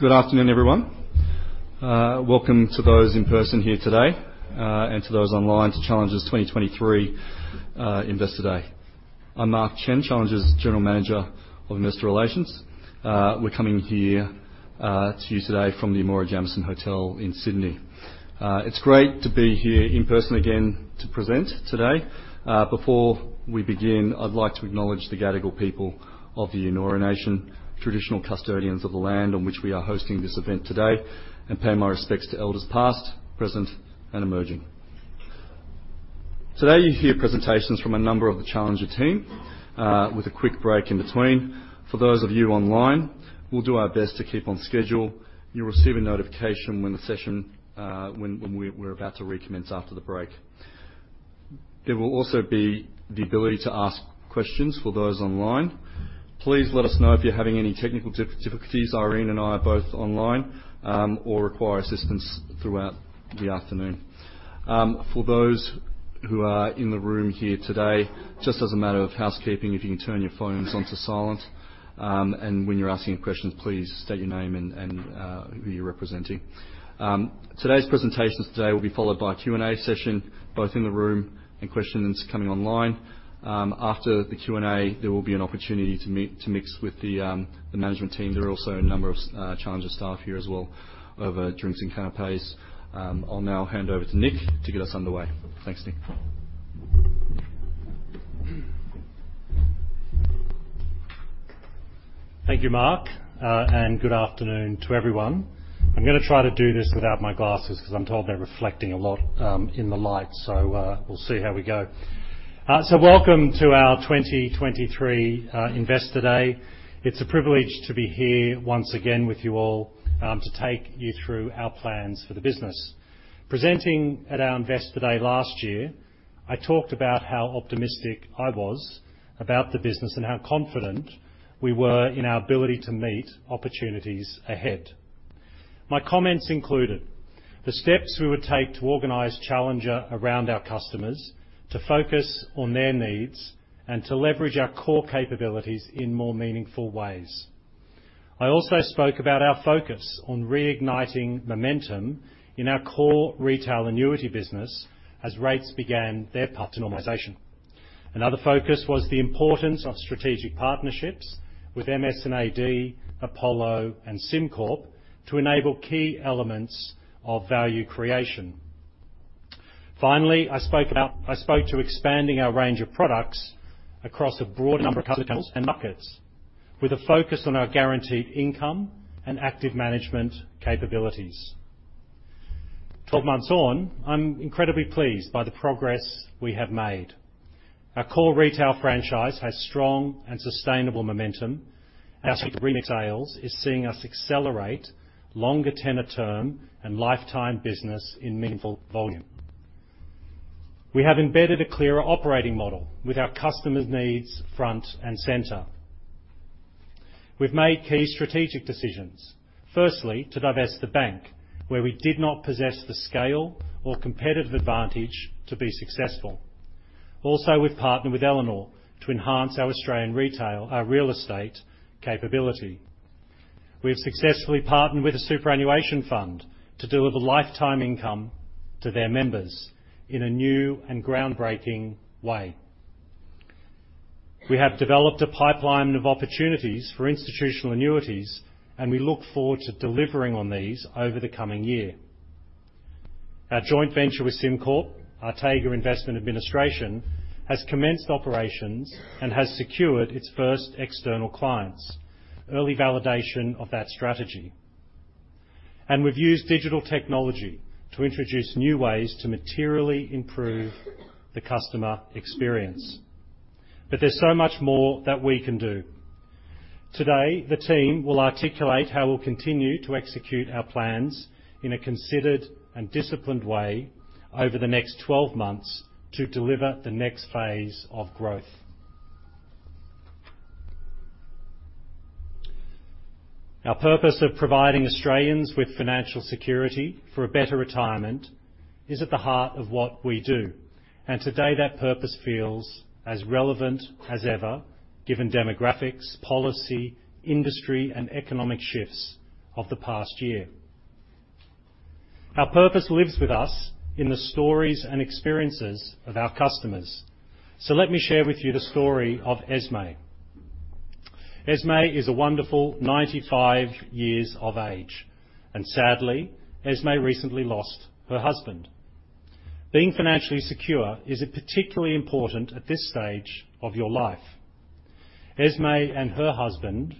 Good afternoon, everyone. Welcome to those in person here today and to those online to Challenger's 2023 Investor Day. I'm Mark Chen, Challenger's General Manager of Investor Relations. We're coming here to you today from the Amora Hotel Jamison Sydney. It's great to be here in person again to present today. Before we begin, I'd like to acknowledge the Gadigal people of the Eora Nation, traditional custodians of the land on which we are hosting this event today, and pay my respects to elders past, present, and emerging. Today, you'll hear presentations from a number of the Challenger team with a quick break in between. For those of you online, we'll do our best to keep on schedule. You'll receive a notification when the session when we're about to recommence after the break. There will also be the ability to ask questions for those online. Please let us know if you're having any technical difficulties, Irene and I are both online, or require assistance throughout the afternoon. For those who are in the room here today, just as a matter of housekeeping, if you can turn your phones onto silent, when you're asking questions, please state your name and, who you're representing. Today's presentations today will be followed by a Q&A session, both in the room and questions coming online. After the Q&A, there will be an opportunity to mix with the management team. There are also a number of Challenger staff here as well over drinks and canapés. I'll now hand over to Nick to get us underway. Thanks, Nick. Thank you, Mark, good afternoon to everyone. I'm gonna try to do this without my glasses because I'm told they're reflecting a lot in the light, we'll see how we go. Welcome to our 2023 Investor Day. It's a privilege to be here once again with you all to take you through our plans for the business. Presenting at our Investor Day last year, I talked about how optimistic I was about the business and how confident we were in our ability to meet opportunities ahead. My comments included the steps we would take to organize Challenger around our customers, to focus on their needs, and to leverage our core capabilities in more meaningful ways. I also spoke about our focus on reigniting momentum in our core retail annuity business as rates began their path to normalization. Another focus was the importance of strategic partnerships with MS&AD, Apollo, and SimCorp to enable key elements of value creation. I spoke to expanding our range of products across a broad number of customers and markets, with a focus on our guaranteed income and active management capabilities. 12 months on, I'm incredibly pleased by the progress we have made. Our core retail franchise has strong and sustainable momentum, and our retail is seeing us accelerate longer tenure term and lifetime business in meaningful volume. We have embedded a clearer operating model with our customers' needs front and center. We've made key strategic decisions, firstly, to divest the bank, where we did not possess the scale or competitive advantage to be successful. We've partnered with Elanor to enhance our Australian retail, our real estate capability. We have successfully partnered with a superannuation fund to deliver lifetime income to their members in a new and groundbreaking way. We have developed a pipeline of opportunities for institutional annuities, and we look forward to delivering on these over the coming year. Our joint venture with SimCorp, Artega Investment Administration, has commenced operations and has secured its first external clients, early validation of that strategy. We've used digital technology to introduce new ways to materially improve the customer experience. There's so much more that we can do. Today, the team will articulate how we'll continue to execute our plans in a considered and disciplined way over the next 12 months to deliver the next phase of growth. Our purpose of providing Australians with financial security for a better retirement is at the heart of what we do, and today, that purpose feels as relevant as ever, given demographics, policy, industry, and economic shifts of the past year. Our purpose lives with us in the stories and experiences of our customers. Let me share with you the story of Esme. Esme is a wonderful 95 years of age, and sadly, Esme recently lost her husband. Being financially secure is particularly important at this stage of your life. Esme and her husband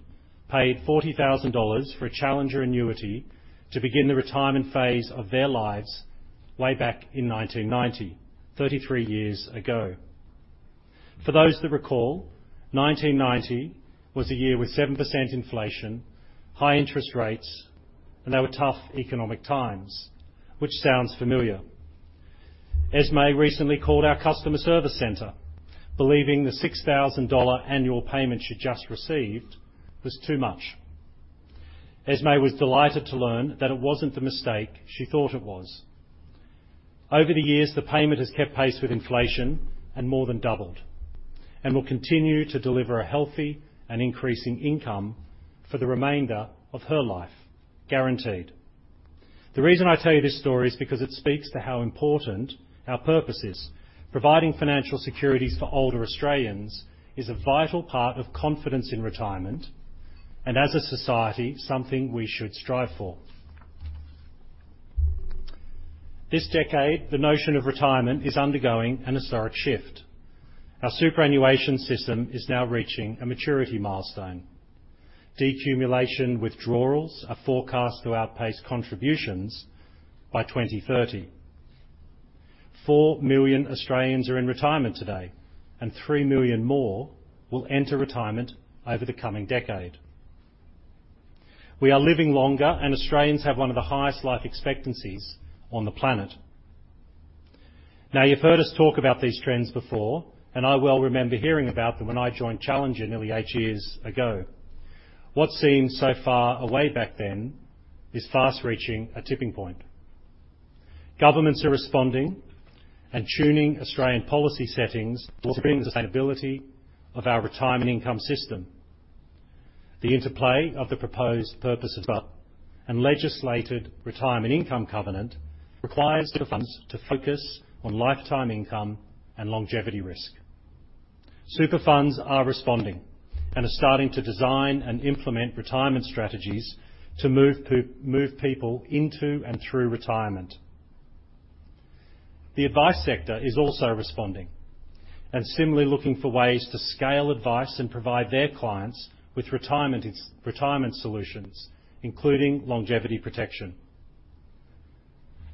paid 40,000 dollars for a Challenger annuity to begin the retirement phase of their lives way back in 1990, 33 years ago. For those that recall, 1990 was a year with 7% inflation, high interest rates, and they were tough economic times, which sounds familiar. Esme recently called our customer service center, believing the 6,000 dollar annual payment she just received was too much. Esme was delighted to learn that it wasn't the mistake she thought it was. Over the years, the payment has kept pace with inflation and more than doubled, will continue to deliver a healthy and increasing income for the remainder of her life, guaranteed. The reason I tell you this story is because it speaks to how important our purpose is. Providing financial securities for older Australians is a vital part of confidence in retirement, as a society, something we should strive for. This decade, the notion of retirement is undergoing an historic shift. Our superannuation system is now reaching a maturity milestone. Decumulation withdrawals are forecast to outpace contributions by 2030. 4 million Australians are in retirement today, and 3 million more will enter retirement over the coming decade. We are living longer, and Australians have one of the highest life expectancies on the planet. You've heard us talk about these trends before, and I well remember hearing about them when I joined Challenger nearly eight years ago. What seemed so far away back then is fast reaching a tipping point. Governments are responding and tuning Australian policy settings for sustainability of our retirement income system. The interplay of the proposed purpose as well, and legislated Retirement Income Covenant requires the funds to focus on lifetime income and longevity risk. Super funds are responding and are starting to design and implement retirement strategies to move people into and through retirement. The advice sector is also responding, and similarly looking for ways to scale advice and provide their clients with retirement solutions, including longevity protection.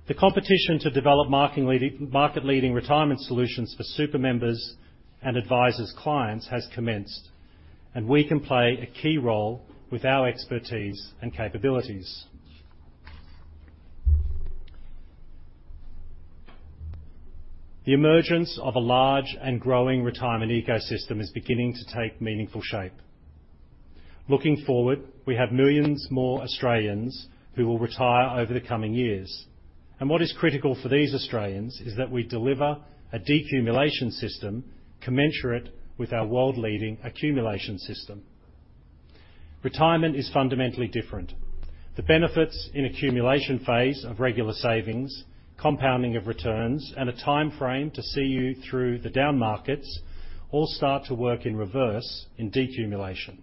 The competition to develop market-leading retirement solutions for super members and advisors' clients has commenced, and we can play a key role with our expertise and capabilities. The emergence of a large and growing retirement ecosystem is beginning to take meaningful shape. Looking forward, we have millions more Australians who will retire over the coming years, and what is critical for these Australians is that we deliver a decumulation system commensurate with our world-leading accumulation system. Retirement is fundamentally different. The benefits in accumulation phase of regular savings, compounding of returns, and a timeframe to see you through the down markets all start to work in reverse in decumulation,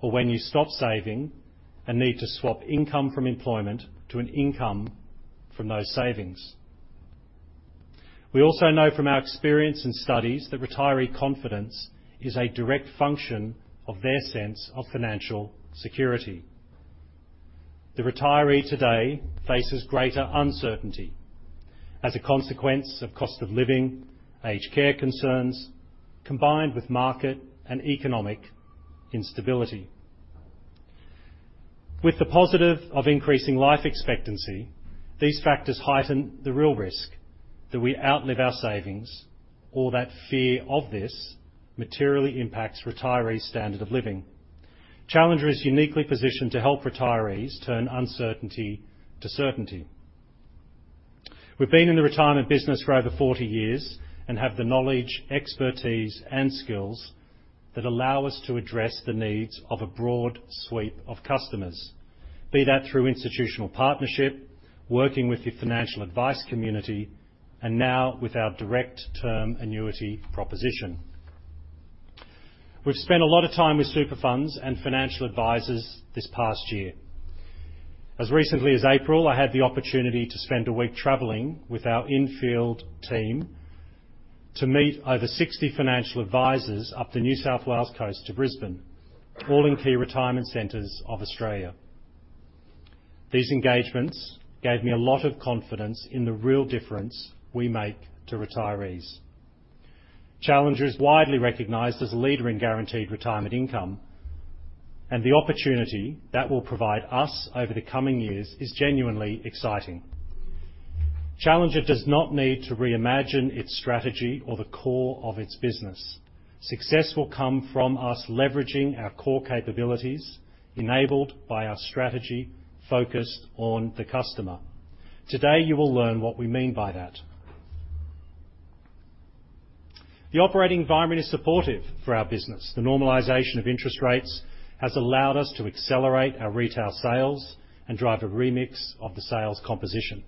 or when you stop saving and need to swap income from employment to an income from those savings. We also know from our experience in studies that retiree confidence is a direct function of their sense of financial security. The retiree today faces greater uncertainty as a consequence of cost of living, aged care concerns, combined with market and economic instability. With the positive of increasing life expectancy, these factors heighten the real risk that we outlive our savings, or that fear of this materially impacts retirees' standard of living. Challenger is uniquely positioned to help retirees turn uncertainty to certainty. We've been in the retirement business for over 40 years and have the knowledge, expertise, and skills that allow us to address the needs of a broad sweep of customers, be that through institutional partnership, working with the financial advice community, and now with our direct term annuity proposition. We've spent a lot of time with super funds and financial advisors this past year. As recently as April, I had the opportunity to spend a week traveling with our infield team to meet over 60 financial advisors up the New South Wales coast to Brisbane, all in key retirement centers of Australia. These engagements gave me a lot of confidence in the real difference we make to retirees. Challenger is widely recognized as a leader in guaranteed retirement income, and the opportunity that will provide us over the coming years is genuinely exciting. Challenger does not need to reimagine its strategy or the core of its business. Success will come from us leveraging our core capabilities, enabled by our strategy focused on the customer. Today, you will learn what we mean by that. The operating environment is supportive for our business. The normalization of interest rates has allowed us to accelerate our retail sales and drive a remix of the sales composition.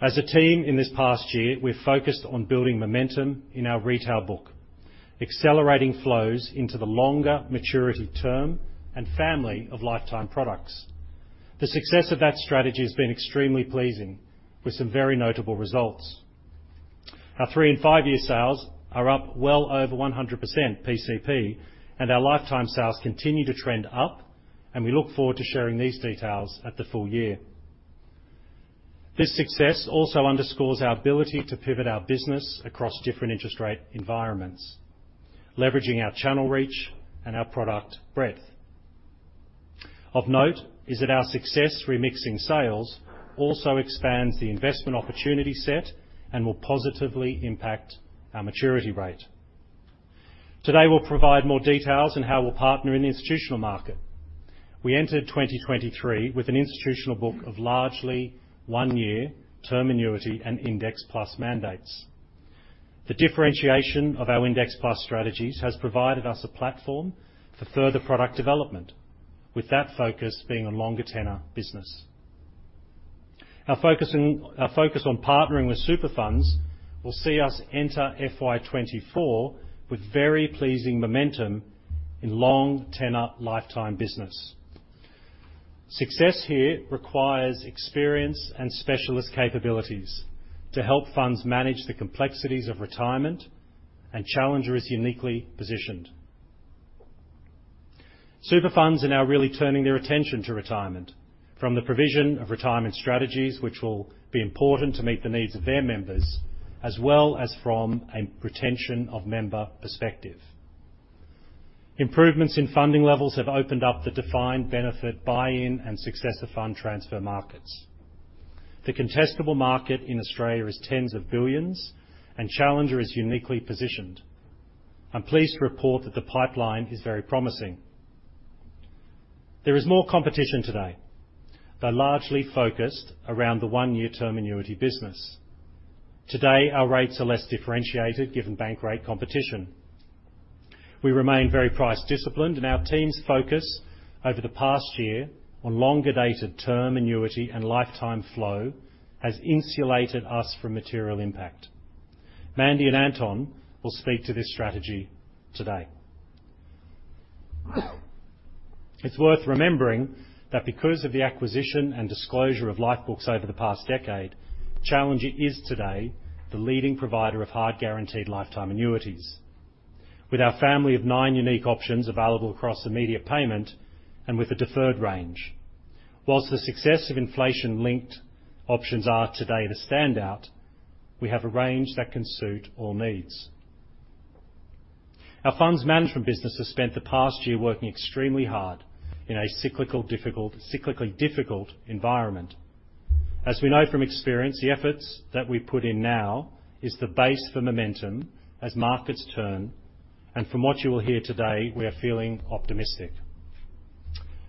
As a team in this past year, we're focused on building momentum in our retail book, accelerating flows into the longer maturity term and family of lifetime products. The success of that strategy has been extremely pleasing, with some very notable results. Our three and five-year sales are up well over 100% PCP, and our lifetime sales continue to trend up, and we look forward to sharing these details at the full year. This success also underscores our ability to pivot our business across different interest rate environments, leveraging our channel reach and our product breadth. Of note is that our success remixing sales also expands the investment opportunity set and will positively impact our maturity rate. Today, we'll provide more details on how we'll partner in the institutional market. We entered 2023 with an institutional book of largely one-year term annuity and Index Plus mandates. The differentiation of our Index Plus strategies has provided us a platform for further product development, with that focus being on longer tenure business. Our focus on partnering with super funds will see us enter FY 2024 with very pleasing momentum in long tenure lifetime business. Success here requires experience and specialist capabilities to help funds manage the complexities of retirement, and Challenger is uniquely positioned. Super funds are now really turning their attention to retirement from the provision of retirement strategies, which will be important to meet the needs of their members, as well as from a retention of member perspective. Improvements in funding levels have opened up the defined benefit buy-in and successive fund transfer markets. The contestable market in Australia is AUD tens of billions, and Challenger is uniquely positioned. I'm pleased to report that the pipeline is very promising. There is more competition today, though largely focused around the one-year term annuity business. Today, our rates are less differentiated given bank rate competition. We remain very price disciplined, and our team's focus over the past year on longer dated term annuity and lifetime flow has insulated us from material impact. Mandy and Anton will speak to this strategy today. It's worth remembering that because of the acquisition and disclosure of LifeBooks over the past decade, Challenger is today the leading provider of hard guaranteed lifetime annuities, with our family of nine unique options available across immediate payment and with a deferred range. Whilst the success of inflation-linked options are today the standout, we have a range that can suit all needs. Our funds management business has spent the past year working extremely hard in a cyclical, cyclically difficult environment. From what you will hear today, we are feeling optimistic.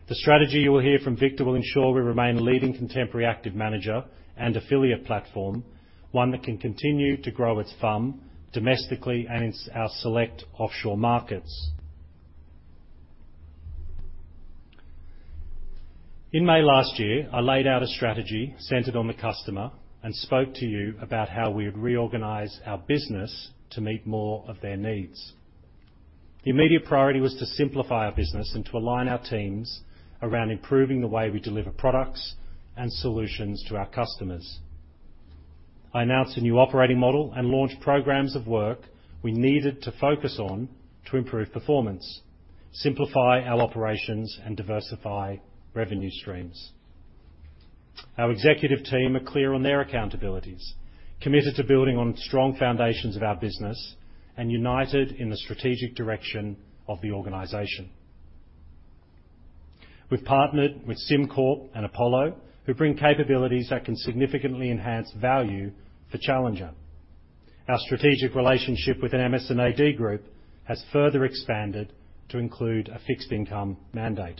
The strategy you will hear from Victor will ensure we remain a leading contemporary active manager and affiliate platform, one that can continue to grow its FUM domestically and in our select offshore markets. In May last year, I laid out a strategy centered on the customer and spoke to you about how we would reorganize our business to meet more of their needs. The immediate priority was to simplify our business and to align our teams around improving the way we deliver products and solutions to our customers. I announced a new operating model and launched programs of work we needed to focus on to improve performance, simplify our operations, and diversify revenue streams. Our executive team are clear on their accountabilities, committed to building on strong foundations of our business, and united in the strategic direction of the organization. We've partnered with SimCorp and Apollo, who bring capabilities that can significantly enhance value for Challenger. Our strategic relationship with an MS&AD group has further expanded to include a fixed income mandate.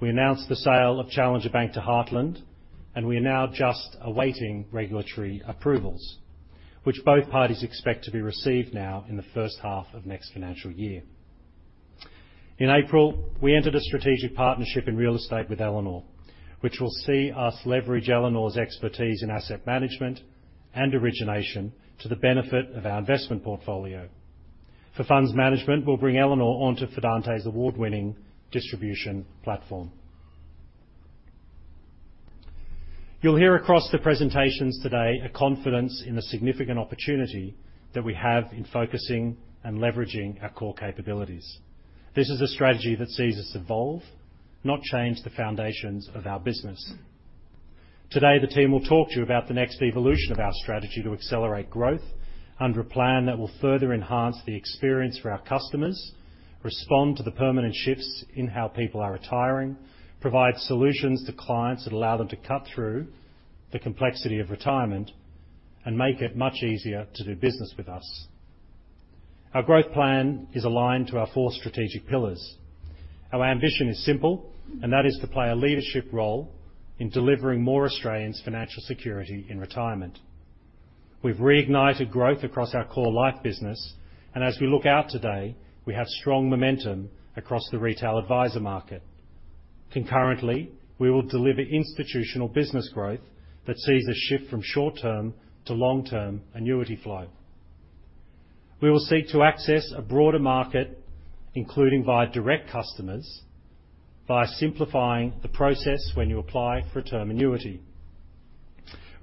We announced the sale of Challenger Bank to Heartland. We are now just awaiting regulatory approvals, which both parties expect to be received now in the first half of next financial year. In April, we entered a strategic partnership in real estate with Elanor, which will see us leverage Elanor's expertise in asset management and origination to the benefit of our investment portfolio. For funds management, we'll bring Elanor onto Fidante's award-winning distribution platform. You'll hear across the presentations today a confidence in the significant opportunity that we have in focusing and leveraging our core capabilities. This is a strategy that sees us evolve, not change the foundations of our business. Today, the team will talk to you about the next evolution of our strategy to accelerate growth under a plan that will further enhance the experience for our customers, respond to the permanent shifts in how people are retiring, provide solutions to clients that allow them to cut through the complexity of retirement, and make it much easier to do business with us. Our growth plan is aligned to our four strategic pillars. Our ambition is simple, that is to play a leadership role in delivering more Australians financial security in retirement. We've reignited growth across our core life business, as we look out today, we have strong momentum across the retail advisor market. Concurrently, we will deliver institutional business growth that sees a shift from short-term to long-term annuity flow. We will seek to access a broader market, including via direct customers, by simplifying the process when you apply for a term annuity.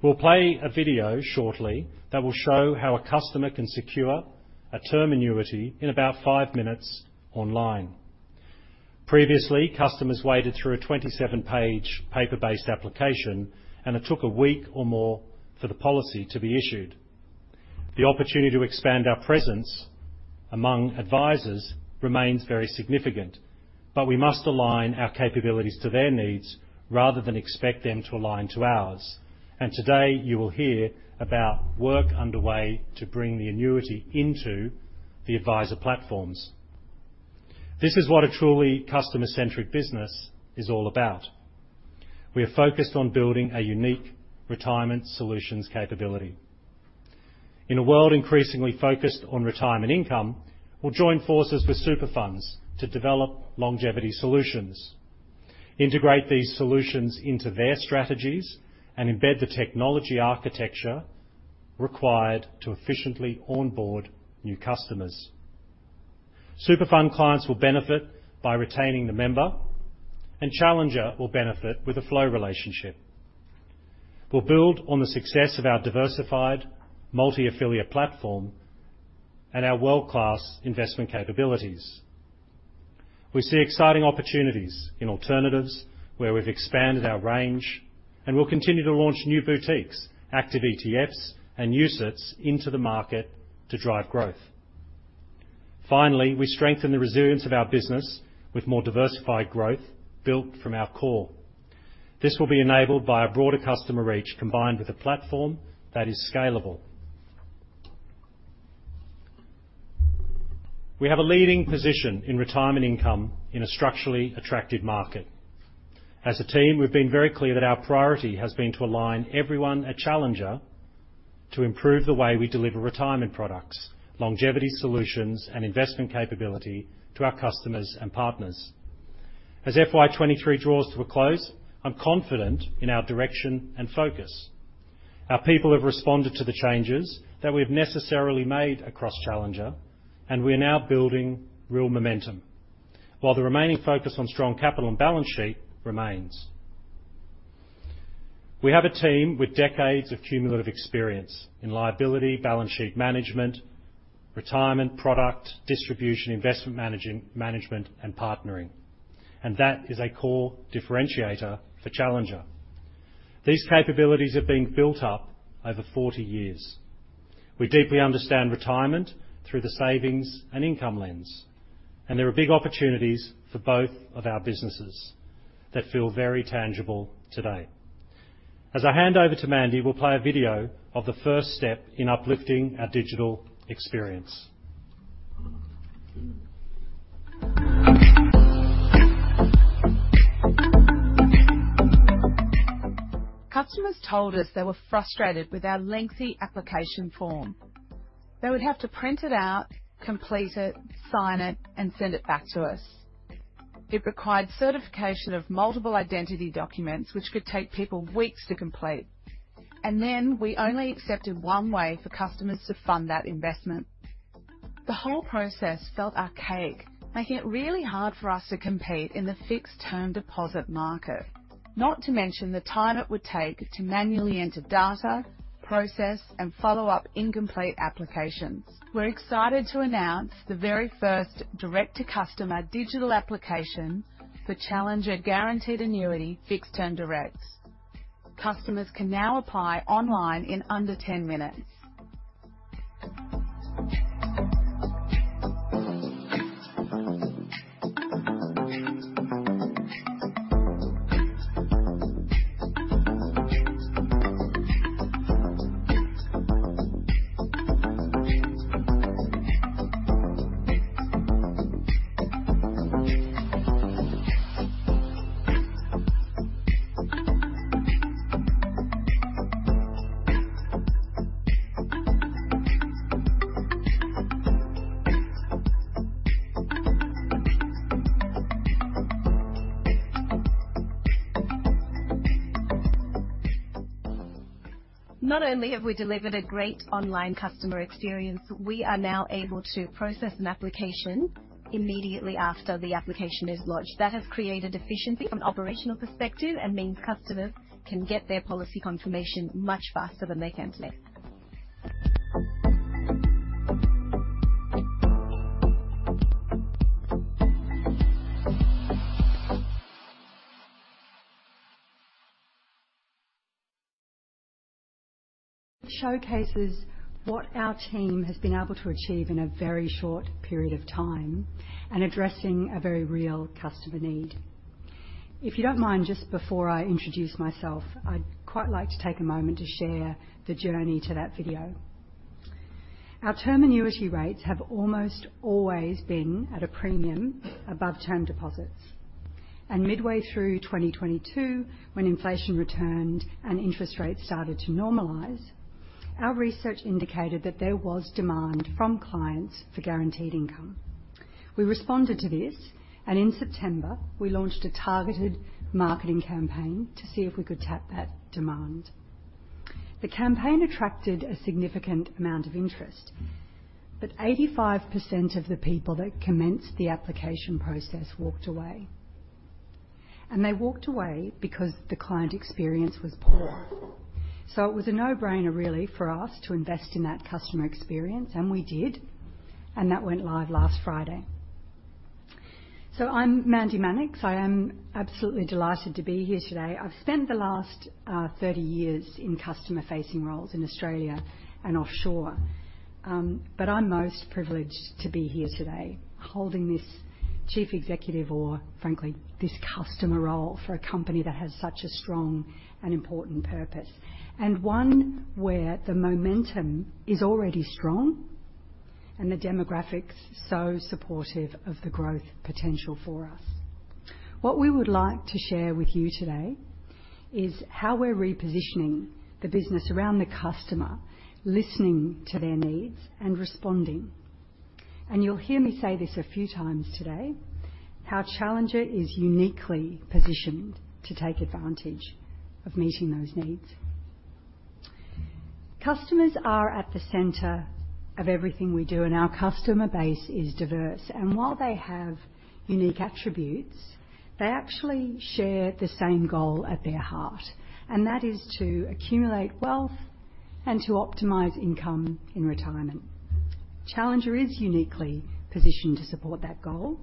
We'll play a video shortly that will show how a customer can secure a term annuity in about five minutes online. Previously, customers waded through a 27-page paper-based application, and it took a week or more for the policy to be issued. The opportunity to expand our presence among advisors remains very significant. We must align our capabilities to their needs rather than expect them to align to ours. Today, you will hear about work underway to bring the annuity into the advisor platforms. This is what a truly customer-centric business is all about. We are focused on building a unique retirement solutions capability. In a world increasingly focused on retirement income, we'll join forces with super funds to develop longevity solutions, integrate these solutions into their strategies, and embed the technology architecture required to efficiently onboard new customers. Super fund clients will benefit by retaining the member. Challenger will benefit with a flow relationship. We'll build on the success of our diversified multi-affiliate platform and our world-class investment capabilities. We see exciting opportunities in alternatives where we've expanded our range. We'll continue to launch new boutiques, active ETFs, and UCITS into the market to drive growth. Finally, we strengthen the resilience of our business with more diversified growth built from our core. This will be enabled by a broader customer reach, combined with a platform that is scalable. We have a leading position in retirement income in a structurally attractive market. As a team, we've been very clear that our priority has been to align everyone at Challenger to improve the way we deliver retirement products, longevity solutions, and investment capability to our customers and partners. As FY 2023 draws to a close, I'm confident in our direction and focus. We are now building real momentum, while the remaining focus on strong capital and balance sheet remains. We have a team with decades of cumulative experience in liability, balance sheet management, retirement product distribution, investment management, and partnering. That is a core differentiator for Challenger. These capabilities have been built up over 40 years. We deeply understand retirement through the savings and income lens, and there are big opportunities for both of our businesses that feel very tangible today. As I hand over to Mandy, we'll play a video of the first step in uplifting our digital experience. Customers told us they were frustrated with our lengthy application form. They would have to print it out, complete it, sign it, and send it back to us. It required certification of multiple identity documents, which could take people weeks to complete, and then we only accepted one way for customers to fund that investment. The whole process felt archaic, making it really hard for us to compete in the fixed term deposit market. Not to mention the time it would take to manually enter data, process, and follow up incomplete applications. We're excited to announce the very first direct-to-customer digital application for Challenger Guaranteed Annuity Fixed Term Direct. Customers can now apply online in under 10 minutes. Not only have we delivered a great online customer experience, we are now able to process an application immediately after the application is lodged. That has created efficiency from an operational perspective and means customers can get their policy confirmation much faster than they can today. Showcases what our team has been able to achieve in a very short period of time and addressing a very real customer need. If you don't mind, just before I introduce myself, I'd quite like to take a moment to share the journey to that video. Our term annuity rates have almost always been at a premium above term deposits, and midway through 2022, when inflation returned and interest rates started to normalize, our research indicated that there was demand from clients for guaranteed income. We responded to this, and in September, we launched a targeted marketing campaign to see if we could tap that demand. The campaign attracted a significant amount of interest, but 85% of the people that commenced the application process walked away. They walked away because the client experience was poor. It was a no-brainer, really, for us to invest in that customer experience, and we did, and that went live last Friday. I'm Mandy Mannix. I am absolutely delighted to be here today. I've spent the last 30 years in customer-facing roles in Australia and offshore. I'm most privileged to be here today, holding this Chief Executive, or frankly, this customer role for a company that has such a strong and important purpose, and one where the momentum is already strong and the demographics so supportive of the growth potential for us. What we would like to share with you today is how we're repositioning the business around the customer, listening to their needs and responding. You'll hear me say this a few times today, how Challenger is uniquely positioned to take advantage of meeting those needs. Customers are at the center of everything we do, and our customer base is diverse. While they have unique attributes, they actually share the same goal at their heart, and that is to accumulate wealth and to optimize income in retirement. Challenger is uniquely positioned to support that goal.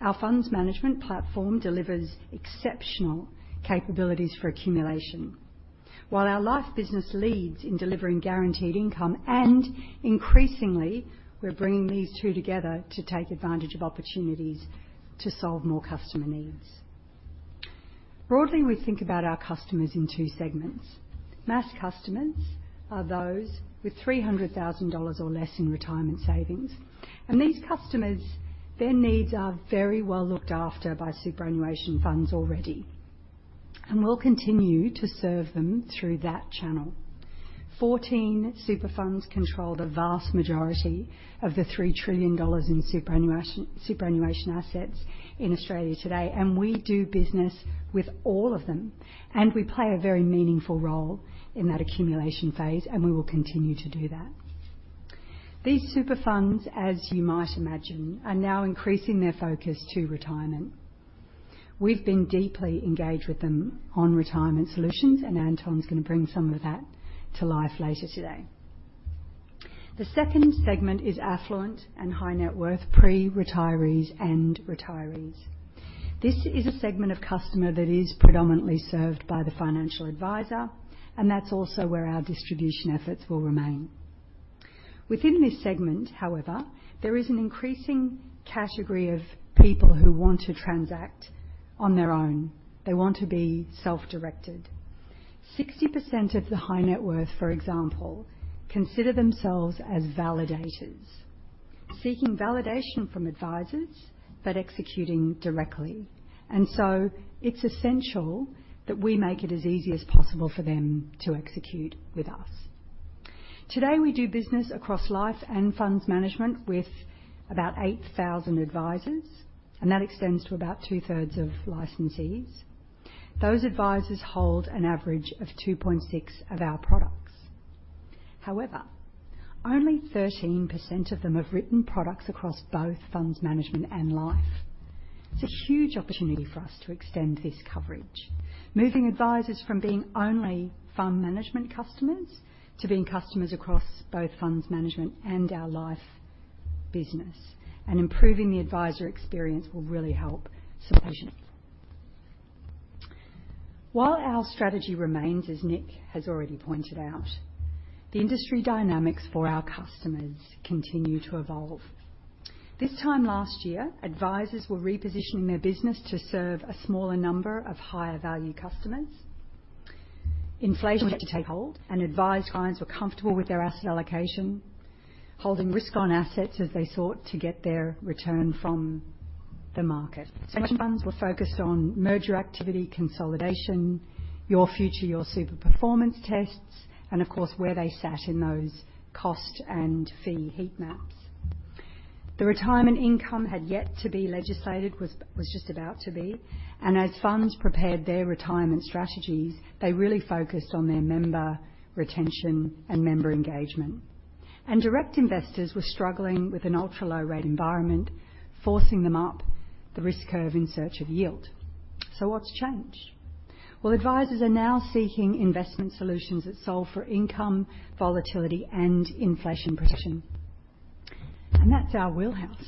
Our funds management platform delivers exceptional capabilities for accumulation, while our life business leads in delivering guaranteed income. Increasingly, we're bringing these two together to take advantage of opportunities to solve more customer needs. Broadly, we think about our customers in two segments. Mass customers are those with 300,000 dollars or less in retirement savings. These customers, their needs are very well looked after by superannuation funds already. We'll continue to serve them through that channel. 14 super funds control the vast majority of the 3 trillion dollars in superannuation assets in Australia today. We do business with all of them. We play a very meaningful role in that accumulation phase. We will continue to do that. These super funds, as you might imagine, are now increasing their focus to retirement. We've been deeply engaged with them on retirement solutions. Anton's going to bring some of that to life later today. The second segment is affluent and high net worth pre-retirees and retirees. This is a segment of customer that is predominantly served by the financial advisor. That's also where our distribution efforts will remain. Within this segment, however, there is an increasing category of people who want to transact on their own. They want to be self-directed. 60% of the high net worth, for example, consider themselves as validators, seeking validation from advisors but executing directly. It's essential that we make it as easy as possible for them to execute with us. Today, we do business across life and funds management with about 8,000 advisors, and that extends to about two-thirds of licensees. Those advisors hold an average of 2.6 of our products. However, only 13% of them have written products across both funds management and life. It's a huge opportunity for us to extend this coverage, moving advisors from being only fund management customers to being customers across both funds management and our life business, and improving the advisor experience will really help solution. While our strategy remains, as Nick has already pointed out, the industry dynamics for our customers continue to evolve. This time last year, advisors were repositioning their business to serve a smaller number of higher value customers. Inflation took hold. Advised clients were comfortable with their asset allocation, holding risk on assets as they sought to get their return from the market. Pension funds were focused on merger activity, consolidation, Your Future, Your Super performance tests, and of course, where they sat in those cost and fee heat maps. The Retirement Income had yet to be legislated, was just about to be, As funds prepared their retirement strategies, they really focused on their member retention and member engagement. Direct investors were struggling with an ultra-low rate environment, forcing them up the risk curve in search of yield. What's changed? Advisors are now seeking investment solutions that solve for income, volatility, and inflation protection. That's our wheelhouse.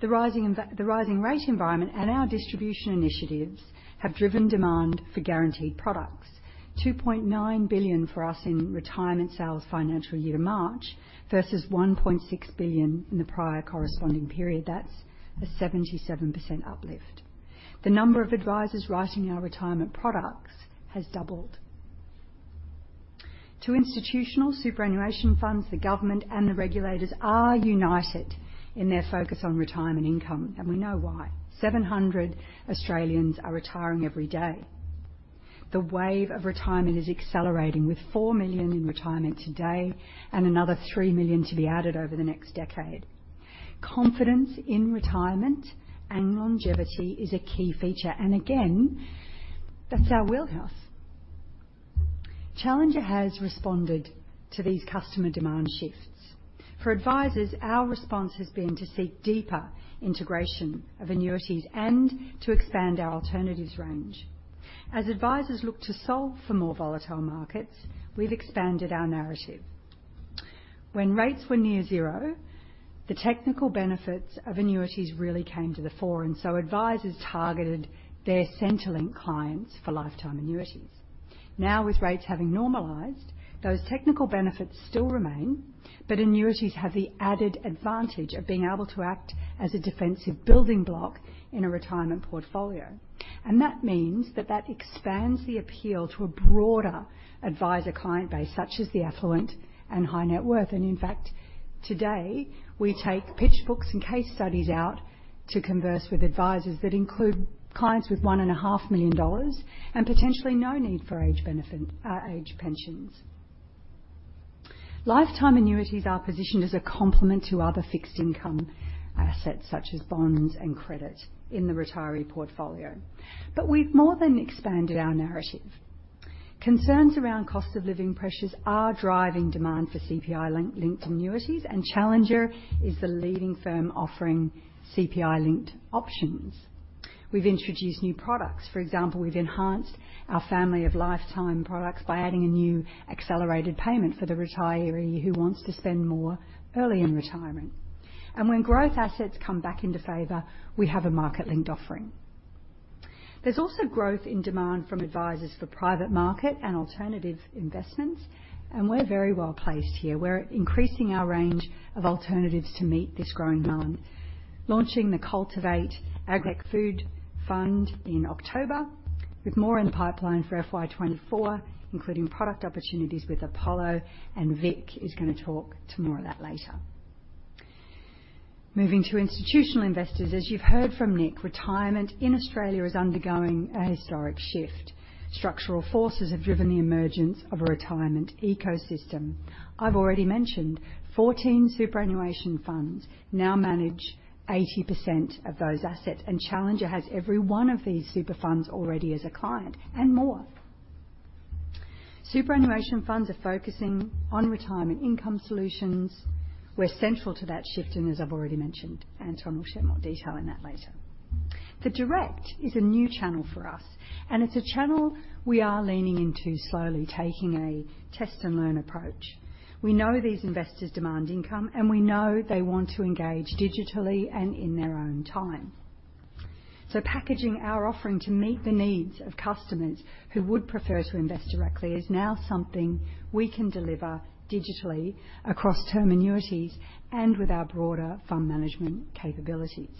The rising rate environment and our distribution initiatives have driven demand for guaranteed products. 2.9 billion for us in retirement sales financial year to March, versus 1.6 billion in the prior corresponding period. That's a 77% uplift. The number of advisors writing our retirement products has doubled. To institutional superannuation funds, the government and the regulators are united in their focus on retirement income. We know why. 700 Australians are retiring every day. The wave of retirement is accelerating, with 4 million in retirement today and another 3 million to be added over the next decade. Confidence in retirement and longevity is a key feature, and again, that's our wheelhouse. Challenger has responded to these customer demand shifts. For advisors, our response has been to seek deeper integration of annuities and to expand our alternatives range. As advisors look to solve for more volatile markets, we've expanded our narrative. When rates were near zero, the technical benefits of annuities really came to the fore. Advisors targeted their Centrelink clients for lifetime annuities. Now, with rates having normalized, those technical benefits still remain. Annuities have the added advantage of being able to act as a defensive building block in a retirement portfolio. That means that that expands the appeal to a broader advisor-client base, such as the affluent and high net worth. In fact, today, we take pitch books and case studies out to converse with advisors that include clients with one and a half million dollars and potentially no need for age benefit, age pensions. Lifetime annuities are positioned as a complement to other fixed income assets, such as bonds and credit, in the retiree portfolio. We've more than expanded our narrative. Concerns around cost of living pressures are driving demand for CPI-linked annuities, and Challenger is the leading firm offering CPI-linked options. We've introduced new products. For example, we've enhanced our family of lifetime products by adding a new accelerated payment for the retiree who wants to spend more early in retirement. When growth assets come back into favor, we have a market-linked offering. There's also growth in demand from advisors for private market and alternative investments, and we're very well placed here. We're increasing our range of alternatives to meet this growing demand, launching the Cultiv8 AgriFood Fund in October, with more in the pipeline for FY 2024, including product opportunities with Apollo, and Vic is going to talk to more of that later. Moving to institutional investors, as you've heard from Nick, retirement in Australia is undergoing a historic shift. Structural forces have driven the emergence of a retirement ecosystem. I've already mentioned 14 superannuation funds now manage 80% of those assets, and Challenger has every one of these super funds already as a client and more. Superannuation funds are focusing on retirement income solutions. We're central to that shift, and as I've already mentioned, Anton will share more detail on that later. The direct is a new channel for us, and it's a channel we are leaning into slowly, taking a test-and-learn approach. We know these investors demand income, and we know they want to engage digitally and in their own time. Packaging our offering to meet the needs of customers who would prefer to invest directly is now something we can deliver digitally across term annuities and with our broader fund management capabilities.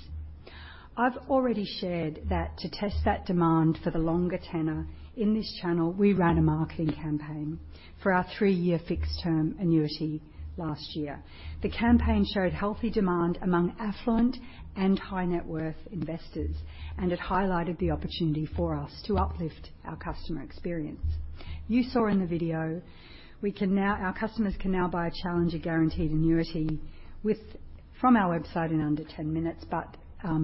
I've already shared that to test that demand for the longer tenor in this channel, we ran a marketing campaign for our three-year fixed term annuity last year. The campaign showed healthy demand among affluent and high net worth investors, and it highlighted the opportunity for us to uplift our customer experience. You saw in the video, our customers can now buy a Challenger Guaranteed Annuity with, from our website in under 10 minutes. I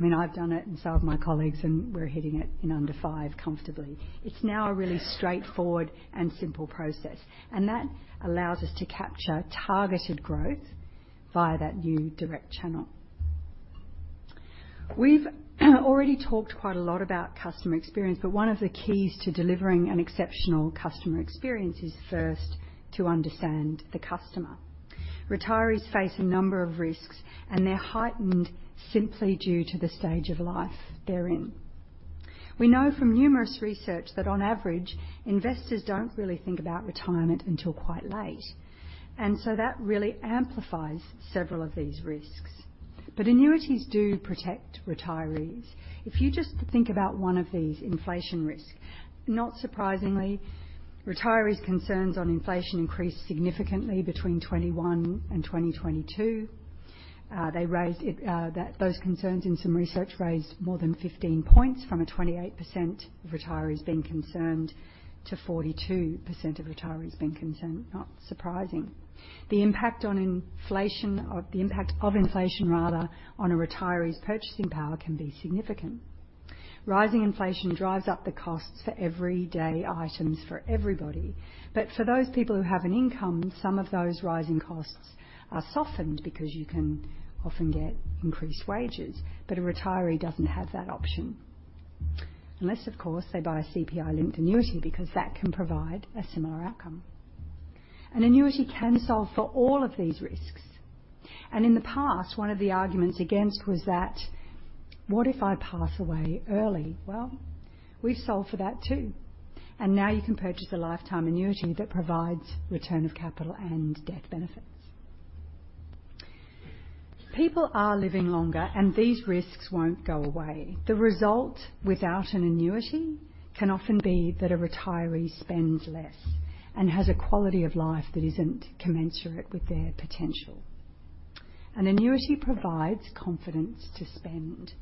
mean, I've done it, and so have my colleagues, and we're hitting it in under five comfortably. It's now a really straightforward and simple process. That allows us to capture targeted growth via that new direct channel. We've already talked quite a lot about customer experience, one of the keys to delivering an exceptional customer experience is first to understand the customer. Retirees face a number of risks, they're heightened simply due to the stage of life they're in. We know from numerous research that on average, investors don't really think about retirement until quite late, that really amplifies several of these risks. Annuities do protect retirees. If you just think about one of these, inflation risk, not surprisingly, retirees' concerns on inflation increased significantly between 2021 and 2022. They raised it, that those concerns in some research raised more than 15 points from a 28% of retirees being concerned to 42% of retirees being concerned. Not surprising. The impact on inflation, or the impact of inflation, rather, on a retiree's purchasing power can be significant. Rising inflation drives up the costs for everyday items for everybody. For those people who have an income, some of those rising costs are softened because you can often get increased wages, but a retiree doesn't have that option. Unless, of course, they buy a CPI-linked annuity, because that can provide a similar outcome. An annuity can solve for all of these risks, in the past, one of the arguments against was that, "What if I pass away early?" Well, we've solved for that too. Now you can purchase a lifetime annuity that provides return of capital and death benefits. People are living longer, these risks won't go away. The result without an annuity can often be that a retiree spends less and has a quality of life that isn't commensurate with their potential. An annuity provides confidence to spend.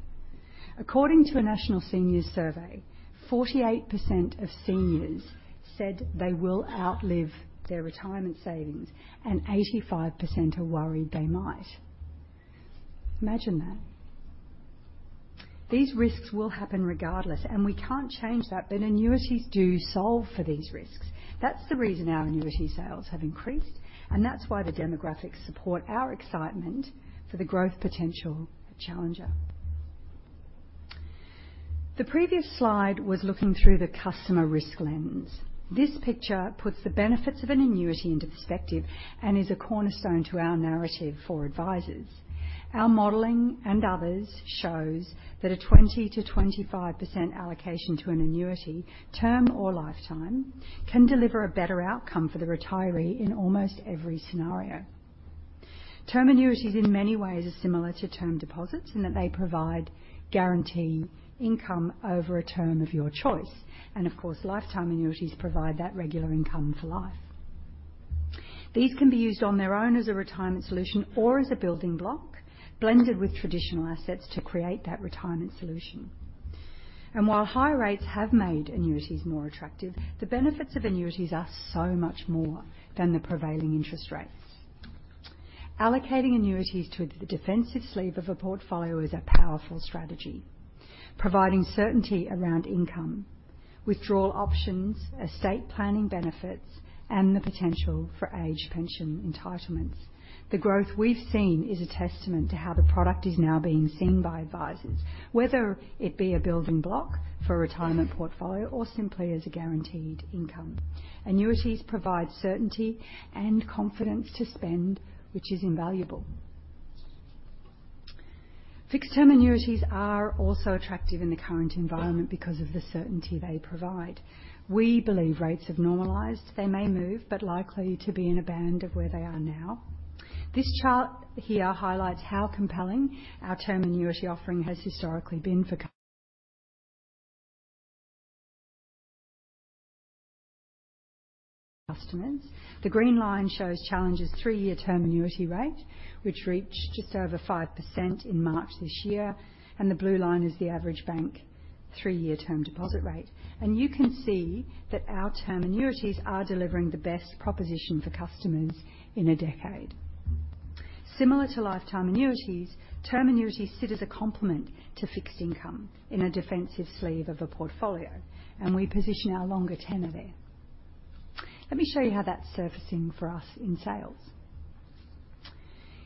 According to a national seniors survey, 48% of seniors said they will outlive their retirement savings. Eighty-five percent are worried they might. Imagine that. These risks will happen regardless, and we can't change that, but annuities do solve for these risks. That's the reason our annuity sales have increased. That's why the demographics support our excitement for the growth potential of Challenger. The previous slide was looking through the customer risk lens. This picture puts the benefits of an annuity into perspective and is a cornerstone to our narrative for advisors. Our modeling and others shows that a 20%-25% allocation to an annuity, term or lifetime, can deliver a better outcome for the retiree in almost every scenario. Term annuities, in many ways, are similar to term deposits, in that they provide guaranteed income over a term of your choice. Of course, lifetime annuities provide that regular income for life. These can be used on their own as a retirement solution or as a building block, blended with traditional assets to create that retirement solution. While high rates have made annuities more attractive, the benefits of annuities are so much more than the prevailing interest rates. Allocating annuities to the defensive sleeve of a portfolio is a powerful strategy, providing certainty around income, withdrawal options, estate planning benefits, and the potential for age pension entitlements. The growth we've seen is a testament to how the product is now being seen by advisors, whether it be a building block for a retirement portfolio or simply as a guaranteed income. Annuities provide certainty and confidence to spend, which is invaluable. Fixed term annuities are also attractive in the current environment because of the certainty they provide. We believe rates have normalized. They may move, but likely to be in a band of where they are now. This chart here highlights how compelling our term annuity offering has historically been for customers. The green line shows Challenger's three-year term annuity rate, which reached just over 5% in March this year, and the blue line is the average bank three-year term deposit rate. You can see that our term annuities are delivering the best proposition for customers in a decade. Similar to lifetime annuities, term annuities sit as a complement to fixed income in a defensive sleeve of a portfolio, and we position our longer tenure there. Let me show you how that's surfacing for us in sales.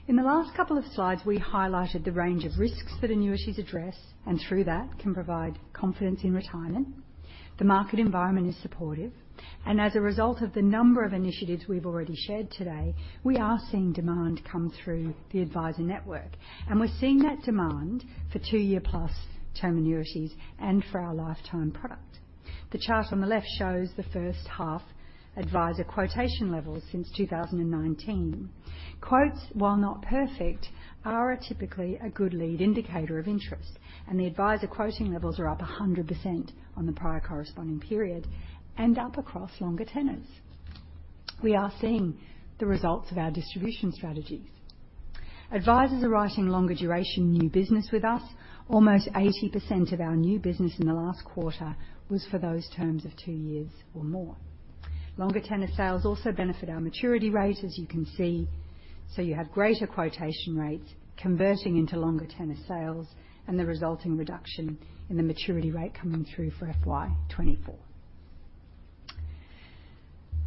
In the last couple of slides, we highlighted the range of risks that annuities address and through that, can provide confidence in retirement. The market environment is supportive, and as a result of the number of initiatives we've already shared today, we are seeing demand come through the advisor network, and we're seeing that demand for two-year plus term annuities and for our lifetime product. The chart on the left shows the first half advisor quotation levels since 2019. Quotes, while not perfect, are typically a good lead indicator of interest, and the advisor quoting levels are up 100% on the prior corresponding period and up across longer tenors. We are seeing the results of our distribution strategies. Advisors are writing longer duration new business with us. Almost 80% of our new business in the last quarter was for those terms of two years or more. Longer tenor sales also benefit our maturity rate, as you can see, so you have greater quotation rates converting into longer tenor sales and the resulting reduction in the maturity rate coming through for FY 2024.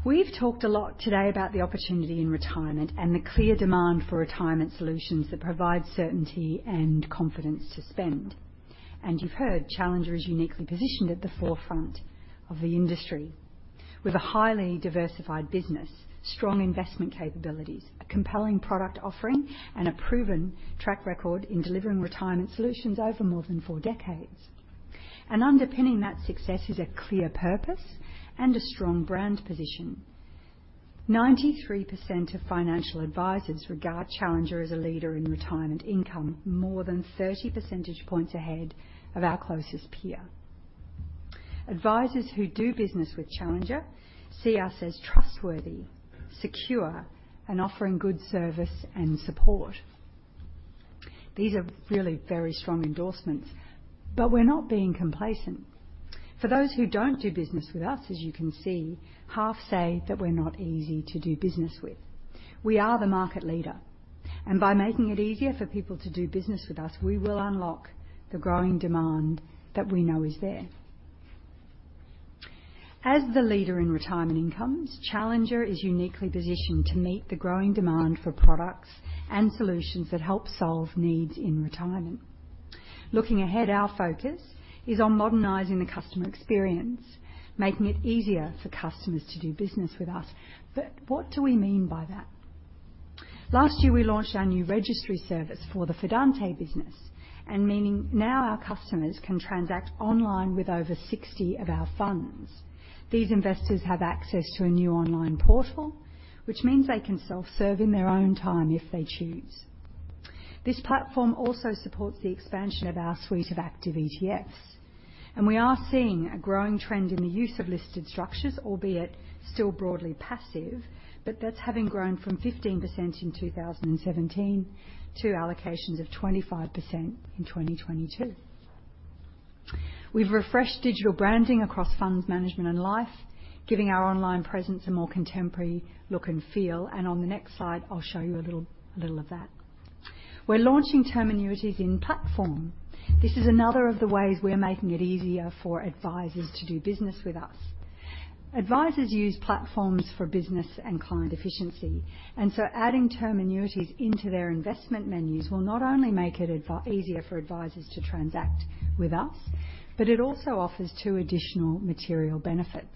We've talked a lot today about the opportunity in retirement and the clear demand for retirement solutions that provide certainty and confidence to spend. You've heard Challenger is uniquely positioned at the forefront of the industry with a highly diversified business, strong investment capabilities, a compelling product offering, and a proven track record in delivering retirement solutions over more than four decades. Underpinning that success is a clear purpose and a strong brand position. 93% of financial advisors regard Challenger as a leader in retirement income, more than 30 percentage points ahead of our closest peer. Advisors who do business with Challenger see us as trustworthy, secure, and offering good service and support. These are really very strong endorsements, but we're not being complacent. For those who don't do business with us, as you can see, half say that we're not easy to do business with. We are the market leader, and by making it easier for people to do business with us, we will unlock the growing demand that we know is there. As the leader in retirement incomes, Challenger is uniquely positioned to meet the growing demand for products and solutions that help solve needs in retirement. Looking ahead, our focus is on modernizing the customer experience, making it easier for customers to do business with us. What do we mean by that? Last year, we launched our new registry service for the Fidante business, and meaning now our customers can transact online with over 60 of our funds. These investors have access to a new online portal, which means they can self-serve in their own time if they choose. This platform also supports the expansion of our suite of active ETFs, and we are seeing a growing trend in the use of listed structures, albeit still broadly passive, but that's having grown from 15% in 2017 to allocations of 25% in 2022. We've refreshed digital branding across funds, management, and life, giving our online presence a more contemporary look and feel, and on the next slide, I'll show you a little of that. We're launching term annuities in-platform. This is another of the ways we are making it easier for advisors to do business with us. Advisors use platforms for business and client efficiency. Adding term annuities into their investment menus will not only make it easier for advisors to transact with us, but it also offers two additional material benefits.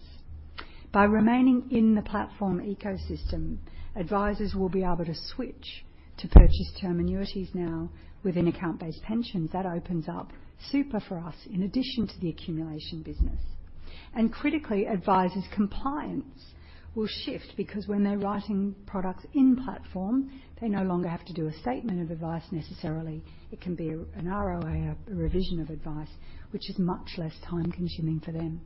By remaining in the platform ecosystem, advisors will be able to switch to purchase term annuities now within account-based pensions. That opens up super for us in addition to the accumulation business. Critically, advisors' compliance will shift because when they're writing products in-platform, they no longer have to do a statement of advice necessarily. It can be an ROA, a revision of advice, which is much less time-consuming for them.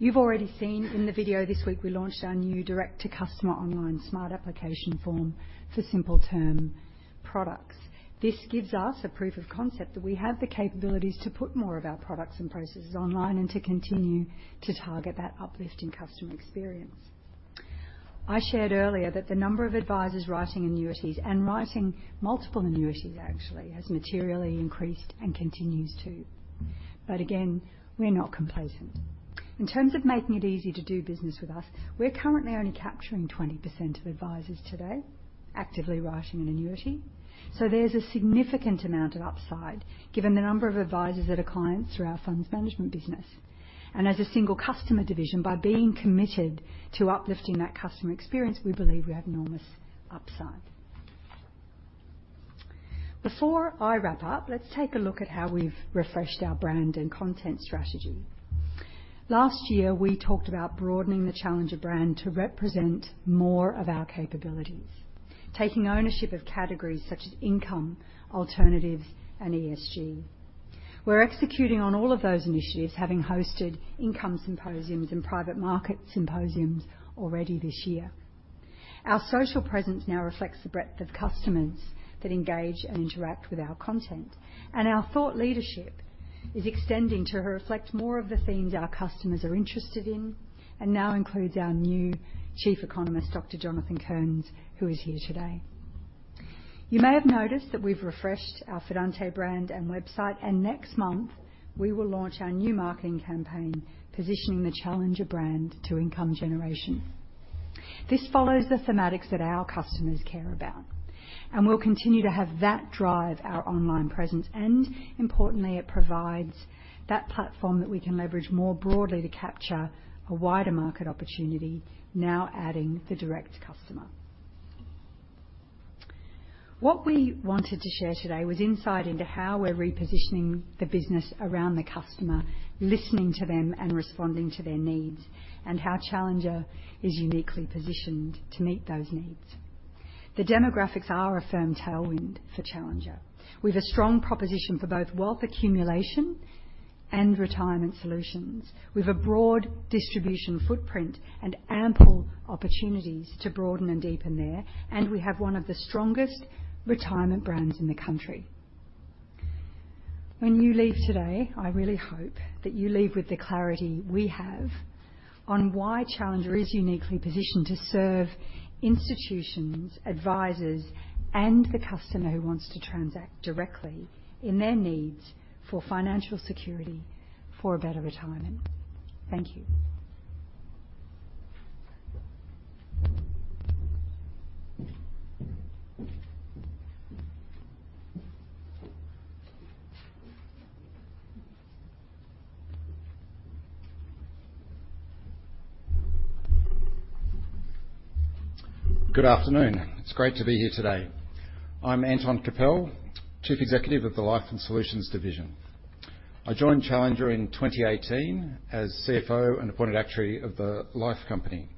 You've already seen in the video this week, we launched our new direct-to-customer online smart application form for simple term products. This gives us a proof of concept that we have the capabilities to put more of our products and processes online and to continue to target that uplifting customer experience. I shared earlier that the number of advisors writing annuities and writing multiple annuities actually has materially increased and continues to, again, we're not complacent. In terms of making it easy to do business with us, we're currently only capturing 20% of advisors today, actively writing an annuity. There's a significant amount of upside, given the number of advisors that are clients through our funds management business. As a single customer division, by being committed to uplifting that customer experience, we believe we have enormous upside. Before I wrap up, let's take a look at how we've refreshed our brand and content strategy. Last year, we talked about broadening the Challenger brand to represent more of our capabilities, taking ownership of categories such as income, alternatives, and ESG. We're executing on all of those initiatives, having hosted income symposiums and private market symposiums already this year. Our social presence now reflects the breadth of customers that engage and interact with our content, our thought leadership is extending to reflect more of the themes our customers are interested in, now includes our new Chief Economist, Dr Jonathan Kearns, who is here today. You may have noticed that we've refreshed our Fidante brand and website, next month, we will launch our new marketing campaign, positioning the Challenger brand to income generation. This follows the thematics that our customers care about, we'll continue to have that drive our online presence, importantly, it provides that platform that we can leverage more broadly to capture a wider market opportunity, now adding the direct customer. What we wanted to share today was insight into how we're repositioning the business around the customer, listening to them and responding to their needs, and how Challenger is uniquely positioned to meet those needs. The demographics are a firm tailwind for Challenger. We've a strong proposition for both wealth accumulation and retirement solutions, with a broad distribution footprint and ample opportunities to broaden and deepen there, and we have one of the strongest retirement brands in the country. When you leave today, I really hope that you leave with the clarity we have on why Challenger is uniquely positioned to serve institutions, advisors, and the customer who wants to transact directly in their needs for financial security for a better retirement. Thank you. Good afternoon. It's great to be here today. I'm Anton Kapel, Chief Executive of the Life and Solutions division. I joined Challenger in 2018 as CFO and appointed actuary of the Life company.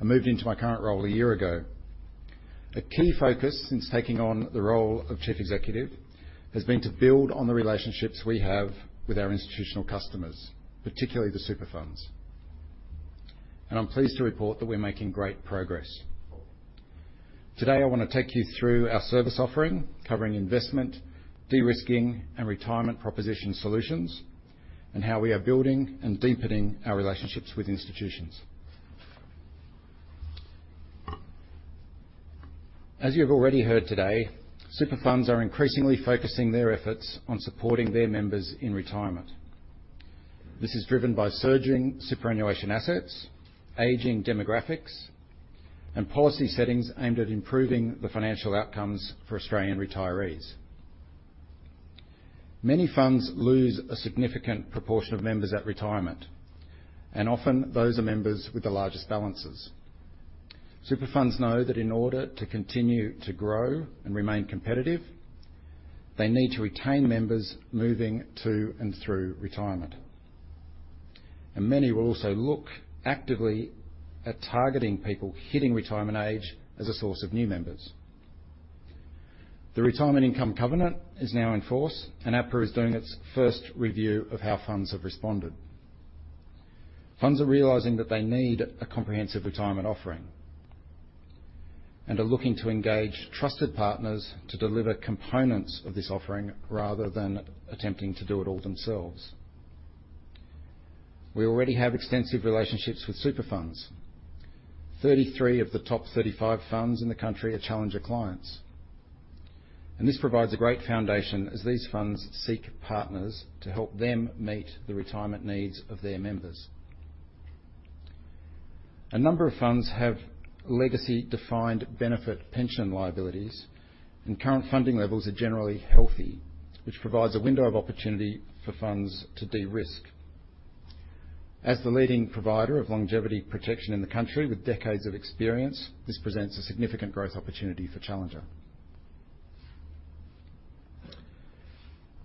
I moved into my current role a year ago. A key focus since taking on the role of chief executive has been to build on the relationships we have with our institutional customers, particularly the super funds, and I'm pleased to report that we're making great progress. Today, I want to take you through our service offering, covering investment, de-risking, and retirement proposition solutions, and how we are building and deepening our relationships with institutions. As you've already heard today, super funds are increasingly focusing their efforts on supporting their members in retirement. This is driven by surging superannuation assets, aging demographics, and policy settings aimed at improving the financial outcomes for Australian retirees. Many funds lose a significant proportion of members at retirement, and often those are members with the largest balances. Super funds know that in order to continue to grow and remain competitive, they need to retain members moving to and through retirement, and many will also look actively at targeting people hitting retirement age as a source of new members. The Retirement Income Covenant is now in force, APRA is doing its first review of how funds have responded. Funds are realizing that they need a comprehensive retirement offering and are looking to engage trusted partners to deliver components of this offering, rather than attempting to do it all themselves. We already have extensive relationships with super funds. 33 of the top 35 funds in the country are Challenger clients. This provides a great foundation as these funds seek partners to help them meet the retirement needs of their members. A number of funds have legacy defined benefit pension liabilities, and current funding levels are generally healthy, which provides a window of opportunity for funds to de-risk. As the leading provider of longevity protection in the country with decades of experience, this presents a significant growth opportunity for Challenger.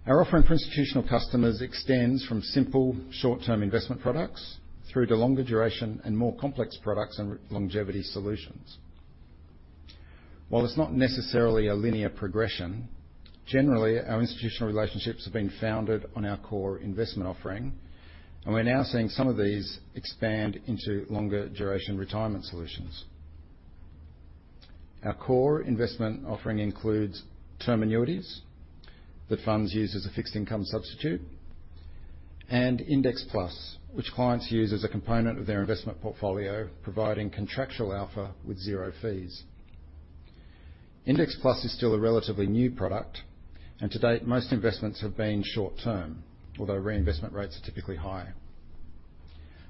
Our offering for institutional customers extends from simple, short-term investment products through to longer duration and more complex products and longevity solutions. While it's not necessarily a linear progression, generally, our institutional relationships have been founded on our core investment offering, and we're now seeing some of these expand into longer duration retirement solutions. Our core investment offering includes term annuities that funds use as a fixed income substitute, and Index Plus, which clients use as a component of their investment portfolio, providing contractual alpha with zero fees. Index Plus is still a relatively new product, and to date, most investments have been short term, although reinvestment rates are typically high.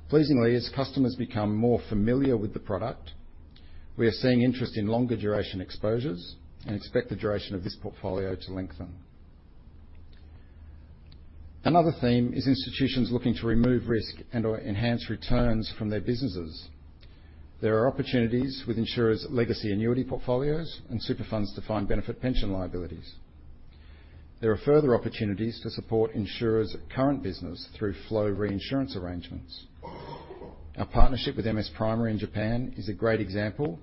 Pleasingly, as customers become more familiar with the product, we are seeing interest in longer duration exposures and expect the duration of this portfolio to lengthen. Another theme is institutions looking to remove risk and/or enhance returns from their businesses. There are opportunities with insurers' legacy annuity portfolios and super funds defined benefit pension liabilities. There are further opportunities to support insurers' current business through flow reinsurance arrangements. Our partnership with MS Primary in Japan is a great example,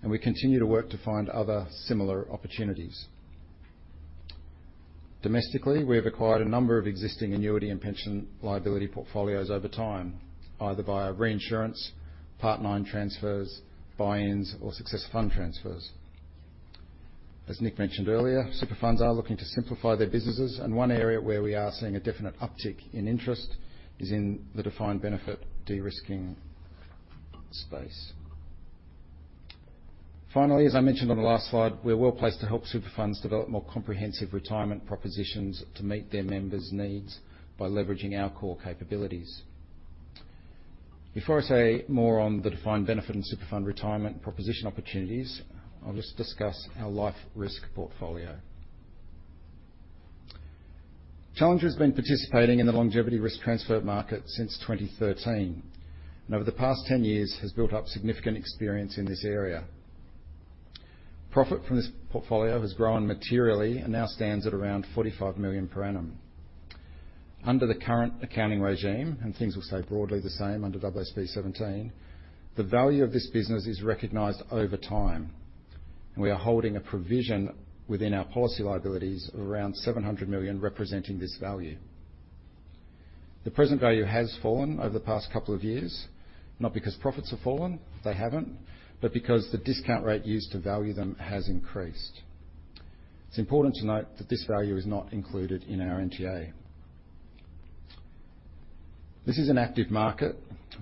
and we continue to work to find other similar opportunities. Domestically, we have acquired a number of existing annuity and pension liability portfolios over time, either via reinsurance, Part 9 transfers, buy-ins, or successor fund transfers. As Nick mentioned earlier, super funds are looking to simplify their businesses, and one area where we are seeing a definite uptick in interest is in the defined benefit de-risking space. Finally, as I mentioned on the last slide, we are well placed to help super funds develop more comprehensive retirement propositions to meet their members' needs by leveraging our core capabilities. Before I say more on the defined benefit and super fund retirement proposition opportunities, I'll just discuss our life risk portfolio. Challenger has been participating in the longevity risk transfer market since 2013, and over the past 10 years has built up significant experience in this area. Profit from this portfolio has grown materially and now stands at around 45 million per annum. Under the current accounting regime, things will stay broadly the same under AASB 17, and we are holding a provision within our policy liabilities of around 700 million, representing this value. The present value has fallen over the past couple of years, not because profits have fallen, they haven't, but because the discount rate used to value them has increased. It's important to note that this value is not included in our NTA. This is an active market.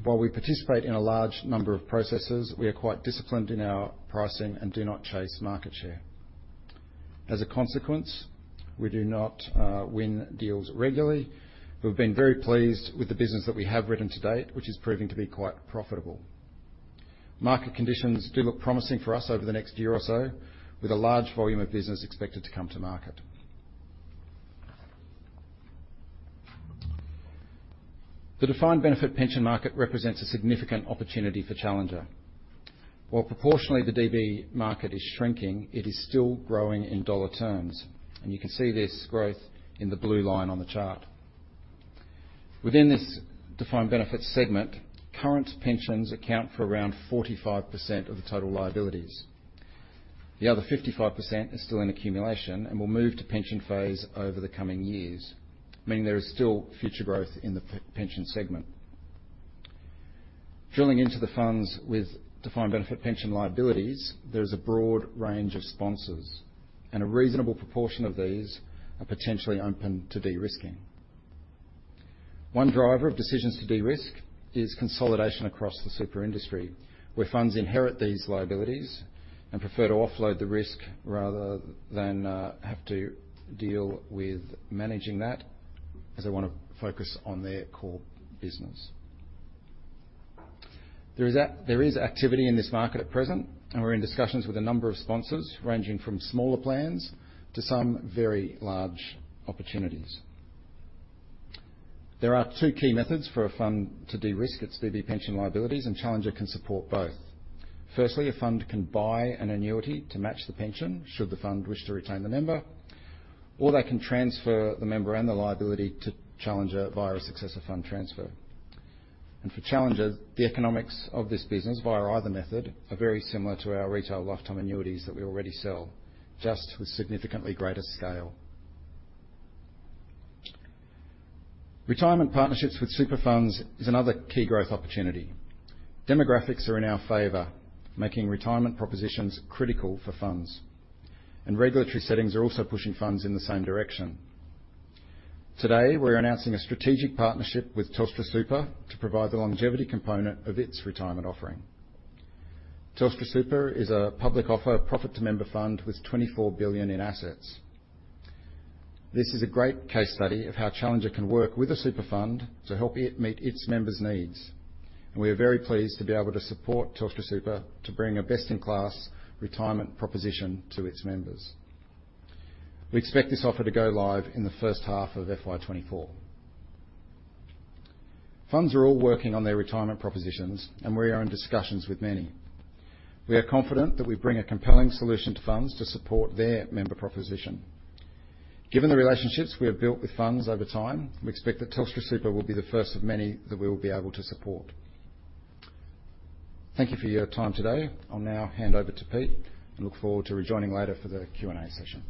While we participate in a large number of processes, we are quite disciplined in our pricing and do not chase market share. As a consequence, we do not win deals regularly. We've been very pleased with the business that we have written to date, which is proving to be quite profitable. Market conditions do look promising for us over the next year or so, with a large volume of business expected to come to market. The defined benefit pension market represents a significant opportunity for Challenger. While proportionally, the DB market is shrinking, it is still growing in dollar terms, and you can see this growth in the blue line on the chart. Within this defined benefit segment, current pensions account for around 45% of the total liabilities. The other 55% is still in accumulation and will move to pension phase over the coming years, meaning there is still future growth in the pension segment. Drilling into the funds with defined benefit pension liabilities, there is a broad range of sponsors, and a reasonable proportion of these are potentially open to de-risking. One driver of decisions to de-risk is consolidation across the super industry, where funds inherit these liabilities and prefer to offload the risk rather than have to deal with managing that, as they want to focus on their core business. There is activity in this market at present, and we're in discussions with a number of sponsors, ranging from smaller plans to some very large opportunities. There are two key methods for a fund to de-risk its DB pension liabilities, and Challenger can support both. Firstly, a fund can buy an annuity to match the pension, should the fund wish to retain the member, or they can transfer the member and the liability to Challenger via a successor fund transfer. For Challenger, the economics of this business via either method are very similar to our retail lifetime annuities that we already sell, just with significantly greater scale. Retirement partnerships with super funds is another key growth opportunity. Demographics are in our favor, making retirement propositions critical for funds, and regulatory settings are also pushing funds in the same direction. Today, we're announcing a strategic partnership with TelstraSuper to provide the longevity component of its retirement offering. TelstraSuper is a public offer profit-to-member fund with 24 billion in assets. This is a great case study of how Challenger can work with a super fund to help it meet its members' needs, and we are very pleased to be able to support TelstraSuper to bring a best-in-class retirement proposition to its members. We expect this offer to go live in the first half of FY 2024. Funds are all working on their retirement propositions, and we are in discussions with many. We are confident that we bring a compelling solution to funds to support their member proposition. Given the relationships we have built with funds over time, we expect that TelstraSuper will be the first of many that we will be able to support. Thank you for your time today. I'll now hand over to Pete and look forward to rejoining later for the Q&A session.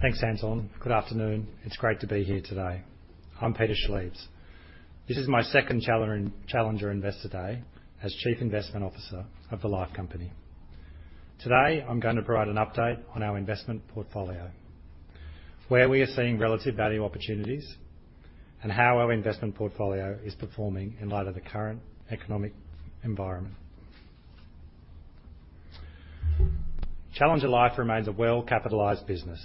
Thanks, Anton. Good afternoon. It's great to be here today. I'm Peter Schlitz. This is my second Challenger Investor Day as Chief Investment Officer of the Life Company. Today, I'm going to provide an update on our investment portfolio, where we are seeing relative value opportunities, and how our investment portfolio is performing in light of the current economic environment. Challenger Life remains a well-capitalized business.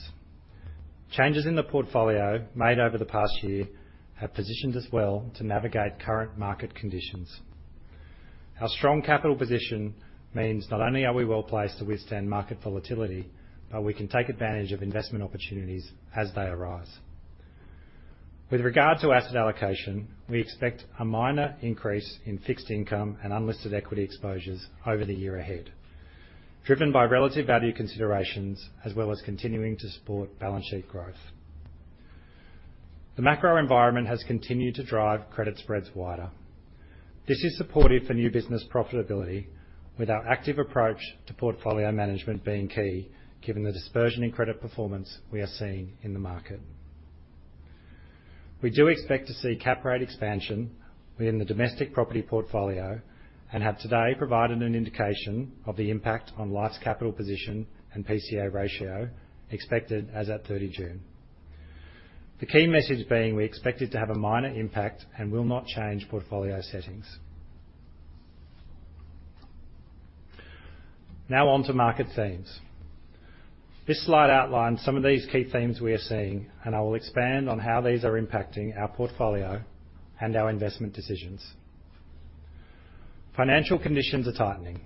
Changes in the portfolio made over the past year have positioned us well to navigate current market conditions. Our strong capital position means not only are we well-placed to withstand market volatility, but we can take advantage of investment opportunities as they arise. With regard to asset allocation, we expect a minor increase in fixed income and unlisted equity exposures over the year ahead, driven by relative value considerations as well as continuing to support balance sheet growth. The macro environment has continued to drive credit spreads wider. This is supportive for new business profitability, with our active approach to portfolio management being key, given the dispersion in credit performance we are seeing in the market. We do expect to see cap rate expansion within the domestic property portfolio and have today provided an indication of the impact on Life's capital position and PCA ratio expected as at 30 June. The key message being, we expect it to have a minor impact and will not change portfolio settings. Now on to market themes. This slide outlines some of these key themes we are seeing, and I will expand on how these are impacting our portfolio and our investment decisions. Financial conditions are tightening.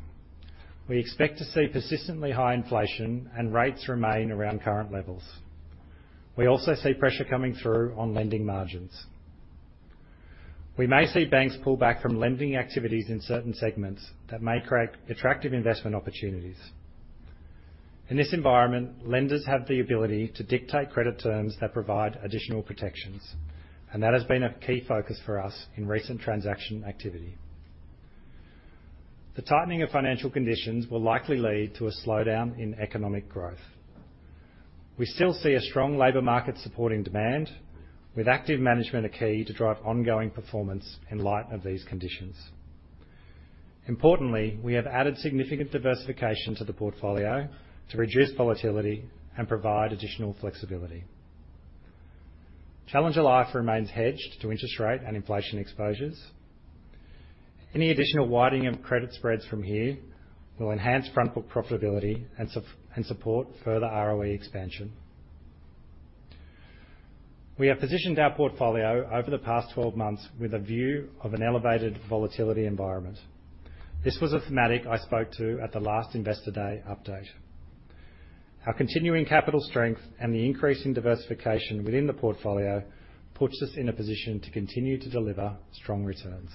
We expect to see persistently high inflation, and rates remain around current levels. We also see pressure coming through on lending margins. We may see banks pull back from lending activities in certain segments that may create attractive investment opportunities. In this environment, lenders have the ability to dictate credit terms that provide additional protections, and that has been a key focus for us in recent transaction activity. The tightening of financial conditions will likely lead to a slowdown in economic growth. We still see a strong labor market supporting demand, with active management a key to drive ongoing performance in light of these conditions. Importantly, we have added significant diversification to the portfolio to reduce volatility and provide additional flexibility. Challenger Life remains hedged to interest rate and inflation exposures. Any additional widening of credit spreads from here will enhance front book profitability and support further ROE expansion. We have positioned our portfolio over the past 12 months with a view of an elevated volatility environment. This was a thematic I spoke to at the last Investor Day update. Our continuing capital strength and the increasing diversification within the portfolio puts us in a position to continue to deliver strong returns.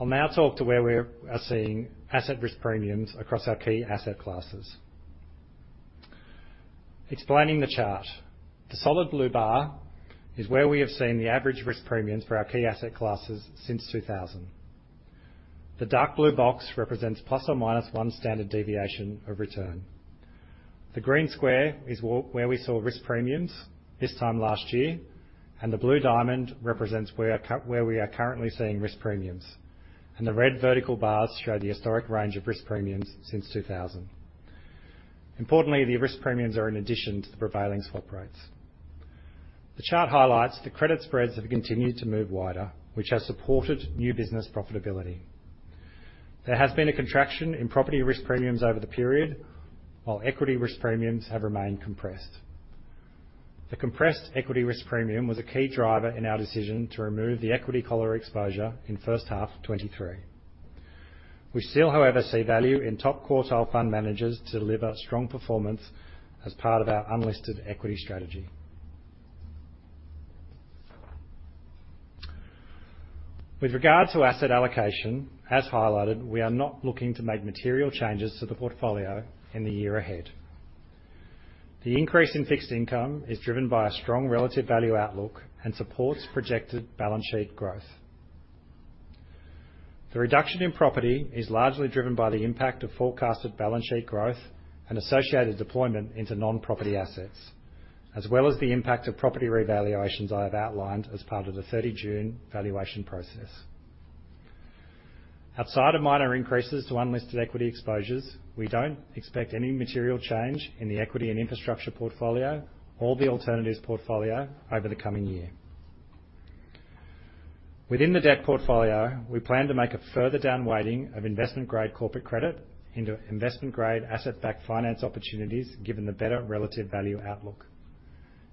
I'll now talk to where we are seeing asset risk premiums across our key asset classes. Explaining the chart. The solid blue bar is where we have seen the average risk premiums for our key asset classes since 2000. The dark blue box represents plus or minus one standard deviation of return. The green square is where we saw risk premiums this time last year, and the blue diamond represents where we are currently seeing risk premiums, and the red vertical bars show the historic range of risk premiums since 2000. Importantly, the risk premiums are in addition to the prevailing swap rates. The chart highlights the credit spreads have continued to move wider, which has supported new business profitability. There has been a contraction in property risk premiums over the period, while equity risk premiums have remained compressed. The compressed equity risk premium was a key driver in our decision to remove the equity collar exposure in first half 2023. We still, however, see value in top-quartile fund managers to deliver strong performance as part of our unlisted equity strategy. With regard to asset allocation, as highlighted, we are not looking to make material changes to the portfolio in the year ahead. The increase in fixed income is driven by a strong relative value outlook and supports projected balance sheet growth. The reduction in property is largely driven by the impact of forecasted balance sheet growth and associated deployment into non-property assets, as well as the impact of property revaluations I have outlined as part of the 30 June valuation process. Outside of minor increases to unlisted equity exposures, we don't expect any material change in the equity and infrastructure portfolio or the alternatives portfolio over the coming year. Within the debt portfolio, we plan to make a further down weighting of investment-grade corporate credit into investment-grade asset-backed finance opportunities, given the better relative value outlook.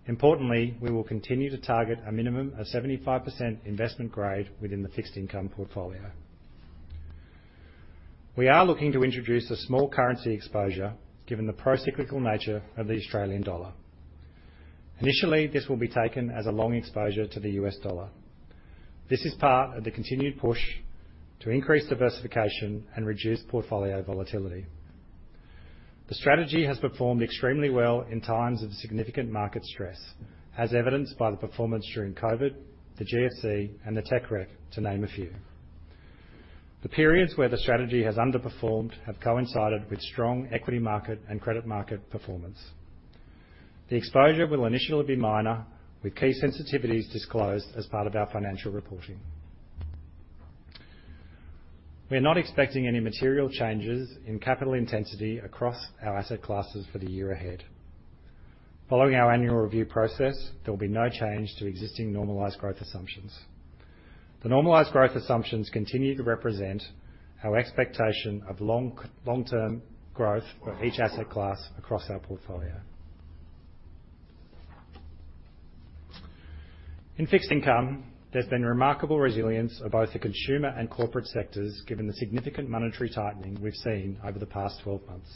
Importantly, we will continue to target a minimum of 75% investment grade within the fixed income portfolio. We are looking to introduce a small currency exposure, given the procyclical nature of the Australian dollar. Initially, this will be taken as a long exposure to the US dollar. This is part of the continued push to increase diversification and reduce portfolio volatility. The strategy has performed extremely well in times of significant market stress, as evidenced by the performance during COVID, the GFC, and the tech wreck, to name a few. The periods where the strategy has underperformed have coincided with strong equity market and credit market performance. The exposure will initially be minor, with key sensitivities disclosed as part of our financial reporting. We are not expecting any material changes in capital intensity across our asset classes for the year ahead. Following our annual review process, there will be no change to existing normalized growth assumptions. The normalized growth assumptions continue to represent our expectation of long, long-term growth for each asset class across our portfolio. In fixed income, there's been remarkable resilience of both the consumer and corporate sectors, given the significant monetary tightening we've seen over the past 12 months.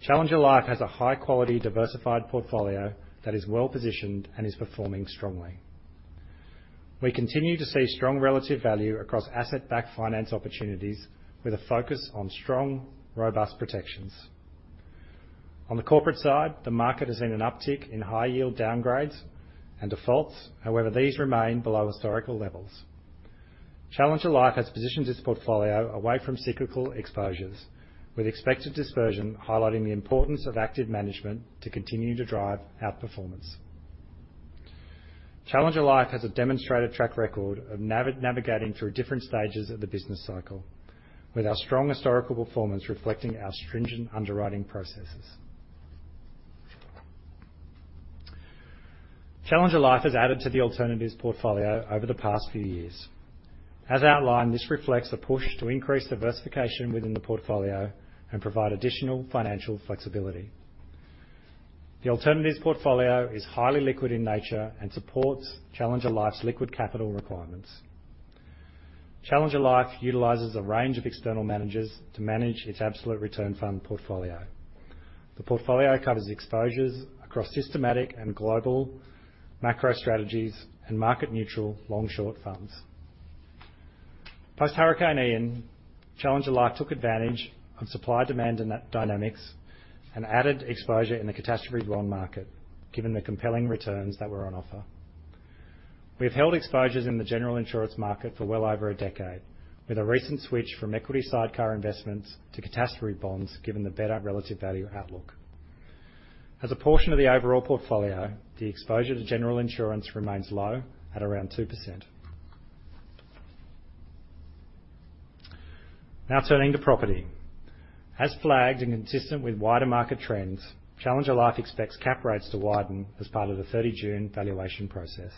Challenger Life has a high-quality, diversified portfolio that is well-positioned and is performing strongly. We continue to see strong relative value across asset-backed finance opportunities with a focus on strong, robust protections. On the corporate side, the market has seen an uptick in high yield downgrades and defaults. These remain below historical levels. Challenger Life has positioned its portfolio away from cyclical exposures, with expected dispersion highlighting the importance of active management to continue to drive outperformance. Challenger Life has a demonstrated track record of navigating through different stages of the business cycle, with our strong historical performance reflecting our stringent underwriting processes. Challenger Life has added to the alternatives portfolio over the past few years. As outlined, this reflects a push to increase diversification within the portfolio and provide additional financial flexibility. The alternatives portfolio is highly liquid in nature and supports Challenger Life's liquid capital requirements. Challenger Life utilizes a range of external managers to manage its absolute return fund portfolio. The portfolio covers exposures across systematic and global macro strategies and market neutral long-short funds. Post Hurricane Ian, Challenger Life took advantage of supply-demand and dynamics and added exposure in the catastrophe bond market, given the compelling returns that were on offer. We've held exposures in the general insurance market for well over a decade, with a recent switch from equity sidecar investments to catastrophe bonds, given the better relative value outlook. As a portion of the overall portfolio, the exposure to general insurance remains low at around 2%. Turning to property. As flagged and consistent with wider market trends, Challenger Life expects cap rates to widen as part of the 30 June valuation process.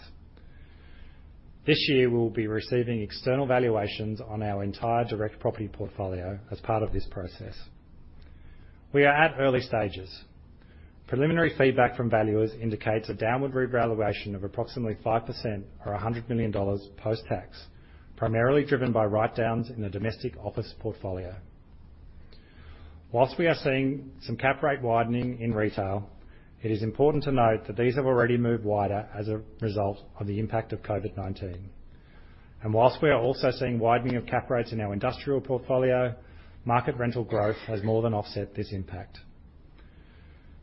This year, we'll be receiving external valuations on our entire direct property portfolio as part of this process. We are at early stages. Preliminary feedback from valuers indicates a downward revaluation of approximately 5% or 100 million dollars post-tax, primarily driven by write-downs in the domestic office portfolio. Whilst we are seeing some cap rate widening in retail, it is important to note that these have already moved wider as a result of the impact of COVID-19. Whilst we are also seeing widening of cap rates in our industrial portfolio, market rental growth has more than offset this impact.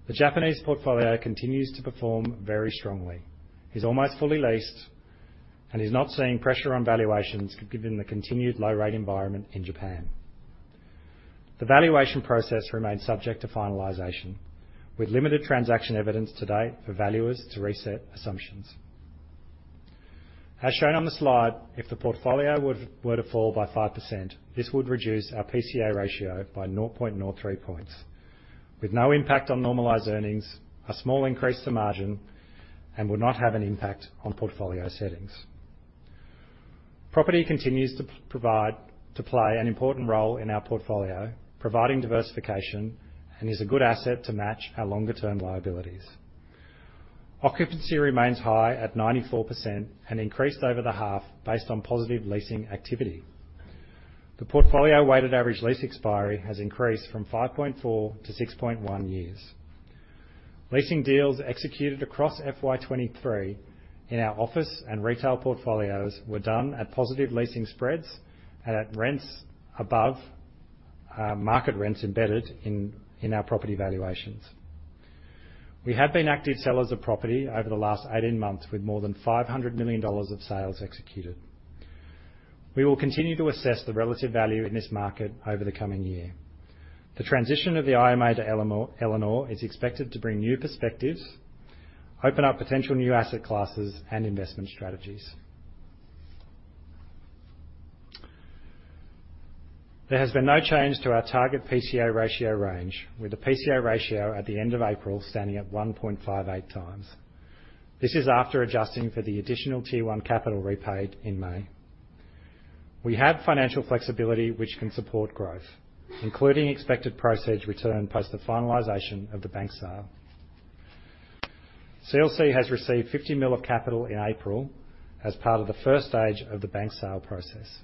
The Japanese portfolio continues to perform very strongly, is almost fully leased, and is not seeing pressure on valuations given the continued low-rate environment in Japan. The valuation process remains subject to finalization, with limited transaction evidence to date for valuers to reset assumptions. As shown on the slide, if the portfolio were to fall by 5%, this would reduce our PCA ratio by 0.03 points, with no impact on normalized earnings, a small increase to margin, and would not have an impact on portfolio settings. Property continues to play an important role in our portfolio, providing diversification, and is a good asset to match our longer-term liabilities. Occupancy remains high at 94% and increased over the half based on positive leasing activity. The portfolio weighted average lease expiry has increased from 5.4-6.1 years. Leasing deals executed across FY 2023 in our office and retail portfolios were done at positive leasing spreads and at rents above market rents embedded in our property valuations. We have been active sellers of property over the last 18 months, with more than 500 million dollars of sales executed. We will continue to assess the relative value in this market over the coming year. The transition of the IMA to Elanor is expected to bring new perspectives, open up potential new asset classes and investment strategies. There has been no change to our target PCA ratio range, with the PCA ratio at the end of April standing at 1.58 times. This is after adjusting for the additional Tier 1 capital repaid in May. We have financial flexibility, which can support growth, including expected proceeds return plus the finalization of the bank sale. CLC has received 50 mil of capital in April as part of the first stage of the bank sale process.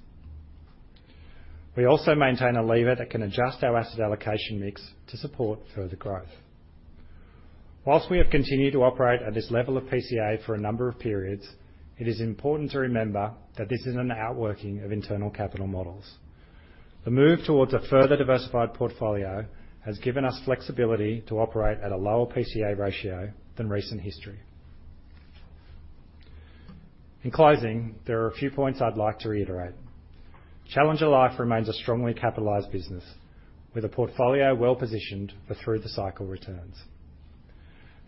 We also maintain a lever that can adjust our asset allocation mix to support further growth. Whilst we have continued to operate at this level of PCA for a number of periods, it is important to remember that this is an outworking of internal capital models. The move towards a further diversified portfolio has given us flexibility to operate at a lower PCA ratio than recent history. In closing, there are a few points I'd like to reiterate. Challenger Life remains a strongly capitalized business with a portfolio well positioned for through-the-cycle returns.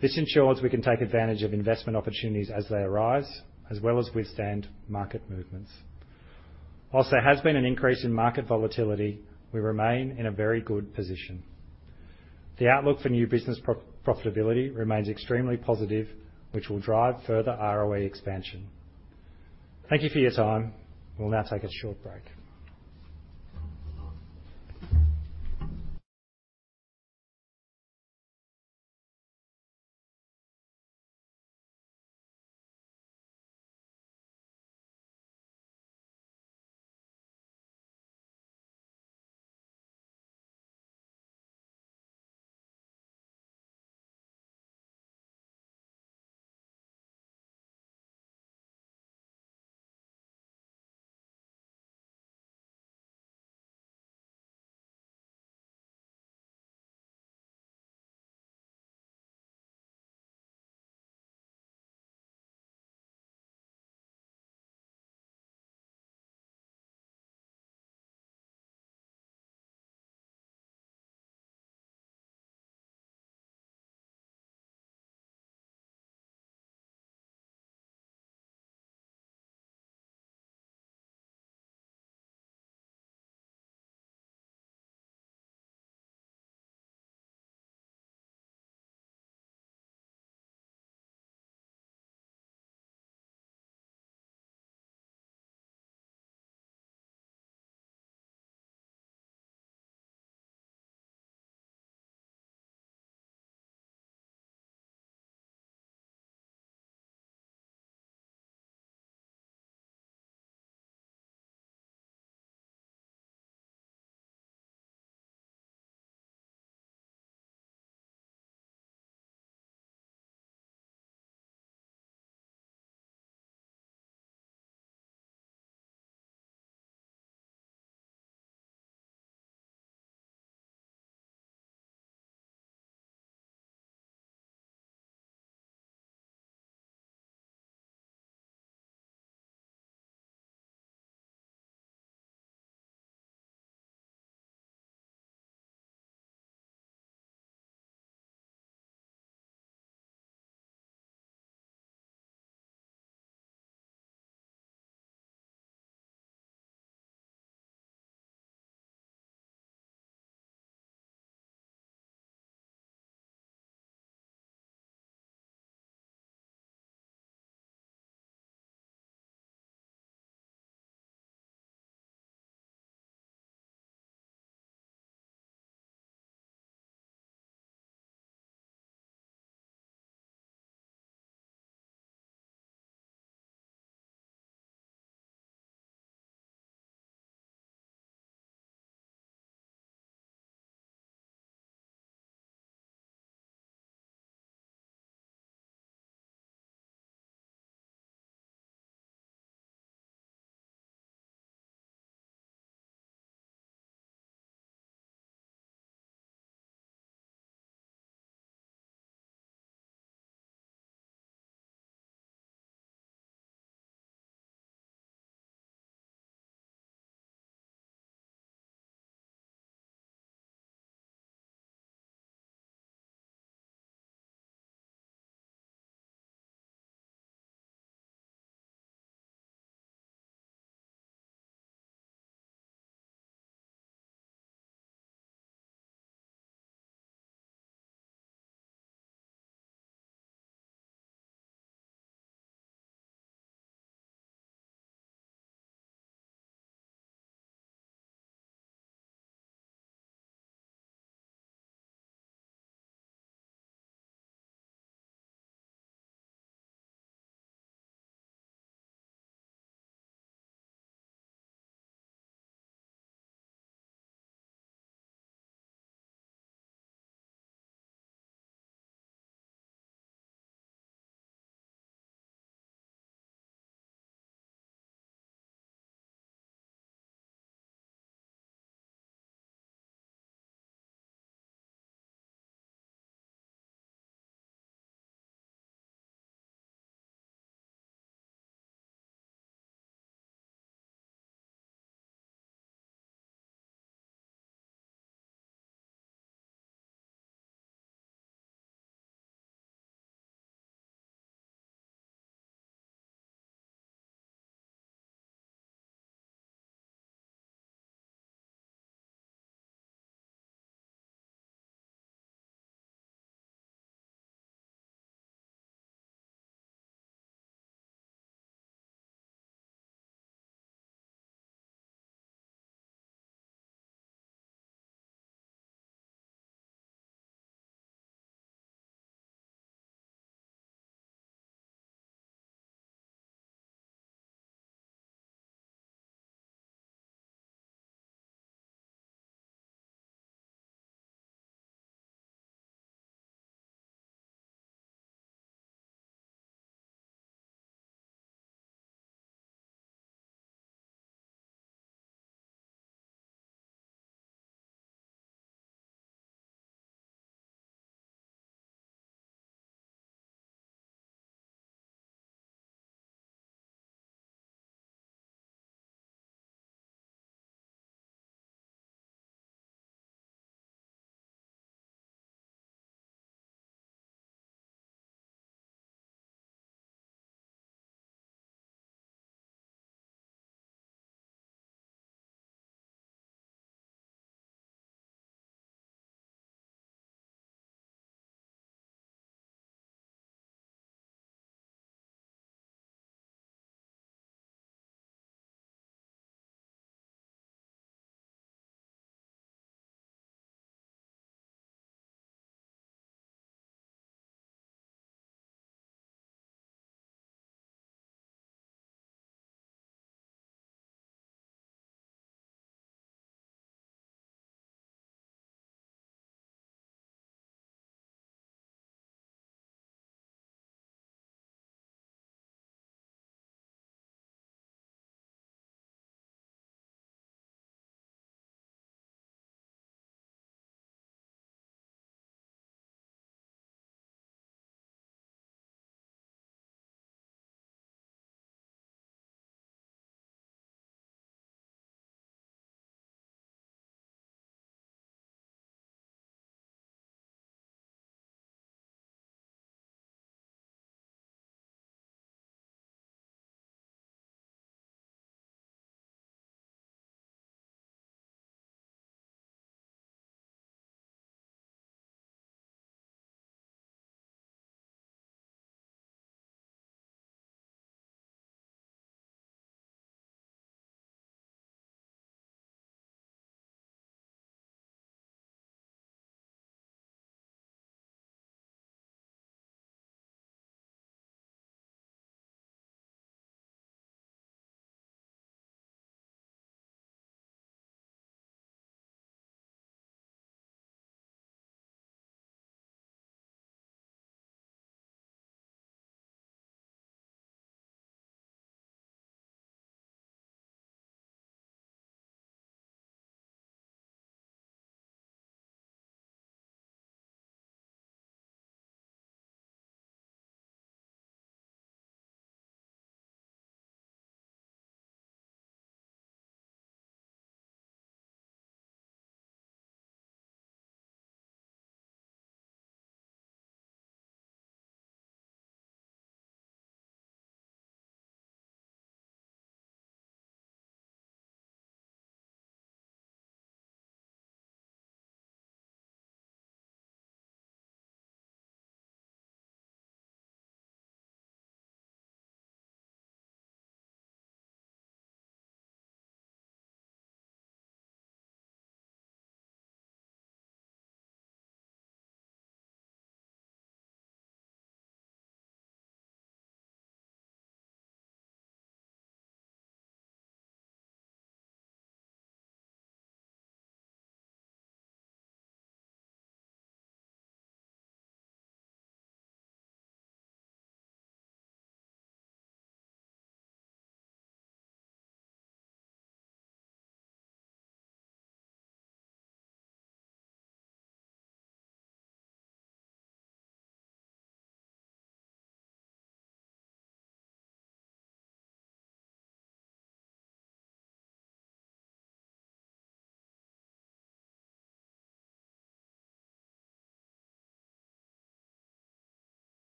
This ensures we can take advantage of investment opportunities as they arise, as well as withstand market movements. Whilst there has been an increase in market volatility, we remain in a very good position. The outlook for new business pro-profitability remains extremely positive, which will drive further ROE expansion. Thank you for your time. We'll now take a short break.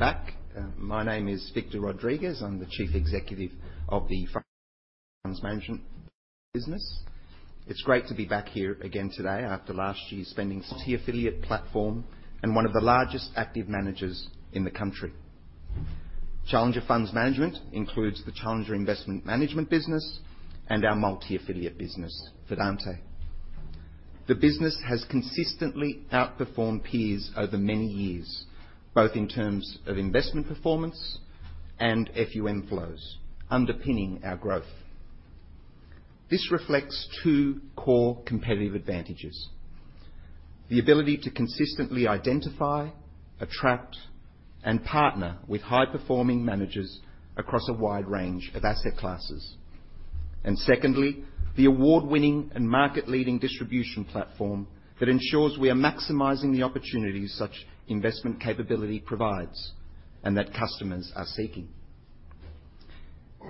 Welcome back. My name is Victor Rodriguez. I'm the Chief Executive of the Funds Management business. It's great to be back here again today after last year's affiliate platform and one of the largest active managers in the country. Challenger Funds Management includes the Challenger Investment Management business and our multi-affiliate business, Fidante. The business has consistently outperformed peers over many years, both in terms of investment performance and FUM flows, underpinning our growth. This reflects two core competitive advantages: the ability to consistently identify, attract, and partner with high-performing managers across a wide range of asset classes. Secondly, the award-winning and market-leading distribution platform that ensures we are maximizing the opportunities such investment capability provides, and that customers are seeking.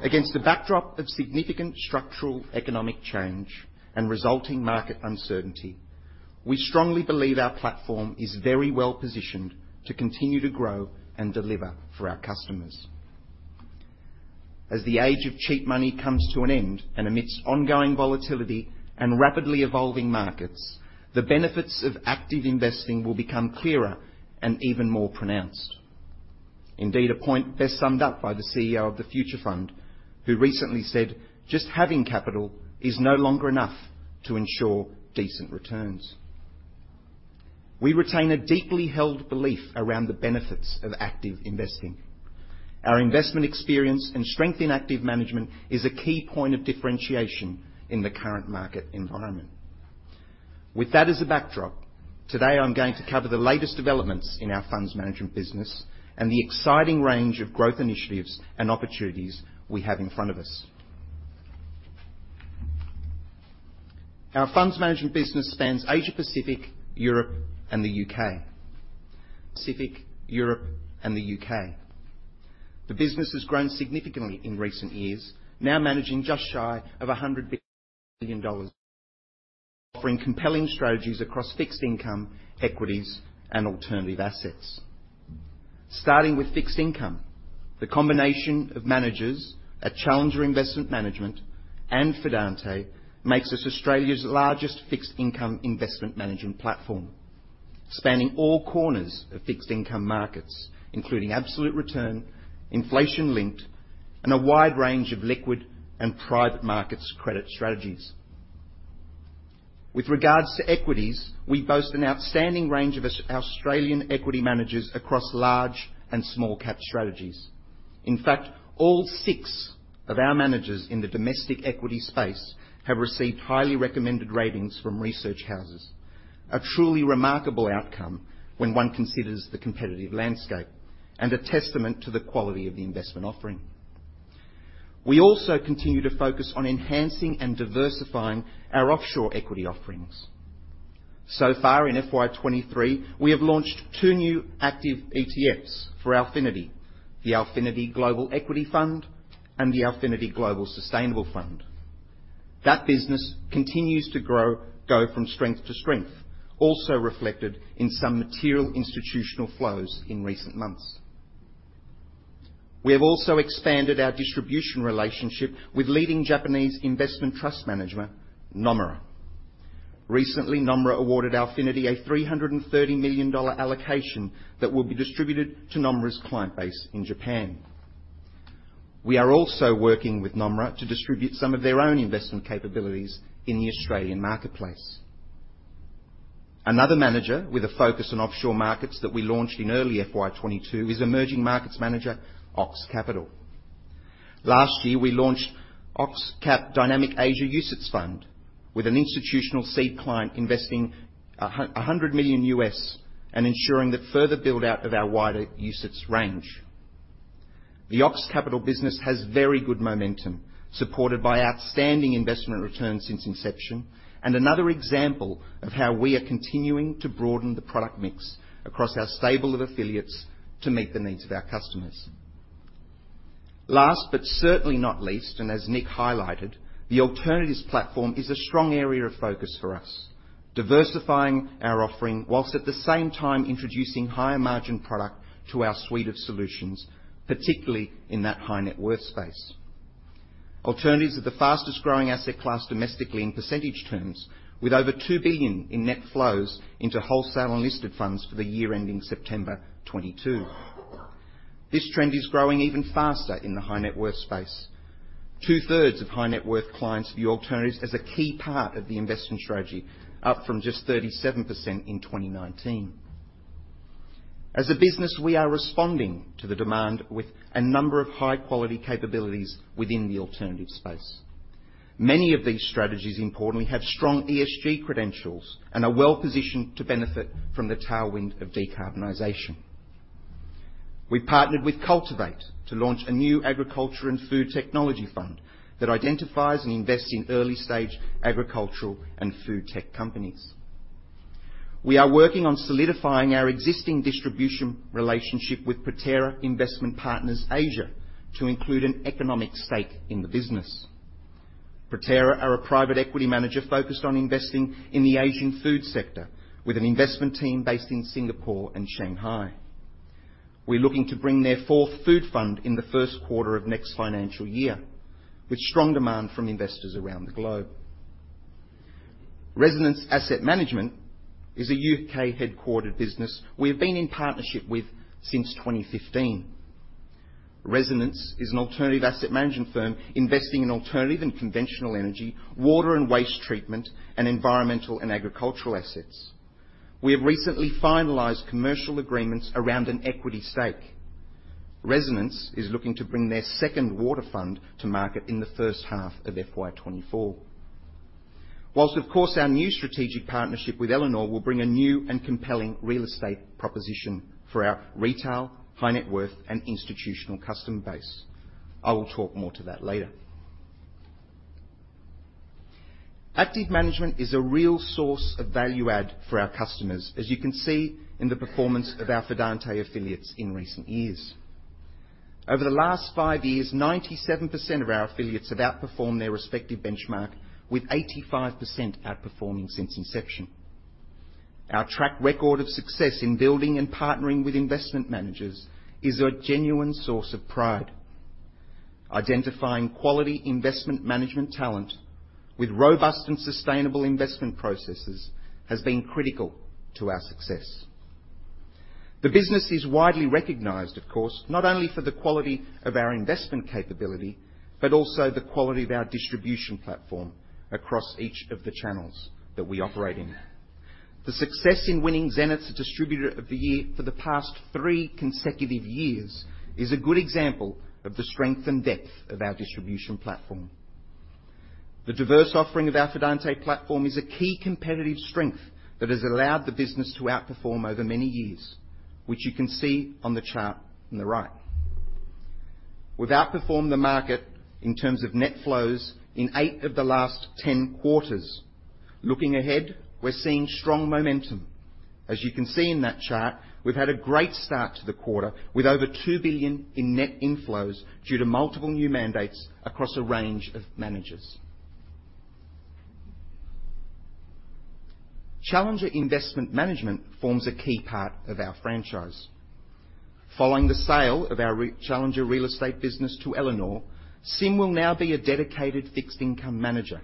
Against the backdrop of significant structural economic change and resulting market uncertainty, we strongly believe our platform is very well-positioned to continue to grow and deliver for our customers. As the age of cheap money comes to an end, and amidst ongoing volatility and rapidly evolving markets, the benefits of active investing will become clearer and even more pronounced. Indeed, a point best summed up by the CEO of the Future Fund, who recently said, "Just having capital is no longer enough to ensure decent returns." We retain a deeply held belief around the benefits of active investing. Our investment experience and strength in active management is a key point of differentiation in the current market environment. With that as a backdrop, today, I'm going to cover the latest developments in our funds management business and the exciting range of growth initiatives and opportunities we have in front of us. Our funds management business spans Asia Pacific, Europe, and the UK. The business has grown significantly in recent years, now managing just shy of 100 billion dollars, offering compelling strategies across fixed income, equities, and alternative assets. Starting with fixed income, the combination of managers at Challenger Investment Management and Fidante makes us Australia's largest fixed income investment management platform, spanning all corners of fixed income markets, including absolute return, inflation-linked, and a wide range of liquid and private markets credit strategies. With regards to equities, we boast an outstanding range of Australian equity managers across large and small cap strategies. In fact, all six of our managers in the domestic equity space have received highly recommended ratings from research houses. A truly remarkable outcome when one considers the competitive landscape, and a testament to the quality of the investment offering. We also continue to focus on enhancing and diversifying our offshore equity offerings. In FY 2023, we have launched two new active ETFs for Alphinity: the Alphinity Global Equity Fund and the Alphinity Global Sustainable Equity Fund. That business continues to grow, go from strength to strength, also reflected in some material institutional flows in recent months. We have also expanded our distribution relationship with leading Japanese investment trust management, Nomura. Recently, Nomura awarded Alphinity a $330 million allocation that will be distributed to Nomura's client base in Japan. We are also working with Nomura to distribute some of their own investment capabilities in the Australian marketplace. Another manager with a focus on offshore markets that we launched in early FY 2022 is emerging markets manager, Ox Capital. Last year, we launched Ox Capital Dynamic Asia UCITS Fund, with an institutional seed client investing a hundred million USD, and ensuring the further build-out of our wider UCITS range. The Ox Capital business has very good momentum, supported by outstanding investment returns since inception, and another example of how we are continuing to broaden the product mix across our stable of affiliates to meet the needs of our customers. Last, but certainly not least, and as Nick highlighted, the alternatives platform is a strong area of focus for us, diversifying our offering, whilst at the same time introducing higher margin product to our suite of solutions, particularly in that high net worth space. Alternatives are the fastest growing asset class domestically in percentage terms, with over 2 billion in net flows into wholesale unlisted funds for the year ending September 2022. This trend is growing even faster in the high net worth space. Two-thirds of high net worth clients view alternatives as a key part of the investment strategy, up from just 37% in 2019. As a business, we are responding to the demand with a number of high-quality capabilities within the alternative space. Many of these strategies, importantly, have strong ESG credentials and are well-positioned to benefit from the tailwind of decarbonization. We partnered with Cultiv8 to launch a new Cultiv8 Agriculture and Food Technology Fund that identifies and invests in early-stage agricultural and food tech companies. We are working on solidifying our existing distribution relationship with Proterra Investment Partners Asia to include an economic stake in the business. Proterra are a private equity manager focused on investing in the Asian food sector, with an investment team based in Singapore and Shanghai. We're looking to bring their fourth food fund in the first quarter of next financial year, with strong demand from investors around the globe. Resonance Asset Management is a U.K.-headquartered business we have been in partnership with since 2015. Resonance is an alternative asset management firm investing in alternative and conventional energy, water and waste treatment, and environmental and agricultural assets. We have recently finalized commercial agreements around an equity stake. Resonance is looking to bring their second water fund to market in the first half of FY 2024. Of course, our new strategic partnership with Elanor will bring a new and compelling real estate proposition for our retail, high net worth, and institutional customer base. I will talk more to that later. Active management is a real source of value add for our customers, as you can see in the performance of our Fidante affiliates in recent years. Over the last five years, 97% of our affiliates have outperformed their respective benchmark, with 85% outperforming since inception. Our track record of success in building and partnering with investment managers is a genuine source of pride. Identifying quality investment management talent with robust and sustainable investment processes has been critical to our success. The business is widely recognized, of course, not only for the quality of our investment capability, but also the quality of our distribution platform across each of the channels that we operate in. The success in winning Zenith's Distributor of the Year for the past three consecutive years is a good example of the strength and depth of our distribution platform. The diverse offering of our Fidante platform is a key competitive strength that has allowed the business to outperform over many years, which you can see on the chart on the right. We've outperformed the market in terms of net flows in eight of the last 10 quarters. Looking ahead, we're seeing strong momentum. As you can see in that chart, we've had a great start to the quarter, with over 2 billion in net inflows due to multiple new mandates across a range of managers. Challenger Investment Management forms a key part of our franchise. Following the sale of our Challenger real estate business to Elanor, CIM will now be a dedicated fixed-income manager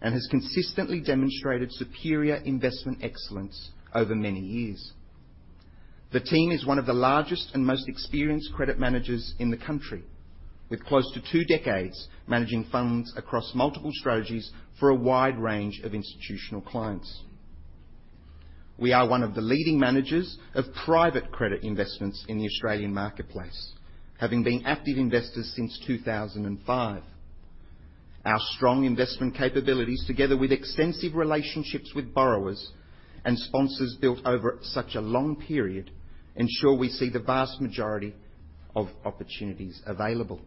and has consistently demonstrated superior investment excellence over many years. The team is one of the largest and most experienced credit managers in the country, with close to two decades managing funds across multiple strategies for a wide range of institutional clients. We are one of the leading managers of private credit investments in the Australian marketplace, having been active investors since 2005. Our strong investment capabilities, together with extensive relationships with borrowers and sponsors built over such a long period, ensure we see the vast majority of opportunities available.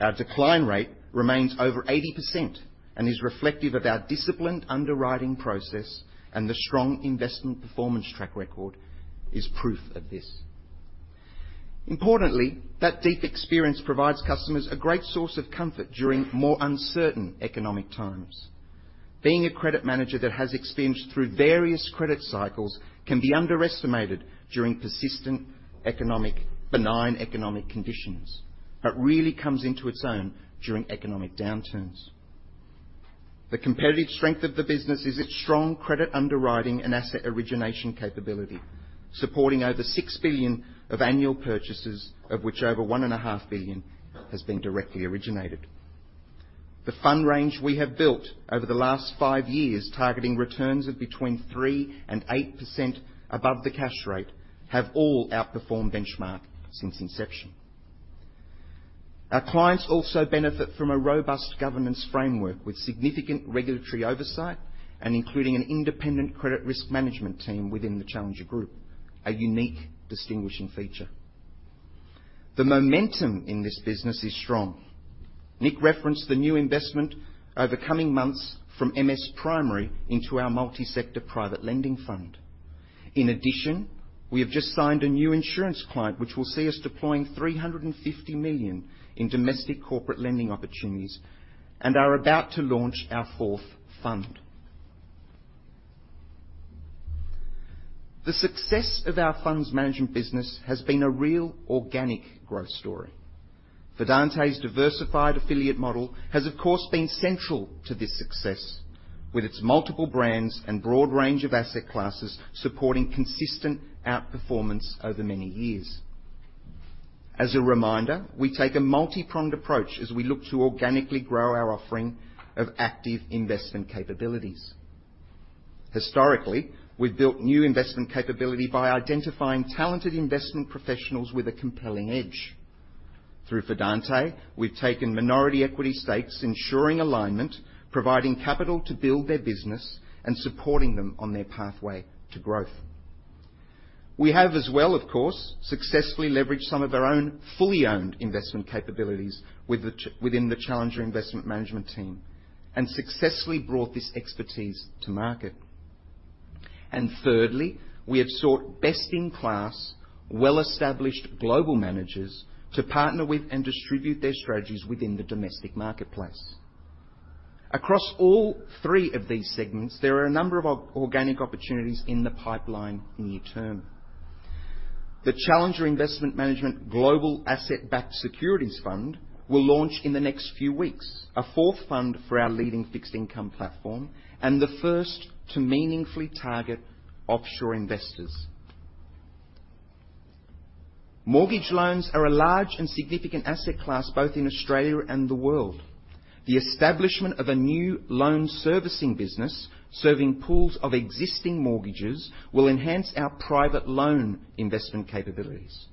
Our decline rate remains over 80% and is reflective of our disciplined underwriting process, and the strong investment performance track record is proof of this. Importantly, that deep experience provides customers a great source of comfort during more uncertain economic times. Being a credit manager that has experienced through various credit cycles can be underestimated during persistent economic benign economic conditions. Really comes into its own during economic downturns. The competitive strength of the business is its strong credit underwriting and asset origination capability, supporting over 6 billion of annual purchases, of which over 1.5 billion has been directly originated. The fund range we have built over the last five years, targeting returns of between 3% and 8% above the cash rate, have all outperformed benchmark since inception. Our clients also benefit from a robust governance framework with significant regulatory oversight including an independent credit risk management team within the Challenger Group, a unique distinguishing feature. The momentum in this business is strong. Nick referenced the new investment over coming months from MS Primary into our multi-sector private lending fund. We have just signed a new insurance client, which will see us deploying 350 million in domestic corporate lending opportunities and are about to launch our fourth fund. The success of our funds management business has been a real organic growth story. Fidante's diversified affiliate model has, of course, been central to this success, with its multiple brands and broad range of asset classes supporting consistent outperformance over many years. We take a multi-pronged approach as we look to organically grow our offering of active investment capabilities. Historically, we've built new investment capability by identifying talented investment professionals with a compelling edge. Through Fidante, we've taken minority equity stakes, ensuring alignment, providing capital to build their business, and supporting them on their pathway to growth. We have as well, of course, successfully leveraged some of our own fully owned investment capabilities within the Challenger Investment Management team and successfully brought this expertise to market. Thirdly, we have sought best-in-class, well-established global managers to partner with and distribute their strategies within the domestic marketplace. Across all 3 of these segments, there are a number of organic opportunities in the pipeline near term. The Challenger Investment Management Global Asset Backed Securities Fund will launch in the next few weeks, a 4th fund for our leading fixed income platform and the first to meaningfully target offshore investors. Mortgage loans are a large and significant asset class, both in Australia and the world. The establishment of a new loan servicing business, serving pools of existing mortgages, will enhance our private loan investment capabilities.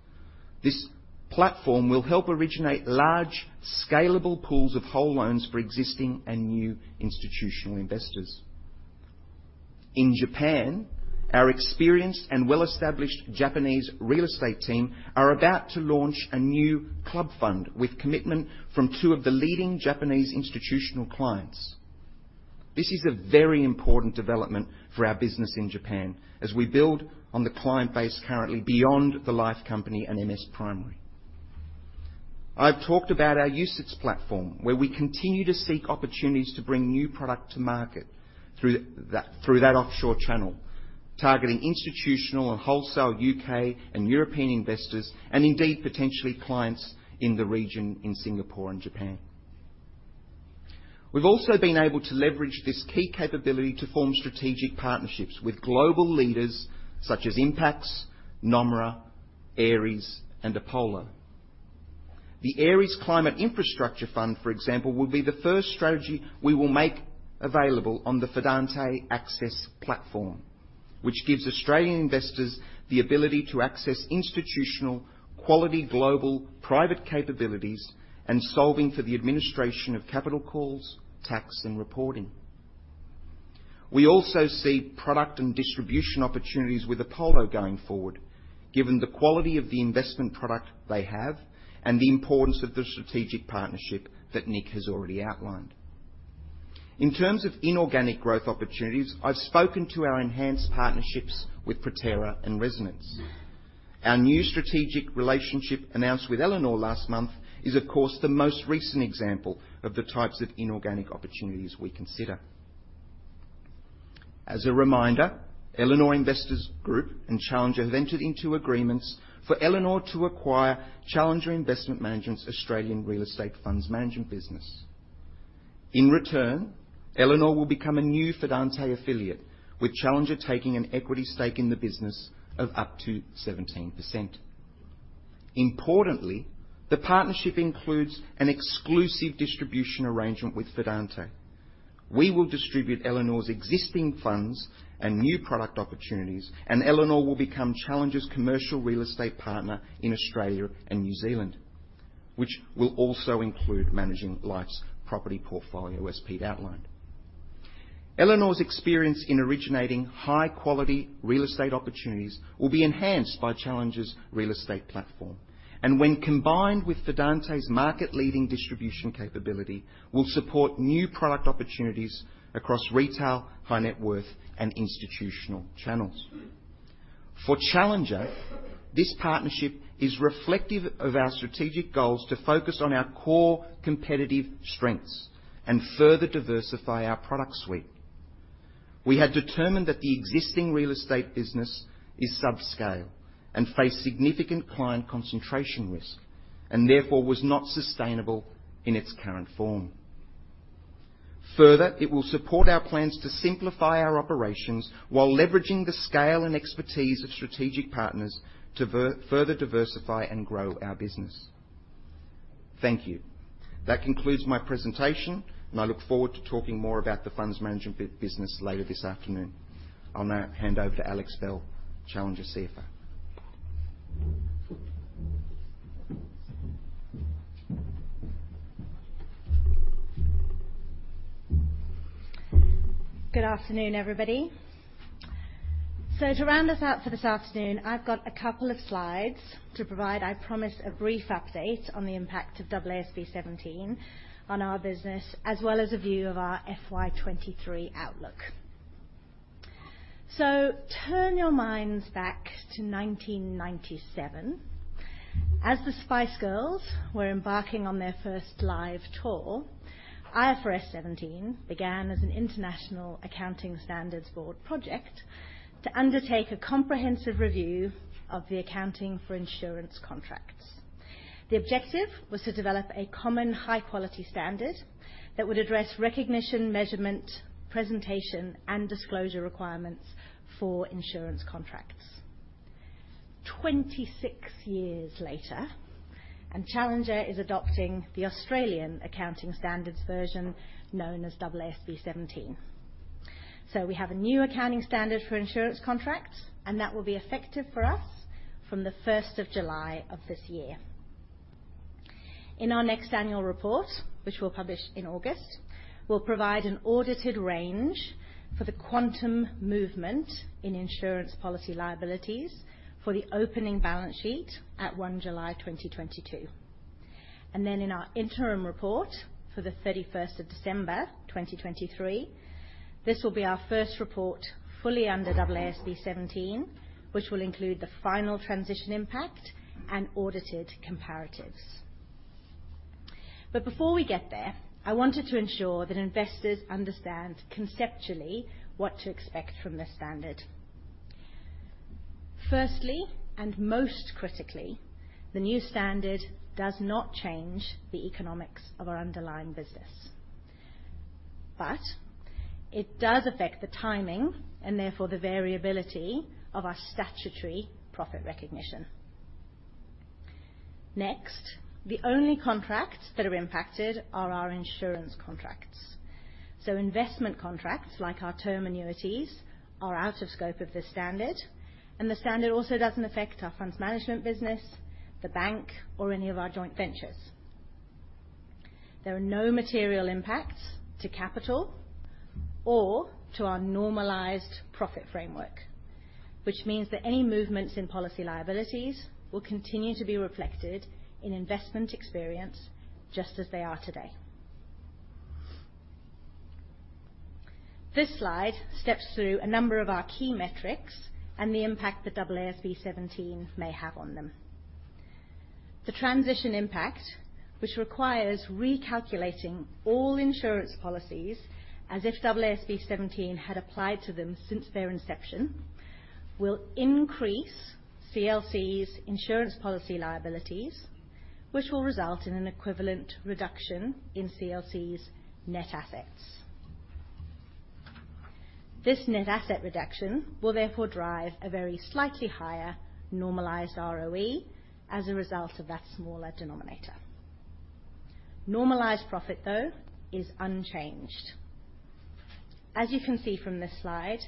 This platform will help originate large, scalable pools of whole loans for existing and new institutional investors. In Japan, our experienced and well-established Japanese real estate team are about to launch a new club fund with commitment from two of the leading Japanese institutional clients. This is a very important development for our business in Japan as we build on the client base currently beyond the Life company and MS Primary. I've talked about our UCITS platform, where we continue to seek opportunities to bring new product to market through that offshore channel, targeting institutional and wholesale U.K. and European investors and indeed, potentially clients in the region, in Singapore and Japan. We've also been able to leverage this key capability to form strategic partnerships with global leaders such as Impax, Nomura, Ares, and Apollo. The Ares Climate Infrastructure Fund, for example, will be the first strategy we will make available on the Fidante Access platform, which gives Australian investors the ability to access institutional, quality, global, private capabilities and solving for the administration of capital calls, tax, and reporting. We also see product and distribution opportunities with Apollo going forward, given the quality of the investment product they have and the importance of the strategic partnership that Nick has already outlined. In terms of inorganic growth opportunities, I've spoken to our enhanced partnerships with Proterra and Resonance. Our new strategic relationship, announced with Elanor last month, is, of course, the most recent example of the types of inorganic opportunities we consider. As a reminder, Elanor Investors Group and Challenger have entered into agreements for Elanor to acquire Challenger Investment Management's Australian Real Estate Funds Management business. In return, Elanor will become a new Fidante affiliate, with Challenger taking an equity stake in the business of up to 17%. Importantly, the partnership includes an exclusive distribution arrangement with Fidante. We will distribute Elanor's existing funds and new product opportunities, Elanor will become Challenger's commercial real estate partner in Australia and New Zealand, which will also include managing Life's property portfolio, as Pete outlined. Elanor's experience in originating high-quality real estate opportunities will be enhanced by Challenger's real estate platform, when combined with Fidante's market-leading distribution capability, will support new product opportunities across retail, high net worth, and institutional channels. For Challenger, this partnership is reflective of our strategic goals to focus on our core competitive strengths and further diversify our product suite. We have determined that the existing real estate business is subscale and face significant client concentration risk and therefore was not sustainable in its current form. It will support our plans to simplify our operations while leveraging the scale and expertise of strategic partners to further diversify and grow our business. Thank you. That concludes my presentation, I look forward to talking more about the funds management business later this afternoon. I'll now hand over to Alex Bell, Challenger CFO. Good afternoon, everybody. To round us out for this afternoon, I've got a couple of slides to provide, I promise, a brief update on the impact of AASB 17 on our business, as well as a view of our FY 2023 outlook. Turn your minds back to 1997. As the Spice Girls were embarking on their first live tour, IFRS 17 began as an International Accounting Standards Board project to undertake a comprehensive review of the accounting for insurance contracts. The objective was to develop a common, high-quality standard that would address recognition, measurement, presentation, and disclosure requirements for insurance contracts. 26 years later, and Challenger is adopting the Australian Accounting Standards version, known as AASB 17. We have a new accounting standard for insurance contracts, and that will be effective for us from the 1st of July of this year. In our next annual report, which we'll publish in August, we'll provide an audited range for the quantum movement in insurance policy liabilities for the opening balance sheet at 1 July 2022. In our interim report for the 31st of December, 2023, this will be our first report fully under AASB 17, which will include the final transition impact and audited comparatives. Before we get there, I wanted to ensure that investors understand conceptually what to expect from the standard. Firstly, and most critically, the new standard does not change the economics of our underlying business, but it does affect the timing and therefore the variability of our statutory profit recognition. Next, the only contracts that are impacted are our insurance contracts. Investment contracts, like our term annuities, are out of scope of this standard, and the standard also doesn't affect our funds management business, the bank, or any of our joint ventures. There are no material impacts to capital or to our normalized profit framework, which means that any movements in policy liabilities will continue to be reflected in investment experience just as they are today. This slide steps through a number of our key metrics and the impact that AASB 17 may have on them. The transition impact, which requires recalculating all insurance policies as if AASB 17 had applied to them since their inception, will increase CLC's insurance policy liabilities, which will result in an equivalent reduction in CLC's net assets. This net asset reduction will therefore drive a very slightly higher normalized ROE as a result of that smaller denominator. Normalized profit, though, is unchanged. As you can see from this slide,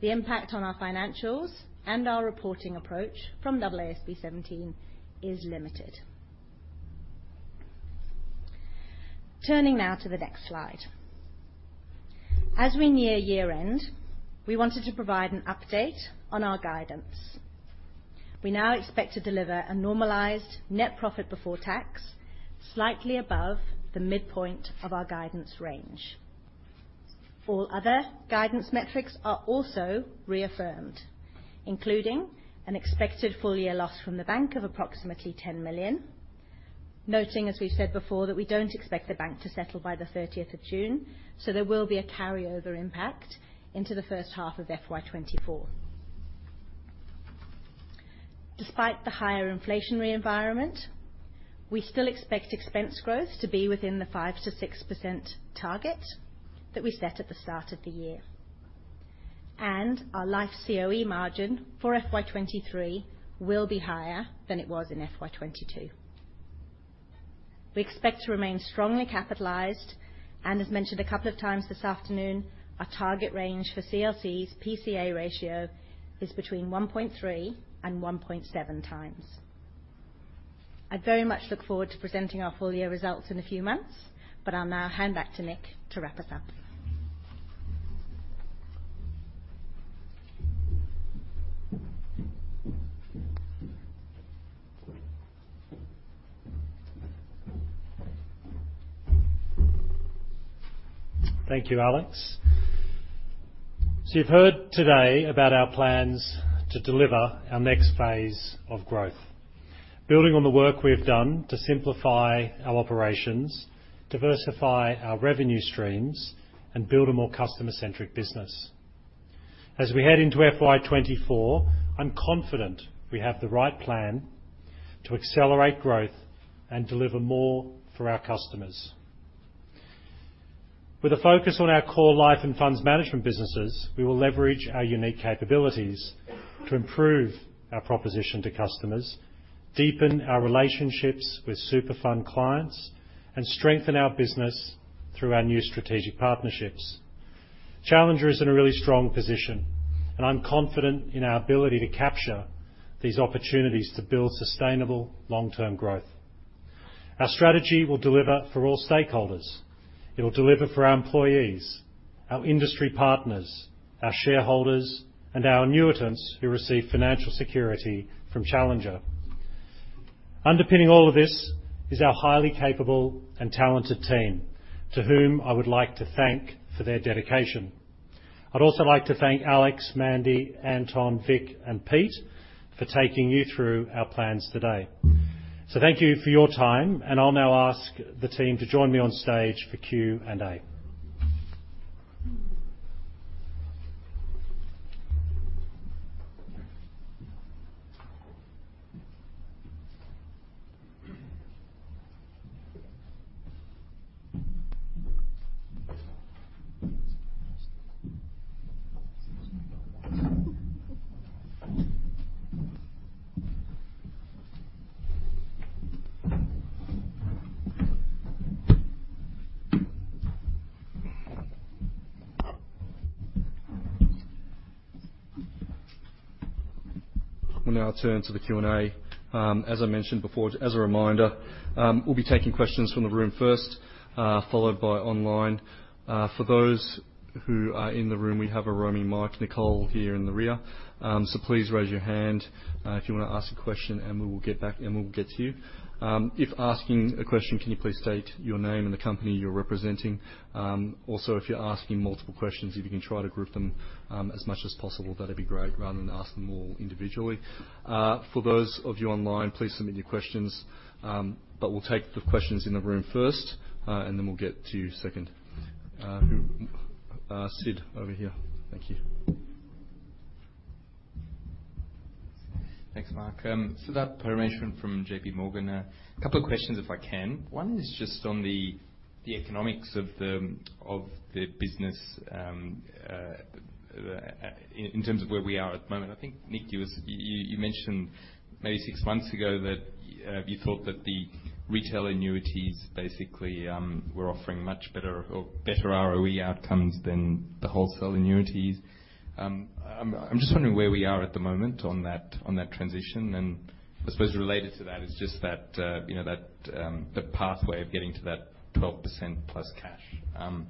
the impact on our financials and our reporting approach from AASB 17 is limited. Turning now to the next slide. As we near year-end, we wanted to provide an update on our guidance. We now expect to deliver a normalized net profit before tax, slightly above the midpoint of our guidance range. All other guidance metrics are also reaffirmed, including an expected full-year loss from the Bank of approximately 10 million, noting, as we've said before, that we don't expect the Bank to settle by the 30th of June, there will be a carryover impact into the first half of FY 2024. Despite the higher inflationary environment, we still expect expense growth to be within the 5%-6% target that we set at the start of the year. Our life COE margin for FY 2023 will be higher than it was in FY 2022. We expect to remain strongly capitalized, and as mentioned a couple of times this afternoon, our target range for CLC's PCA ratio is between 1.3 and 1.7 times. I very much look forward to presenting our full year results in a few months, but I'll now hand back to Nick to wrap us up. Thank you, Alex. You've heard today about our plans to deliver our next phase of growth, building on the work we have done to simplify our operations, diversify our revenue streams, and build a more customer-centric business. As we head into FY 2024, I'm confident we have the right plan to accelerate growth and deliver more for our customers. With a focus on our core life and funds management businesses, we will leverage our unique capabilities to improve our proposition to customers, deepen our relationships with super fund clients, and strengthen our business through our new strategic partnerships. Challenger is in a really strong position, and I'm confident in our ability to capture these opportunities to build sustainable long-term growth. Our strategy will deliver for all stakeholders. It will deliver for our employees, our industry partners, our shareholders, and our annuitants who receive financial security from Challenger. Underpinning all of this is our highly capable and talented team, to whom I would like to thank for their dedication. I'd also like to thank Alex, Mandy, Anton, Vic, and Pete for taking you through our plans today. Thank you for your time, and I'll now ask the team to join me on stage for Q&A. We'll now turn to the Q&A. As I mentioned before, as a reminder, we'll be taking questions from the room first, followed by online. For those who are in the room, we have a roaming mic, Nicole, here in the rear. Please raise your hand, if you want to ask a question, and we will get back, and we'll get to you. If asking a question, can you please state your name and the company you're representing? Also, if you're asking multiple questions, if you can try to group them, as much as possible, that'd be great, rather than ask them all individually. For those of you online, please submit your questions, but we'll take the questions in the room first, and then we'll get to you second. Sid, over here. Thank you. Thanks, Mark. Siddharth Parameswaran from JPMorgan. A couple of questions, if I can. One is just on the economics of the business in terms of where we are at the moment. I think, Nick, you mentioned maybe six months ago that you thought that the retail annuities basically were offering much better or better ROE outcomes than the wholesale annuities. I'm just wondering where we are at the moment on that, on that transition, and I suppose related to that is just that, you know, that the pathway of getting to that 12%+ cash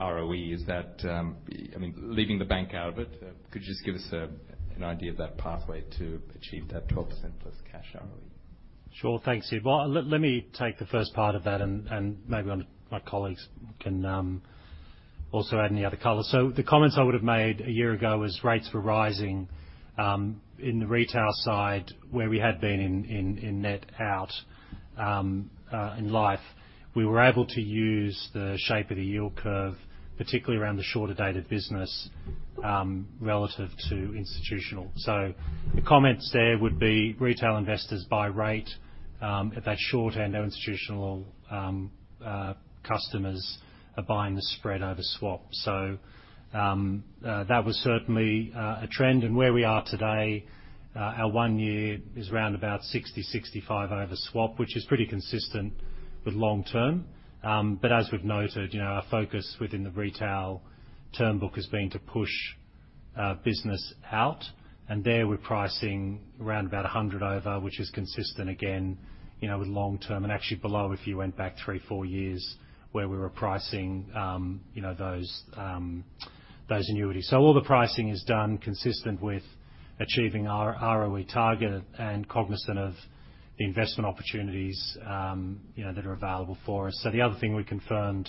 ROE. Is that, I mean, leaving the bank out of it, could you just give us a, an idea of that pathway to achieve that 12%+ cash ROE? Sure. Thanks, Sid. Well, let me take the first part of that, and maybe one of my colleagues can also add any other color. The comments I would have made a year ago was rates were rising in the retail side, where we had been in net out in Life. We were able to use the shape of the yield curve, particularly around the shorter dated business relative to institutional. The comments there would be retail investors buy rate at that short end, our institutional customers are buying the spread over swap. That was certainly a trend and where we are today, our one year is around about 60-65 over swap, which is pretty consistent with long term. As we've noted, you know, our focus within the retail term book has been to push business out, and there we're pricing around about 100 over, which is consistent again, you know, with long term, and actually below, if you went back three, four years, where we were pricing, you know, those annuities. All the pricing is done consistent with achieving our ROE target and cognizant of the investment opportunities, you know, that are available for us. The other thing we confirmed,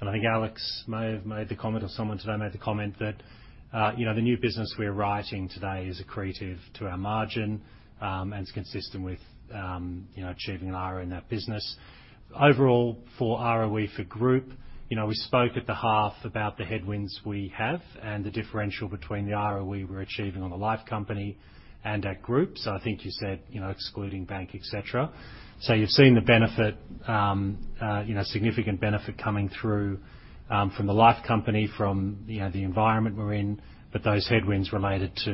and I think Alex may have made the comment or someone today made the comment, that, you know, the new business we're writing today is accretive to our margin, and it's consistent with, you know, achieving an ROE in that business. Overall, for ROE for group, you know, we spoke at the half about the headwinds we have and the differential between the ROE we're achieving on the life company and our group. I think you said, you know, excluding bank, et cetera. You've seen the benefit, you know, significant benefit coming through from the life company, from, you know, the environment we're in, but those headwinds related to,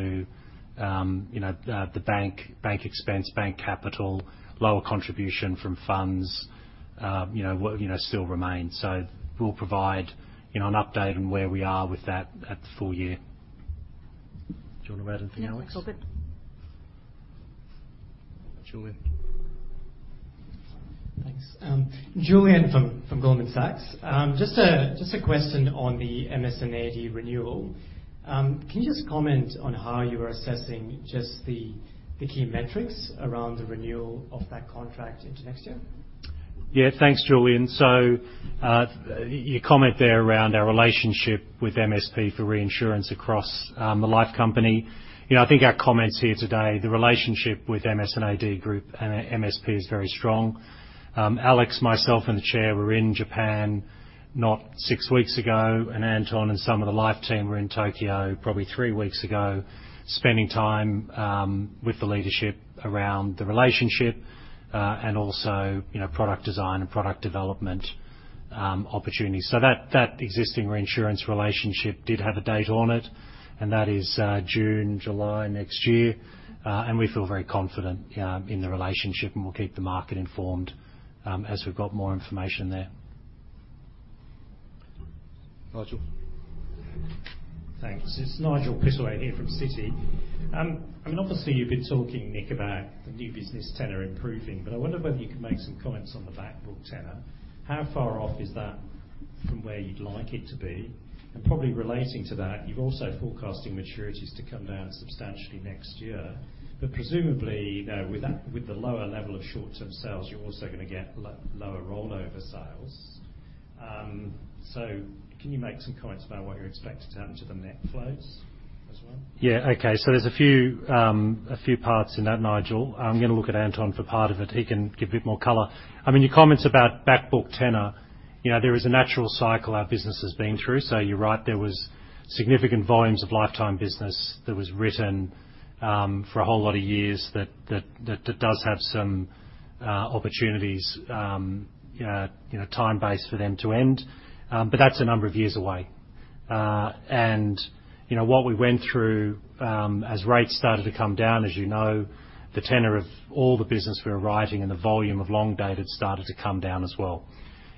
you know, the bank expense, bank capital, lower contribution from funds, you know, still remain. We'll provide, you know, an update on where we are with that at the full year. Do you want to add anything, Alex? Yeah. It's all good. Julian? Thanks. Julian from Goldman Sachs. Just a question on the MS&AD renewal. Can you just comment on how you are assessing the key metrics around the renewal of that contract into next year? Thanks, Julian. Your comment there around our relationship with MSP for reinsurance across the life company, you know, I think our comments here today, the relationship with MS&AD Group and MSP is very strong. Alex, myself, and the chair were in Japan not six weeks ago, and Anton and some of the life team were in Tokyo probably three weeks ago, spending time with the leadership around the relationship, and also, you know, product design and product development opportunities. That, that existing reinsurance relationship did have a date on it, and that is June, July next year. And we feel very confident in the relationship, and we'll keep the market informed as we've got more information there. Nigel? Thanks. It's Nigel Pittaway here from Citi. I mean, obviously, you've been talking, Nick, about the new business tenor improving, but I wonder whether you could make some comments on the Backbook tenor. How far off is that from where you'd like it to be? Probably relating to that, you're also forecasting maturities to come down substantially next year. Presumably, you know, with that, with the lower level of short-term sales, you're also going to get lower rollover sales. Can you make some comments about what you expect to turn to the net flows as well? Yeah, okay. There's a few parts in that, Nigel. I'm going to look at Anton for part of it. He can give a bit more color. I mean, your comments about Backbook tenor, you know, there is a natural cycle our business has been through. You're right, there was significant volumes of lifetime business that was written, for a whole lot of years that does have some opportunities, you know, time-based for them to end. That's a number of years away. You know, what we went through as rates started to come down, as you know, the tenor of all the business we were writing and the volume of long dated started to come down as well.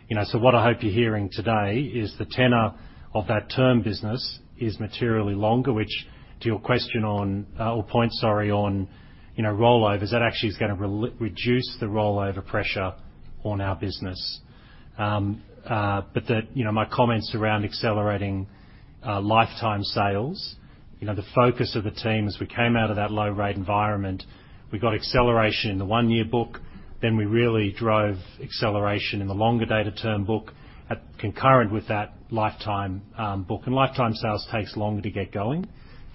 You know, what I hope you're hearing today is the tenor of that term business is materially longer, which to your question on, or point, sorry, on, you know, rollovers, that actually is going to reduce the rollover pressure on our business. The, you know, my comments around accelerating lifetime sales, you know, the focus of the team as we came out of that low rate environment, we got acceleration in the one-year book, then we really drove acceleration in the longer dated term book at concurrent with that lifetime book. Lifetime sales takes longer to get going.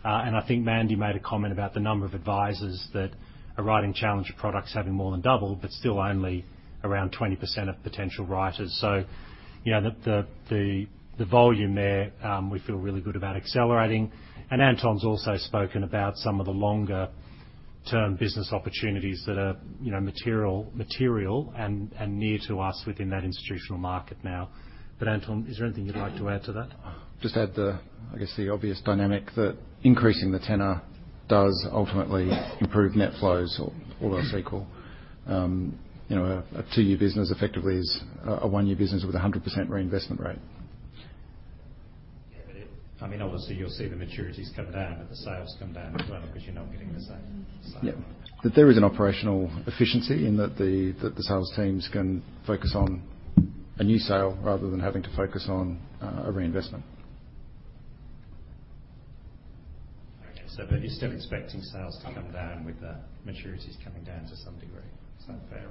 I think Mandy made a comment about the number of advisors that are writing Challenger products having more than doubled, but still only around 20% of potential writers. You know, the volume there, we feel really good about accelerating. Anton's also spoken about some of the longer-term business opportunities that are, you know, material and near to us within that institutional market now. Anton, is there anything you'd like to add to that? Just add the, I guess, the obvious dynamic, that increasing the tenor does ultimately improve net flows or all else equal. You know, a two-year business effectively is a one-year business with a 100% reinvestment rate. Yeah, I mean, obviously, you'll see the maturities come down, but the sales come down as well, because you're not getting the same... Yeah. There is an operational efficiency in that the sales teams can focus on a new sale rather than having to focus on a reinvestment. Okay, you're still expecting sales to come down with the maturities coming down to some degree, is that fair?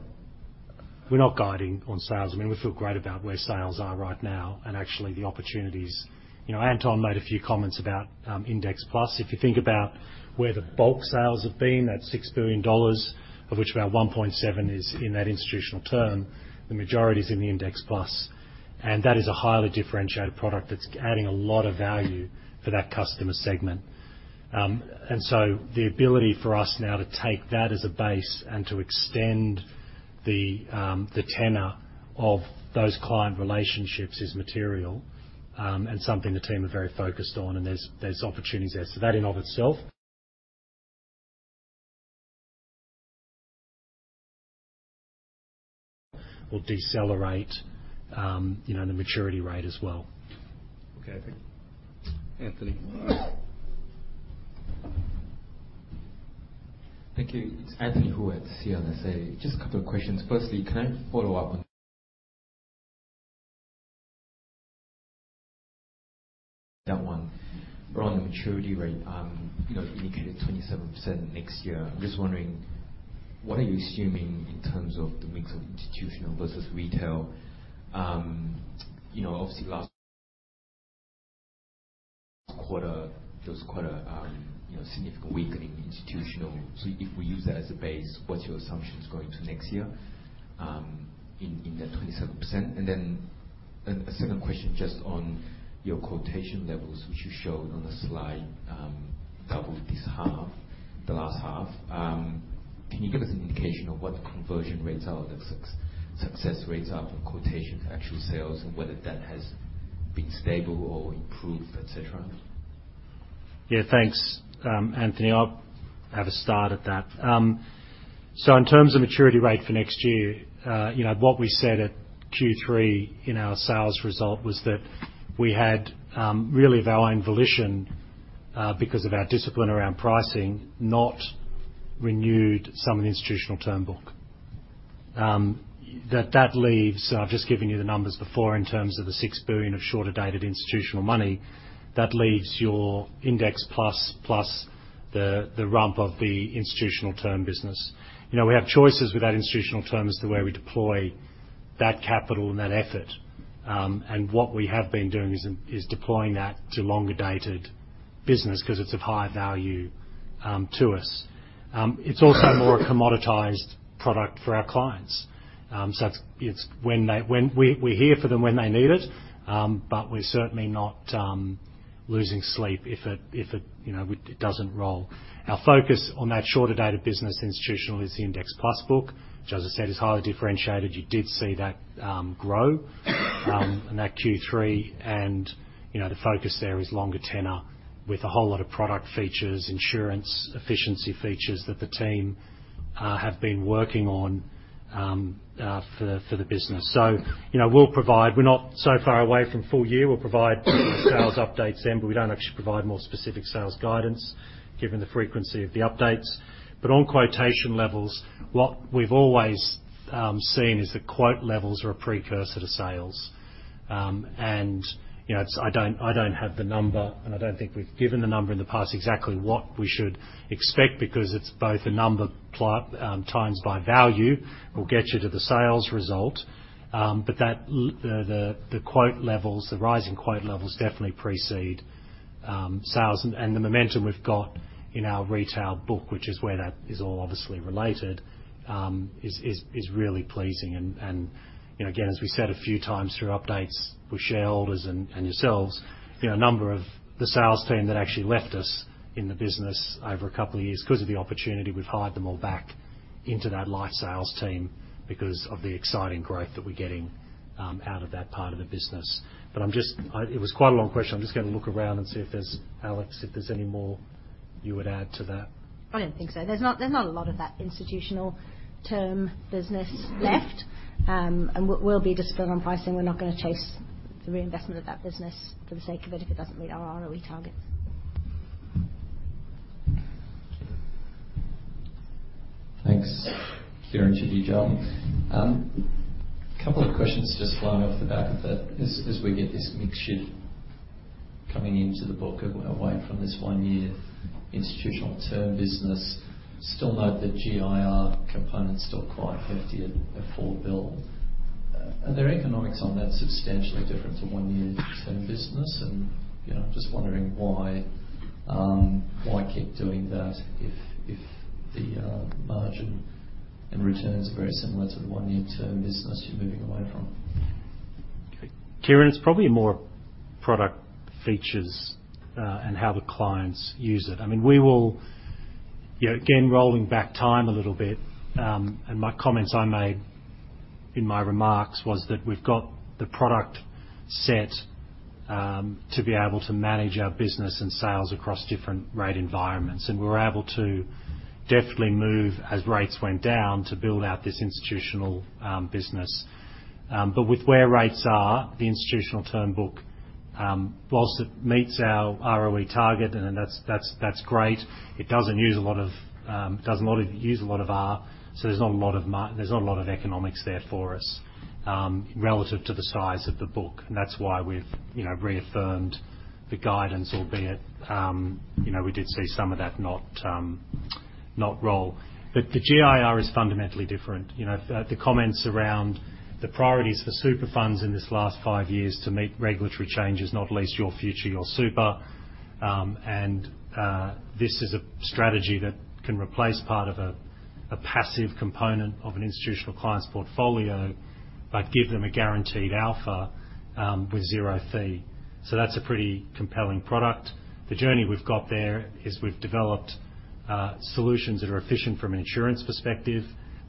We're not guiding on sales. I mean, we feel great about where sales are right now and actually the opportunities. You know, Anton made a few comments about Index Plus. If you think about where the bulk sales have been, that 6 billion dollars, of which about 1.7 billion is in that institutional term, the majority is in the Index Plus. That is a highly differentiated product that's adding a lot of value for that customer segment. The ability for us now to take that as a base and to extend the tenor of those client relationships is material and something the team are very focused on, and there's opportunities there. So that in of itself will decelerate, you know, the maturity rate as well. Okay, thank you. Anthony? Thank you. It's Anthony Hoo at CLSA. Just a couple of questions. Firstly, can I follow up that one? On the maturity rate, you know, you indicated 27% next year. I'm just wondering, what are you assuming in terms of the mix of institutional versus retail? You know, obviously, last quarter, there was quite a, you know, significant weakening in institutional. If we use that as a base, what's your assumptions going to next year, in that 27%? A second question, just on your quotation levels, which you showed on the slide, doubled this half, the last half. Can you give us an indication of what the conversion rates are, or the success rates are from quotation to actual sales, and whether that has been stable or improved, et cetera? Yeah, thanks, Anthony. I'll have a start at that. In terms of maturity rate for next year, you know, what we said at Q3 in our sales result was that we had really of our own volition, because of our discipline around pricing, not renewed some of the institutional term book. That, that leaves, I've just given you the numbers before, in terms of the 6 billion of shorter dated institutional money, that leaves your Index Plus, plus the rump of the institutional term business. You know, we have choices with that institutional term as to where we deploy that capital and that effort. What we have been doing is deploying that to longer dated business because it's of higher value to us. It's also more a commoditized product for our clients. It's when we're here for them when they need it, but we're certainly not losing sleep if it, you know, it doesn't roll. Our focus on that shorter dated business institutional is the Index Plus book, which, as I said, is highly differentiated. You did see that grow in that Q3. You know, the focus there is longer tenor with a whole lot of product features, insurance, efficiency features that the team have been working on for the business. You know, we'll provide We're not so far away from full year. We'll provide sales updates then, but we don't actually provide more specific sales guidance, given the frequency of the updates. On quotation levels, what we've always seen is that quote levels are a precursor to sales. You know, it's, I don't, I don't have the number, and I don't think we've given the number in the past, exactly what we should expect, because it's both a number plot, times by value, will get you to the sales result. That the quote levels, the rising quote levels, definitely precede, sales. The momentum we've got in our retail book, which is where that is all obviously related, is really pleasing. You know, again, as we said a few times through updates with shareholders and yourselves, you know, a number of the sales team that actually left us in the business over a couple of years, because of the opportunity, we've hired them all back into that life sales team because of the exciting growth that we're getting out of that part of the business. It was quite a long question. I'm just going to look around and see if there's, Alex, if there's any more you would add to that. I don't think so. There's not a lot of that institutional term business left. We'll be disciplined on pricing. We're not going to chase the reinvestment of that business for the sake of it, if it doesn't meet our ROE targets. Thanks, clear and to you, John. A couple of questions just flying off the back of that. As we get this mixed shift coming into the book and away from this one-year institutional term business, still note the GIR component is still quite hefty at AUD 4 billion. Are there economics on that substantially different to one-year term business? You know, just wondering why keep doing that if the margin and returns are very similar to the one-year term business you're moving away from? Kieran, it's probably more product features, and how the clients use it. I mean, we will, you know, again, rolling back time a little bit, and my comments I made in my remarks was that we've got the product set to be able to manage our business and sales across different rate environments, and we're able to deftly move as rates went down to build out this institutional business. But with where rates are, the institutional term book, whilst it meets our ROE target, and then that's great, it doesn't use a lot of, it doesn't not use a lot of R, so there's not a lot of economics there for us, relative to the size of the book, and that's why we've, you know, reaffirmed the guidance, albeit, you know, we did see some of that not roll. The GIR is fundamentally different. You know, the comments around the priorities for super funds in this last five years to meet regulatory changes, not least, Your Future, Your Super, and this is a strategy that can replace part of a passive component of an institutional client's portfolio, but give them a guaranteed alpha, with zero fee. That's a pretty compelling product. The journey we've got there is we've developed solutions that are efficient from an insurance perspective,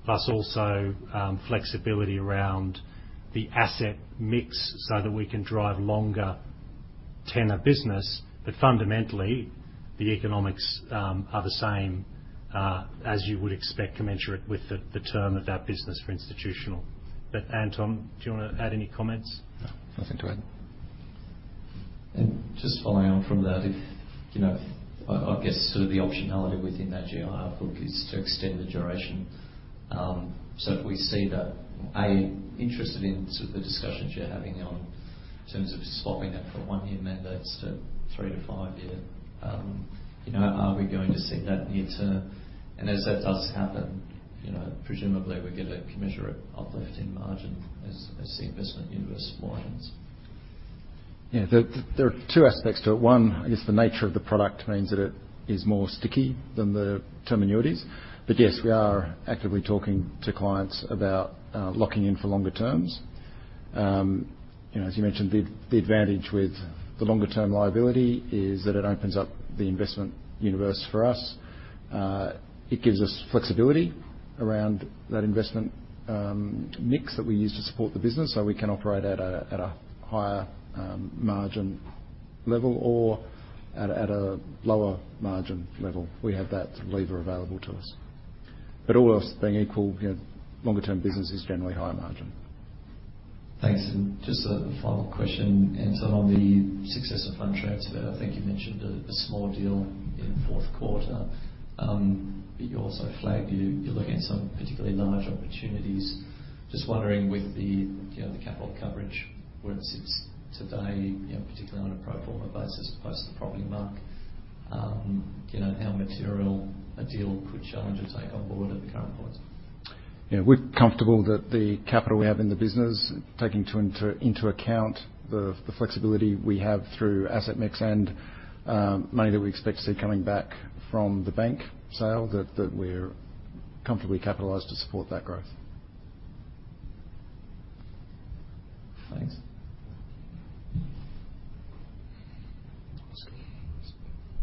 plus also flexibility around the asset mix so that we can drive longer tenor business. Fundamentally, the economics are the same as you would expect, commensurate with the term of that business for institutional. Anton, do you want to add any comments? No, nothing to add. Just following on from that, if, you know, I guess sort of the optionality within that GIR book is to extend the duration. If we see that, A, interested in sort of the discussions you're having in terms of swapping that for one-year mandates to 3-5 year, you know, are we going to see that near term? As that does happen, you know, presumably we get a commensurate uplift in margin as the investment universe widens. Yeah, there are two aspects to it. One, I guess the nature of the product means that it is more sticky than the term annuities. Yes, we are actively talking to clients about locking in for longer terms. You know, as you mentioned, the advantage with the longer-term liability is that it opens up the investment universe for us. It gives us flexibility around that investment mix that we use to suppor the business, so we can operate at a higher margin level or at a lower margin level. We have that lever available to us. All else being equal, you know, longer-term business is generally higher margin. Thanks. Just a final question, Anton, on the successor fund transfer, I think you mentioned a small deal in fourth quarter. You also flagged you're looking at some particularly large opportunities. Just wondering, with the, you know, the capital coverage, where it sits today, you know, particularly on a pro forma basis, close to the property mark, you know, how material a deal could Challenger take on board at the current point? Yeah. We're comfortable that the capital we have in the business, taking into account the flexibility we have through asset mix and money that we expect to see coming back from the bank sale, that we're comfortably capitalized to support that growth. Thanks. Scott-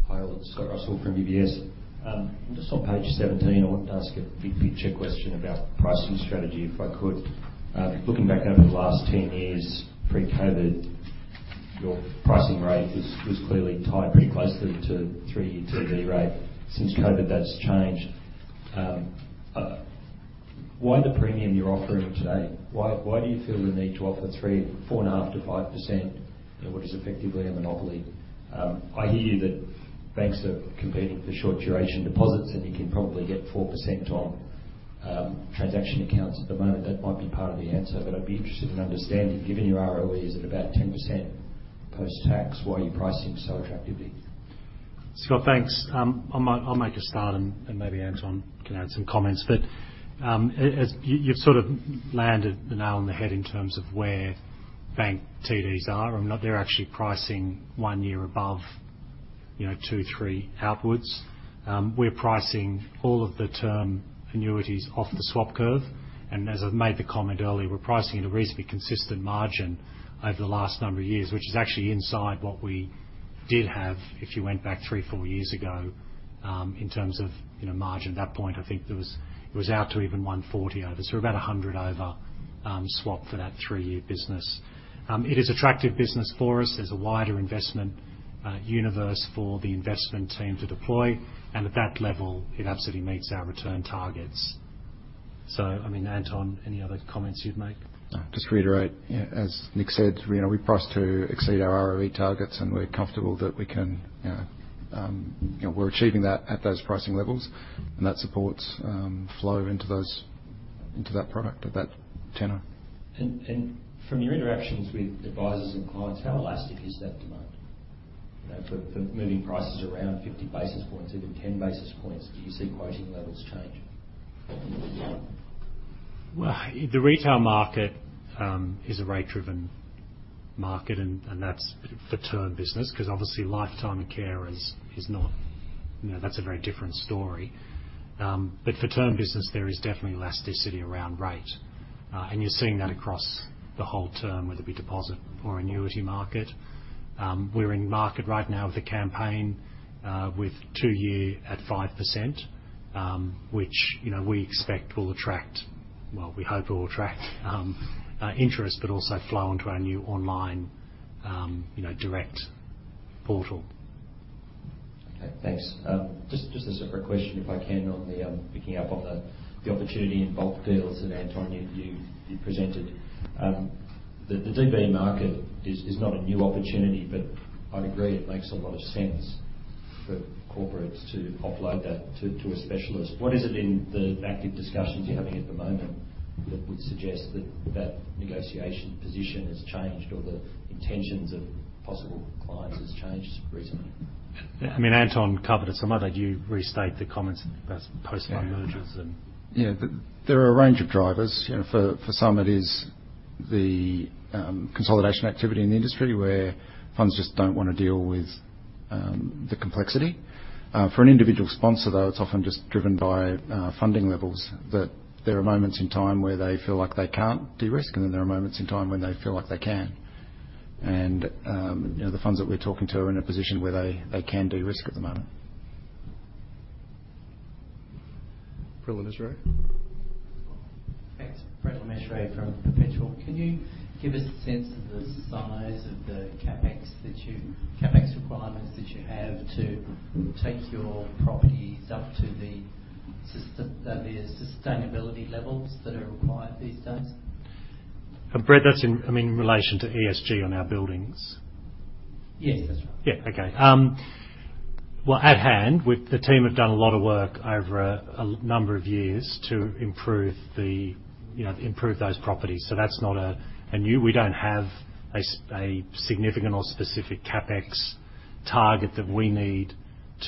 Hi, Scott Russell from UBS. Just on page 17, I wanted to ask a big picture question about pricing strategy, if I could. Looking back over the last 10 years, pre-COVID, your pricing rate was clearly tied pretty closely to three-year TD rate. Since COVID, that's changed. Why the premium you're offering today? Why do you feel the need to offer 3%, 4.5% to 5%, you know, what is effectively a monopoly? I hear you that banks are competing for short duration deposits, and you can probably get 4% on transaction accounts at the moment. That might be part of the answer, but I'd be interested in understanding, given your ROE is at about 10% post-tax, why you're pricing so attractively? Scott, thanks. I'll make a start, and maybe Anton can add some comments. As, you've sort of landed the nail on the head in terms of where bank TDs are. They're actually pricing one year above, you know, 2, 3 outwards. We're pricing all of the term annuities off the swap curve, and as I've made the comment earlier, we're pricing at a reasonably consistent margin over the last number of years, which is actually inside what we did have if you went back three, four years ago, in terms of, you know, margin. At that point, I think it was out to even 140 over, so about 100 over swap for that three-year business. It is attractive business for us. There's a wider investment universe for the investment team to deploy. At that level, it absolutely meets our return targets. I mean, Anton, any other comments you'd make? Just to reiterate, you know, as Nick said, you know, we price to exceed our ROE targets, and we're comfortable that we can, you know, we're achieving that at those pricing levels, and that supports flow into those, into that product at that tenor. From your interactions with advisers and clients, how elastic is that demand? You know, for moving prices around 50 basis points, even 10 basis points, do you see pricing levels change? The retail market is a rate-driven market, and that's for term business, because obviously lifetime care is not, you know, that's a very different story. For term business, there is definitely elasticity around rate, and you're seeing that across the whole term, whether it be deposit or annuity market. We're in market right now with a campaign with 2 year at 5%, which, you know, we expect will attract. Well, we hope it will attract interest, but also flow onto our new online, you know, direct portal. Okay, thanks. Just a separate question, if I can, on the picking up on the opportunity in bulk deals that, Anton, you presented. The DB market is not a new opportunity, but I agree it makes a lot of sense for corporates to offload that to a specialist. What is it in the active discussions you're having at the moment that would suggest that negotiation position has changed or the intentions of possible clients has changed recently? I mean, Anton covered it, so I'll let you restate the comments as post-fund mergers. Yeah, there are a range of drivers. You know, for some, it is the consolidation activity in the industry, where funds just don't want to deal with the complexity. For an individual sponsor, though, it's often just driven by funding levels, that there are moments in time where they feel like they can't de-risk, and then there are moments in time when they feel like they can. You know, the funds that we're talking to are in a position where they can de-risk at the moment. Brett Le Mesurier? Thanks. Brett Le Mesurier from Perpetual. Can you give us a sense of the size of the CapEx requirements that you have to take your properties up to the system, the sustainability levels that are required these days? Brett, that's in, I mean, in relation to ESG on our buildings. Yes, that's right. Yeah, okay. well, at hand, we, the team have done a lot of work over a number of years to, you know, improve those properties, so that's not a new... We don't have a significant or specific CapEx target that we need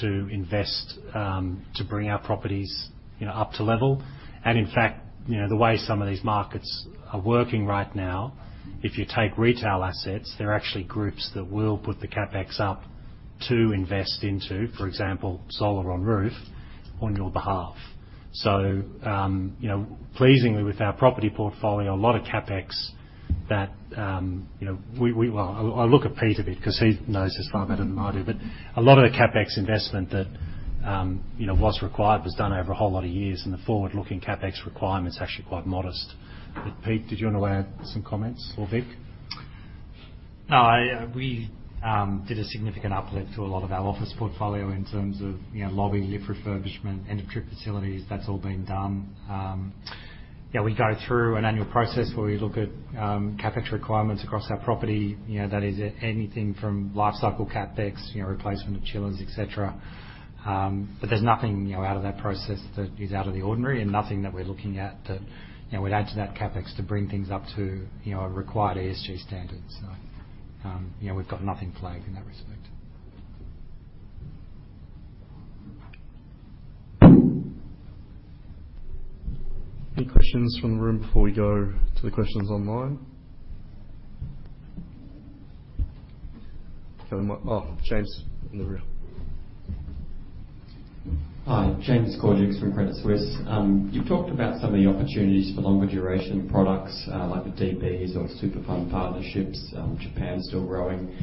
to invest to bring our properties, you know, up to level. In fact, you know, the way some of these markets are working right now, if you take retail assets, there are actually groups that will put the CapEx up to invest into, for example, solar on roof, on your behalf. you know, pleasingly, with our property portfolio, a lot of CapEx that, you know, we. I look at Pete a bit because he knows this far better than I do, but a lot of the CapEx investment that, you know, was required was done over a whole lot of years, and the forward-looking CapEx requirement is actually quite modest. Pete, did you want to add some comments, or Vic? No, we did a significant uplift to a lot of our office portfolio in terms of, you know, lobby, lift refurbishment, entry facilities. That's all been done. Yeah, we go through an annual process where we look at CapEx requirements across our property. You know, that is anything from life cycle CapEx, you know, replacement of chillers, et cetera. But there's nothing, you know, out of that process that is out of the ordinary and nothing that we're looking at that, you know, we'd add to that CapEx to bring things up to, you know, a required ESG standard. You know, we've got nothing flagged in that respect. Any questions from the room before we go to the questions online? Oh, James in the room. Hi, James Cordukes from Credit Suisse. You've talked about some of the opportunities for longer duration products, like the DBs or super fund partnerships, Japan still growing.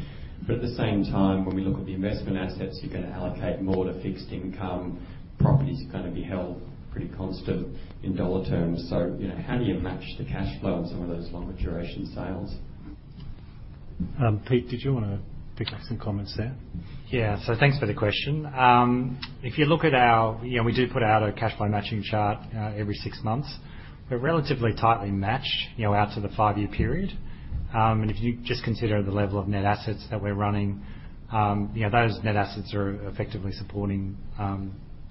At the same time, when we look at the investment assets, you're going to allocate more to fixed income. Properties are going to be held pretty constant in dollar terms. You know, how do you match the cash flow on some of those longer duration sales? Pete, did you want to pick up some comments there? Thanks for the question. If you look at our... You know, we do put out a cash flow matching chart every 6 months. We're relatively tightly matched, you know, out to the 5-year period. If you just consider the level of net assets that we're running, you know, those net assets are effectively supporting,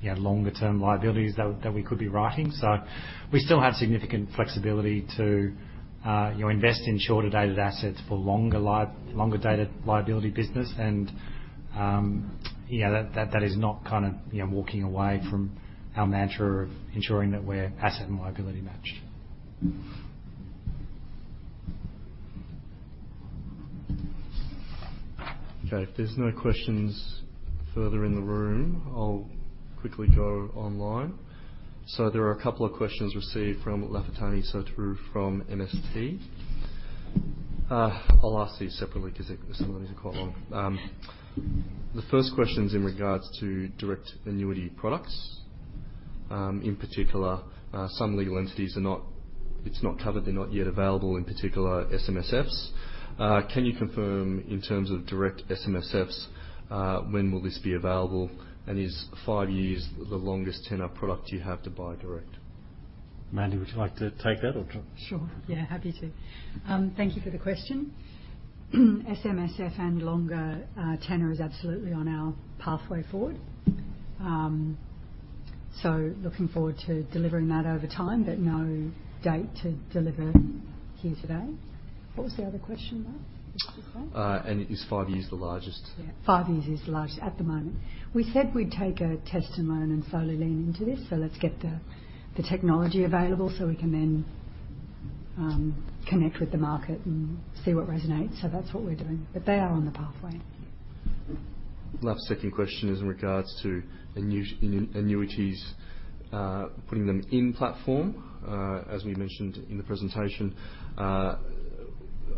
you know, longer term liabilities that we could be writing. We still have significant flexibility to, you know, invest in shorter dated assets for longer dated liability business and that is not kind of, you know, walking away from our mantra of ensuring that we're asset and liability matched. Okay, if there's no questions further in the room, I'll quickly go online. There are a couple of questions received from Lafitani Sotiriou from MSP. I'll ask these separately because some of these are quite long. The first question is in regards to direct annuity products. In particular, some legal entities are not, it's not covered, they're not yet available, in particular SMSFs. Can you confirm, in terms of direct SMSFs, when will this be available, and is 5 years the longest tenor product you have to buy direct? Mandy, would you like to take that or...? Sure. Yeah, happy to. Thank you for the question. SMSF and longer tenor is absolutely on our pathway forward. Looking forward to delivering that over time, but no date to deliver here today. What was the other question about? Is Five Years the largest? Yeah, five years is the largest at the moment. We said we'd take a test and learn, and slowly lean into this. Let's get the technology available so we can then connect with the market and see what resonates. That's what we're doing. They are on the pathway. Last, second question is in regards to annuities, putting them in platform. As we mentioned in the presentation,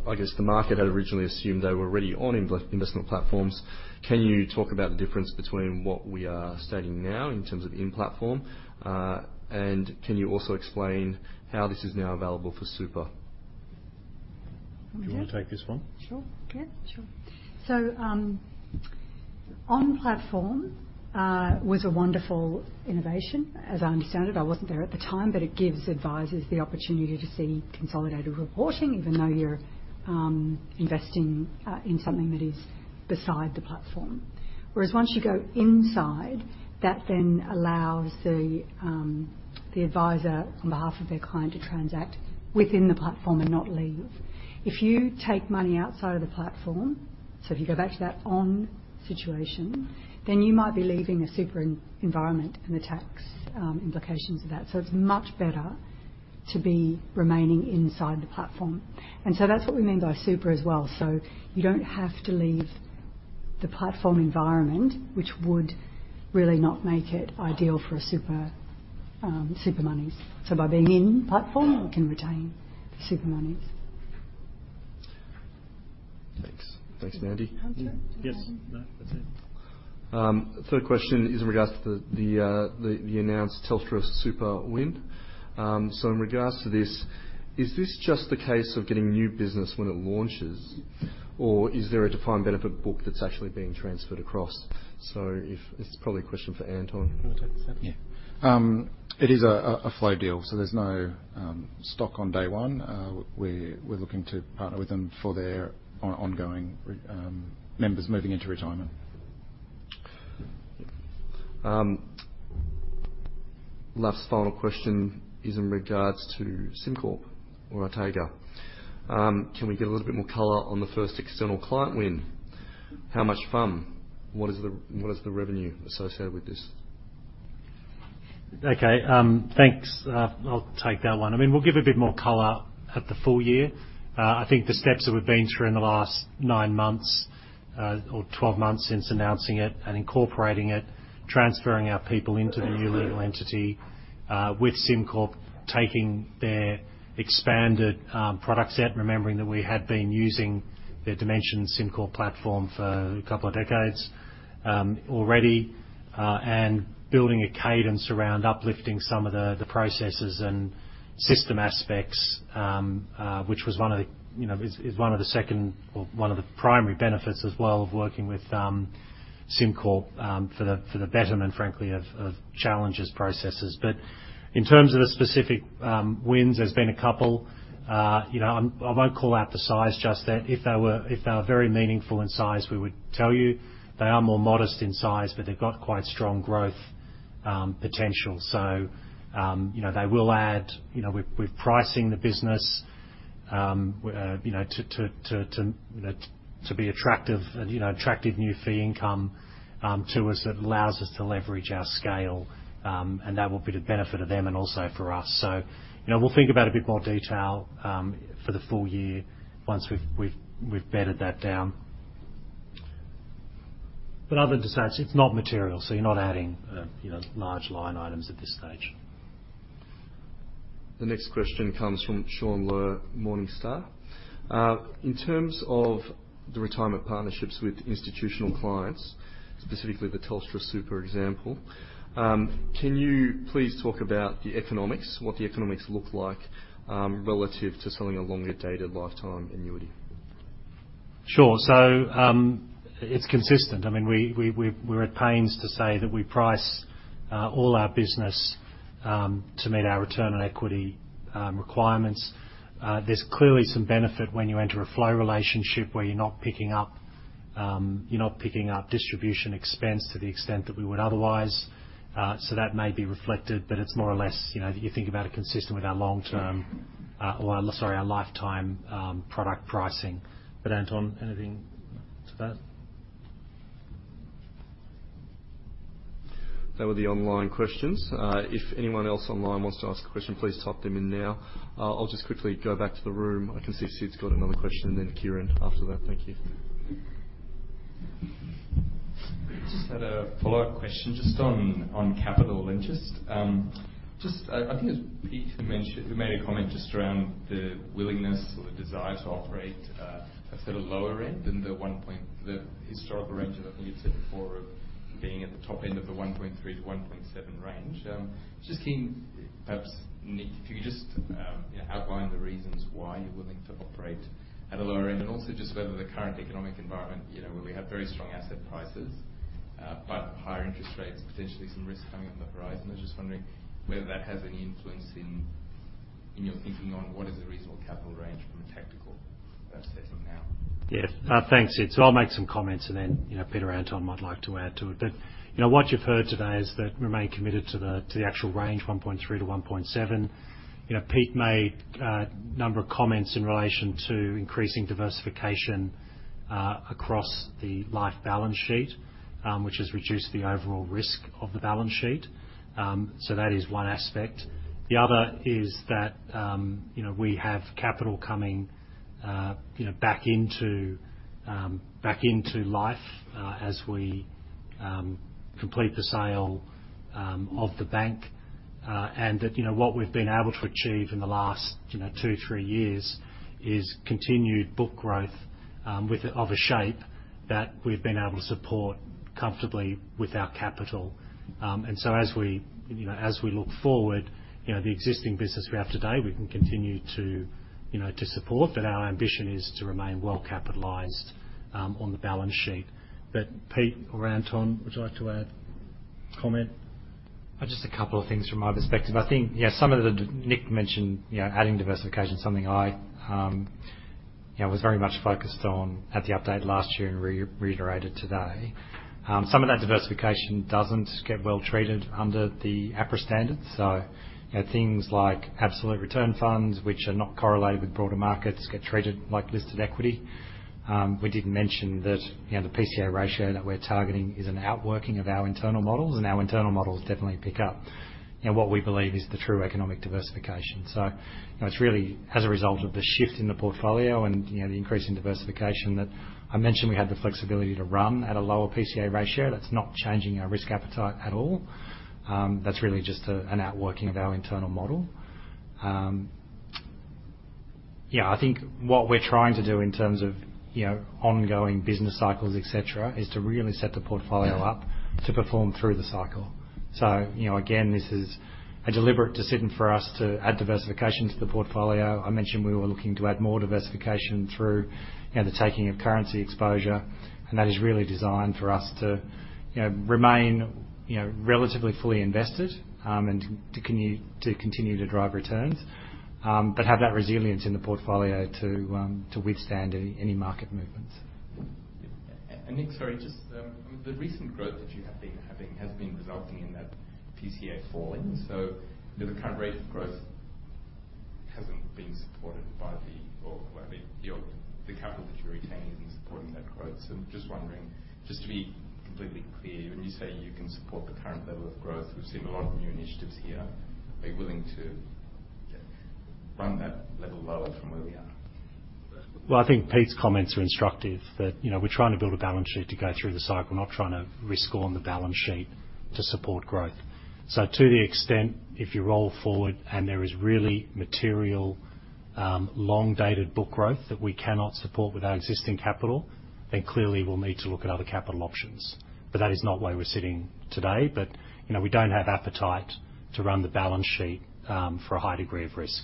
I guess the market had originally assumed they were already on investment platforms. Can you talk about the difference between what we are stating now, in terms of in-platform? Can you also explain how this is now available for Super? Do you want to take this one? Sure. Yeah, sure. On-platform was a wonderful innovation, as I understand it. I wasn't there at the time, but it gives advisors the opportunity to see consolidated reporting, even though you're investing in something that is beside the platform. Whereas once you go inside, that then allows the advisor, on behalf of their client, to transact within the platform and not leave. If you take money outside of the platform, so if you go back to that on situation, then you might be leaving a super environment and the tax implications of that. It's much better to be remaining inside the platform. That's what we mean by super as well. You don't have to leave the platform environment, which would really not make it ideal for a super super monies. By being in-platform, we can retain the super monies. Thanks. Thanks, Mandy. Okay. Yes. No, that's it. Third question is in regards to the announced TelstraSuper win. In regards to this, is this just the case of getting new business when it launches, or is there a defined benefit book that's actually being transferred across? This is probably a question for Anton. I'll take this one. Yeah. It is a flow deal, so there's no stock on day one. We're looking to partner with them for their ongoing members moving into retirement. Last final question is in regards to SimCorp or Artega. Can we get a little bit more color on the first external client win? How much FUM? What is the revenue associated with this? Okay, thanks. I'll take that one. I mean, we'll give a bit more color at the full year. I think the steps that we've been through in the last 9 months or 12 months since announcing it and incorporating it, transferring our people into the new legal entity with SimCorp, taking their expanded product set, remembering that we had been using their SimCorp Dimension platform for a couple of decades already. Building a cadence around uplifting some of the processes and system aspects, which was one of the, you know, is one of the second or one of the primary benefits as well of working with SimCorp, for the betterment, frankly, of Challenger's processes. In terms of the specific wins, there's been a couple. You know, I won't call out the size, just that if they were very meaningful in size, we would tell you. They are more modest in size, but they've got quite strong growth potential. You know, they will add, you know, with pricing the business, you know, to be attractive and, you know, attractive new fee income to us that allows us to leverage our scale, and that will be the benefit of them and also for us. You know, we'll think about a bit more detail for the full year once we've bedded that down. Other than that, it's not material, so you're not adding, you know, large line items at this stage. The next question comes from Shaun Ler, Morningstar. In terms of the retirement partnerships with institutional clients, specifically the TelstraSuper example, can you please talk about the economics, what the economics look like, relative to selling a longer dated lifetime annuity? Sure. It's consistent. I mean, we're at pains to say that we price all our business to meet our return on equity requirements. There's clearly some benefit when you enter a flow relationship where you're not picking up distribution expense to the extent that we would otherwise. That may be reflected, but it's more or less, you know, you think about it consistent with our long-term or, sorry, our lifetime product pricing. Anton, anything to that? They were the online questions. If anyone else online wants to ask a question, please type them in now. I'll just quickly go back to the room. I can see Sid's got another question, and then Kieran after that. Thank you. Just had a follow-up question, just on capital interest. Just I think it was Pete who mentioned, made a comment just around the willingness or the desire to operate a sort of lower end than the historical range that I believe you said before, of being at the top end of the 1.3-1.7 range. Just keen, perhaps, Nick, if you could just, you know, outline the reasons why you're willing to operate at a lower end, and also just whether the current economic environment, you know, where we have very strong asset prices, but higher interest rates, potentially some risks coming on the horizon. I was just wondering whether that has any influence in your thinking on what is a reasonable capital range from a tactical setting now? Yes. Thanks. I'll make some comments, and then, you know, Peter, Anton might like to add to it. You know, what you've heard today is that we remain committed to the actual range, 1.3 to 1.7. You know, Pete made a number of comments in relation to increasing diversification across the life balance sheet, which has reduced the overall risk of the balance sheet. That is one aspect. The other is that, you know, we have capital coming, you know, back into life, as we complete the sale of the bank. That, you know, what we've been able to achieve in the last, you know, 2, 3 years is continued book growth of a shape that we've been able to support comfortably with our capital. As we, you know, as we look forward, you know, the existing business we have today, we can continue to, you know, to support, but our ambition is to remain well-capitalized on the balance sheet. Peter or Anton, would you like to add? Comment. Just a couple of things from my perspective. I think, yeah, Nick mentioned, you know, adding diversification, something I, you know, was very much focused on at the update last year and reiterated today. Some of that diversification doesn't get well treated under the APRA standards. Things like absolute return funds, which are not correlated with broader markets, get treated like listed equity. We did mention that, you know, the PCA ratio that we're targeting is an outworking of our internal models, and our internal models definitely pick up, you know, what we believe is the true economic diversification. It's really as a result of the shift in the portfolio and, you know, the increase in diversification that I mentioned, we had the flexibility to run at a lower PCA ratio. That's not changing our risk appetite at all. That's really just an outworking of our internal model. Yeah, I think what we're trying to do in terms of, you know, ongoing business cycles, et cetera, is to really set the portfolio up to perform through the cycle. You know, again, this is a deliberate decision for us to add diversification to the portfolio. I mentioned we were looking to add more diversification through, you know, the taking of currency exposure, and that is really designed for us to, you know, remain, you know, relatively fully invested, and to continue to drive returns. Have that resilience in the portfolio to withstand any market movements. Nick, sorry, just the recent growth that you have been having has been resulting in that PCA falling. The current rate of growth hasn't been supported by the, or, well, the capital that you retained in supporting that growth. I'm just wondering, just to be completely clear, when you say you can support the current level of growth, we've seen a lot of new initiatives here. Are you willing to run that level lower from where we are? I think Pete's comments are instructive, that, you know, we're trying to build a balance sheet to go through the cycle, not trying to risk on the balance sheet to support growth. To the extent, if you roll forward and there is really material, long-dated book growth that we cannot support with our existing capital, then clearly we'll need to look at other capital options. That is not where we're sitting today. You know, we don't have appetite to run the balance sheet for a high degree of risk.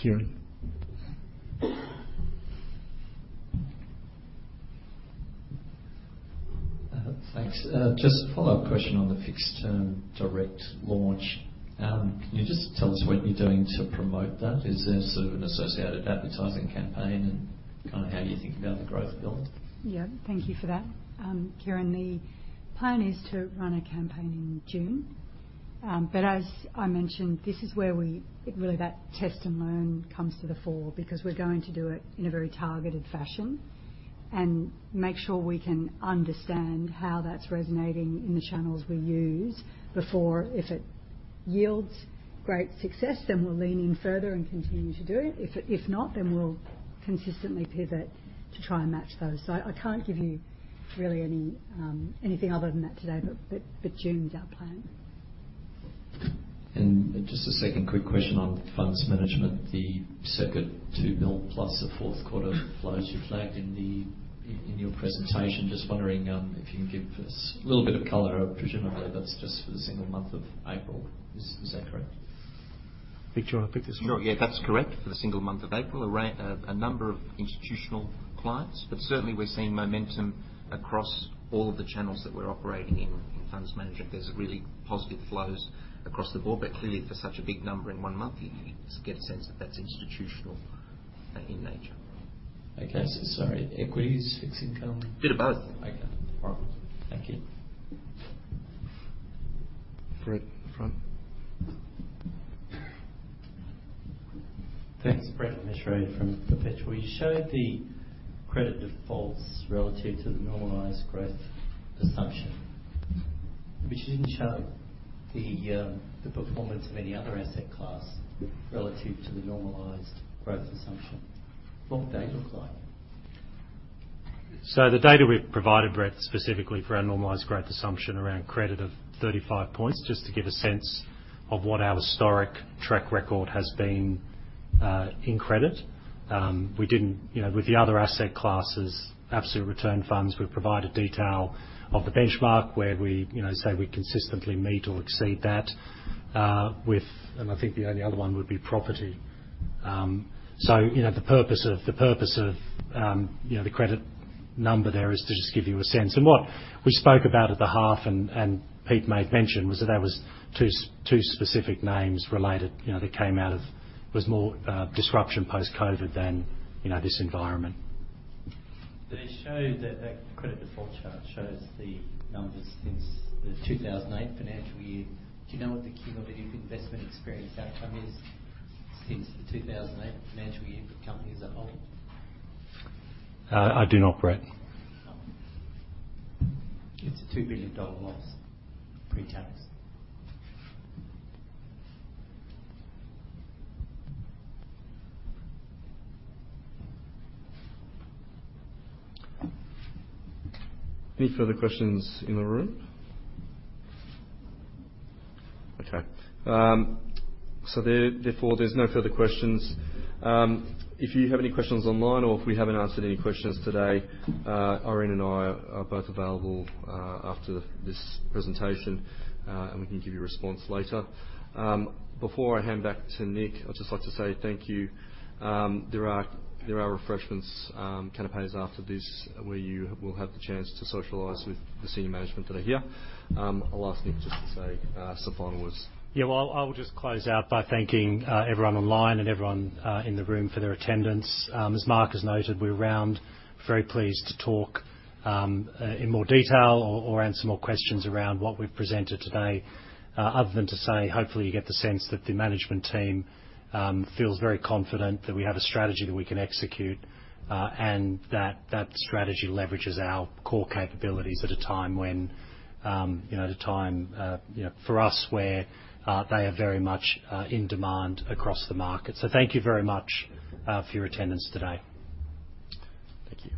Kieran? Thanks. Just a follow-up question on the Fixed Term Direct launch. Can you just tell us what you're doing to promote that? Is there sort of an associated advertising campaign and kind of how you think about the growth build? Yeah, thank you for that. Kieran, the plan is to run a campaign in June. As I mentioned, this is where really, that test and learn comes to the fore, because we're going to do it in a very targeted fashion and make sure we can understand how that's resonating in the channels we use before. If it yields great success, then we'll lean in further and continue to do it. If not, then we'll consistently pivot to try and match those. I can't give you really any anything other than that today, but June's our plan. Just a second quick question on funds management. The second 2 million, plus the fourth quarter flows you flagged in the, in your presentation. Just wondering if you can give us a little bit of color. Presumably, that's just for the single month of April. Is that correct? Nick, do you want to pick this one? Sure. Yeah, that's correct. For the single month of April, a number of institutional clients, but certainly we're seeing momentum across all the channels that we're operating in funds management. There's really positive flows across the board, but clearly for such a big number in one month, you get a sense that that's institutional in nature. Okay. Sorry, equities, fixed income? Bit of both. Wonderful. Thank you. Brett, front. Thanks. Brett Mashray from Perpetual. You showed the credit defaults relative to the normalized growth assumption, but you didn't show the performance of any other asset class relative to the normalized growth assumption. What would that look like? The data we've provided, Brett, specifically for our normalized growth assumption around credit of 35 points, just to give a sense of what our historic track record has been, in credit. You know, with the other asset classes, absolute return funds, we've provided detail of the benchmark where we, you know, say we consistently meet or exceed that.... with, and I think the only other one would be property. So, you know, the purpose of, you know, the credit number there is to just give you a sense. What we spoke about at the half, and Pete made mention, was that there was two specific names related, you know, that came out of... was more disruption post-COVID than, you know, this environment. It showed that credit default chart shows the numbers since the 2008 financial year. Do you know what the cumulative investment experience outcome is since the 2008 financial year for the company as a whole? I do not, Brett. It's a 2 billion dollar loss, pre-tax. Any further questions in the room? Okay. Therefore, there's no further questions. If you have any questions online or if we haven't answered any questions today, Irene and I are both available after this presentation, and we can give you a response later. Before I hand back to Nick, I'd just like to say thank you. There are refreshments, canapés after this, where you will have the chance to socialize with the senior management that are here. I'll ask Nick just to say some final words. Yeah, well, I will just close out by thanking everyone online and everyone in the room for their attendance. As Mark has noted, we're around, very pleased to talk in more detail or answer more questions around what we've presented today. Other than to say, hopefully, you get the sense that the management team feels very confident that we have a strategy that we can execute, and that that strategy leverages our core capabilities at a time when, you know, at a time, you know, for us, where they are very much in demand across the market. Thank you very much for your attendance today. Thank you.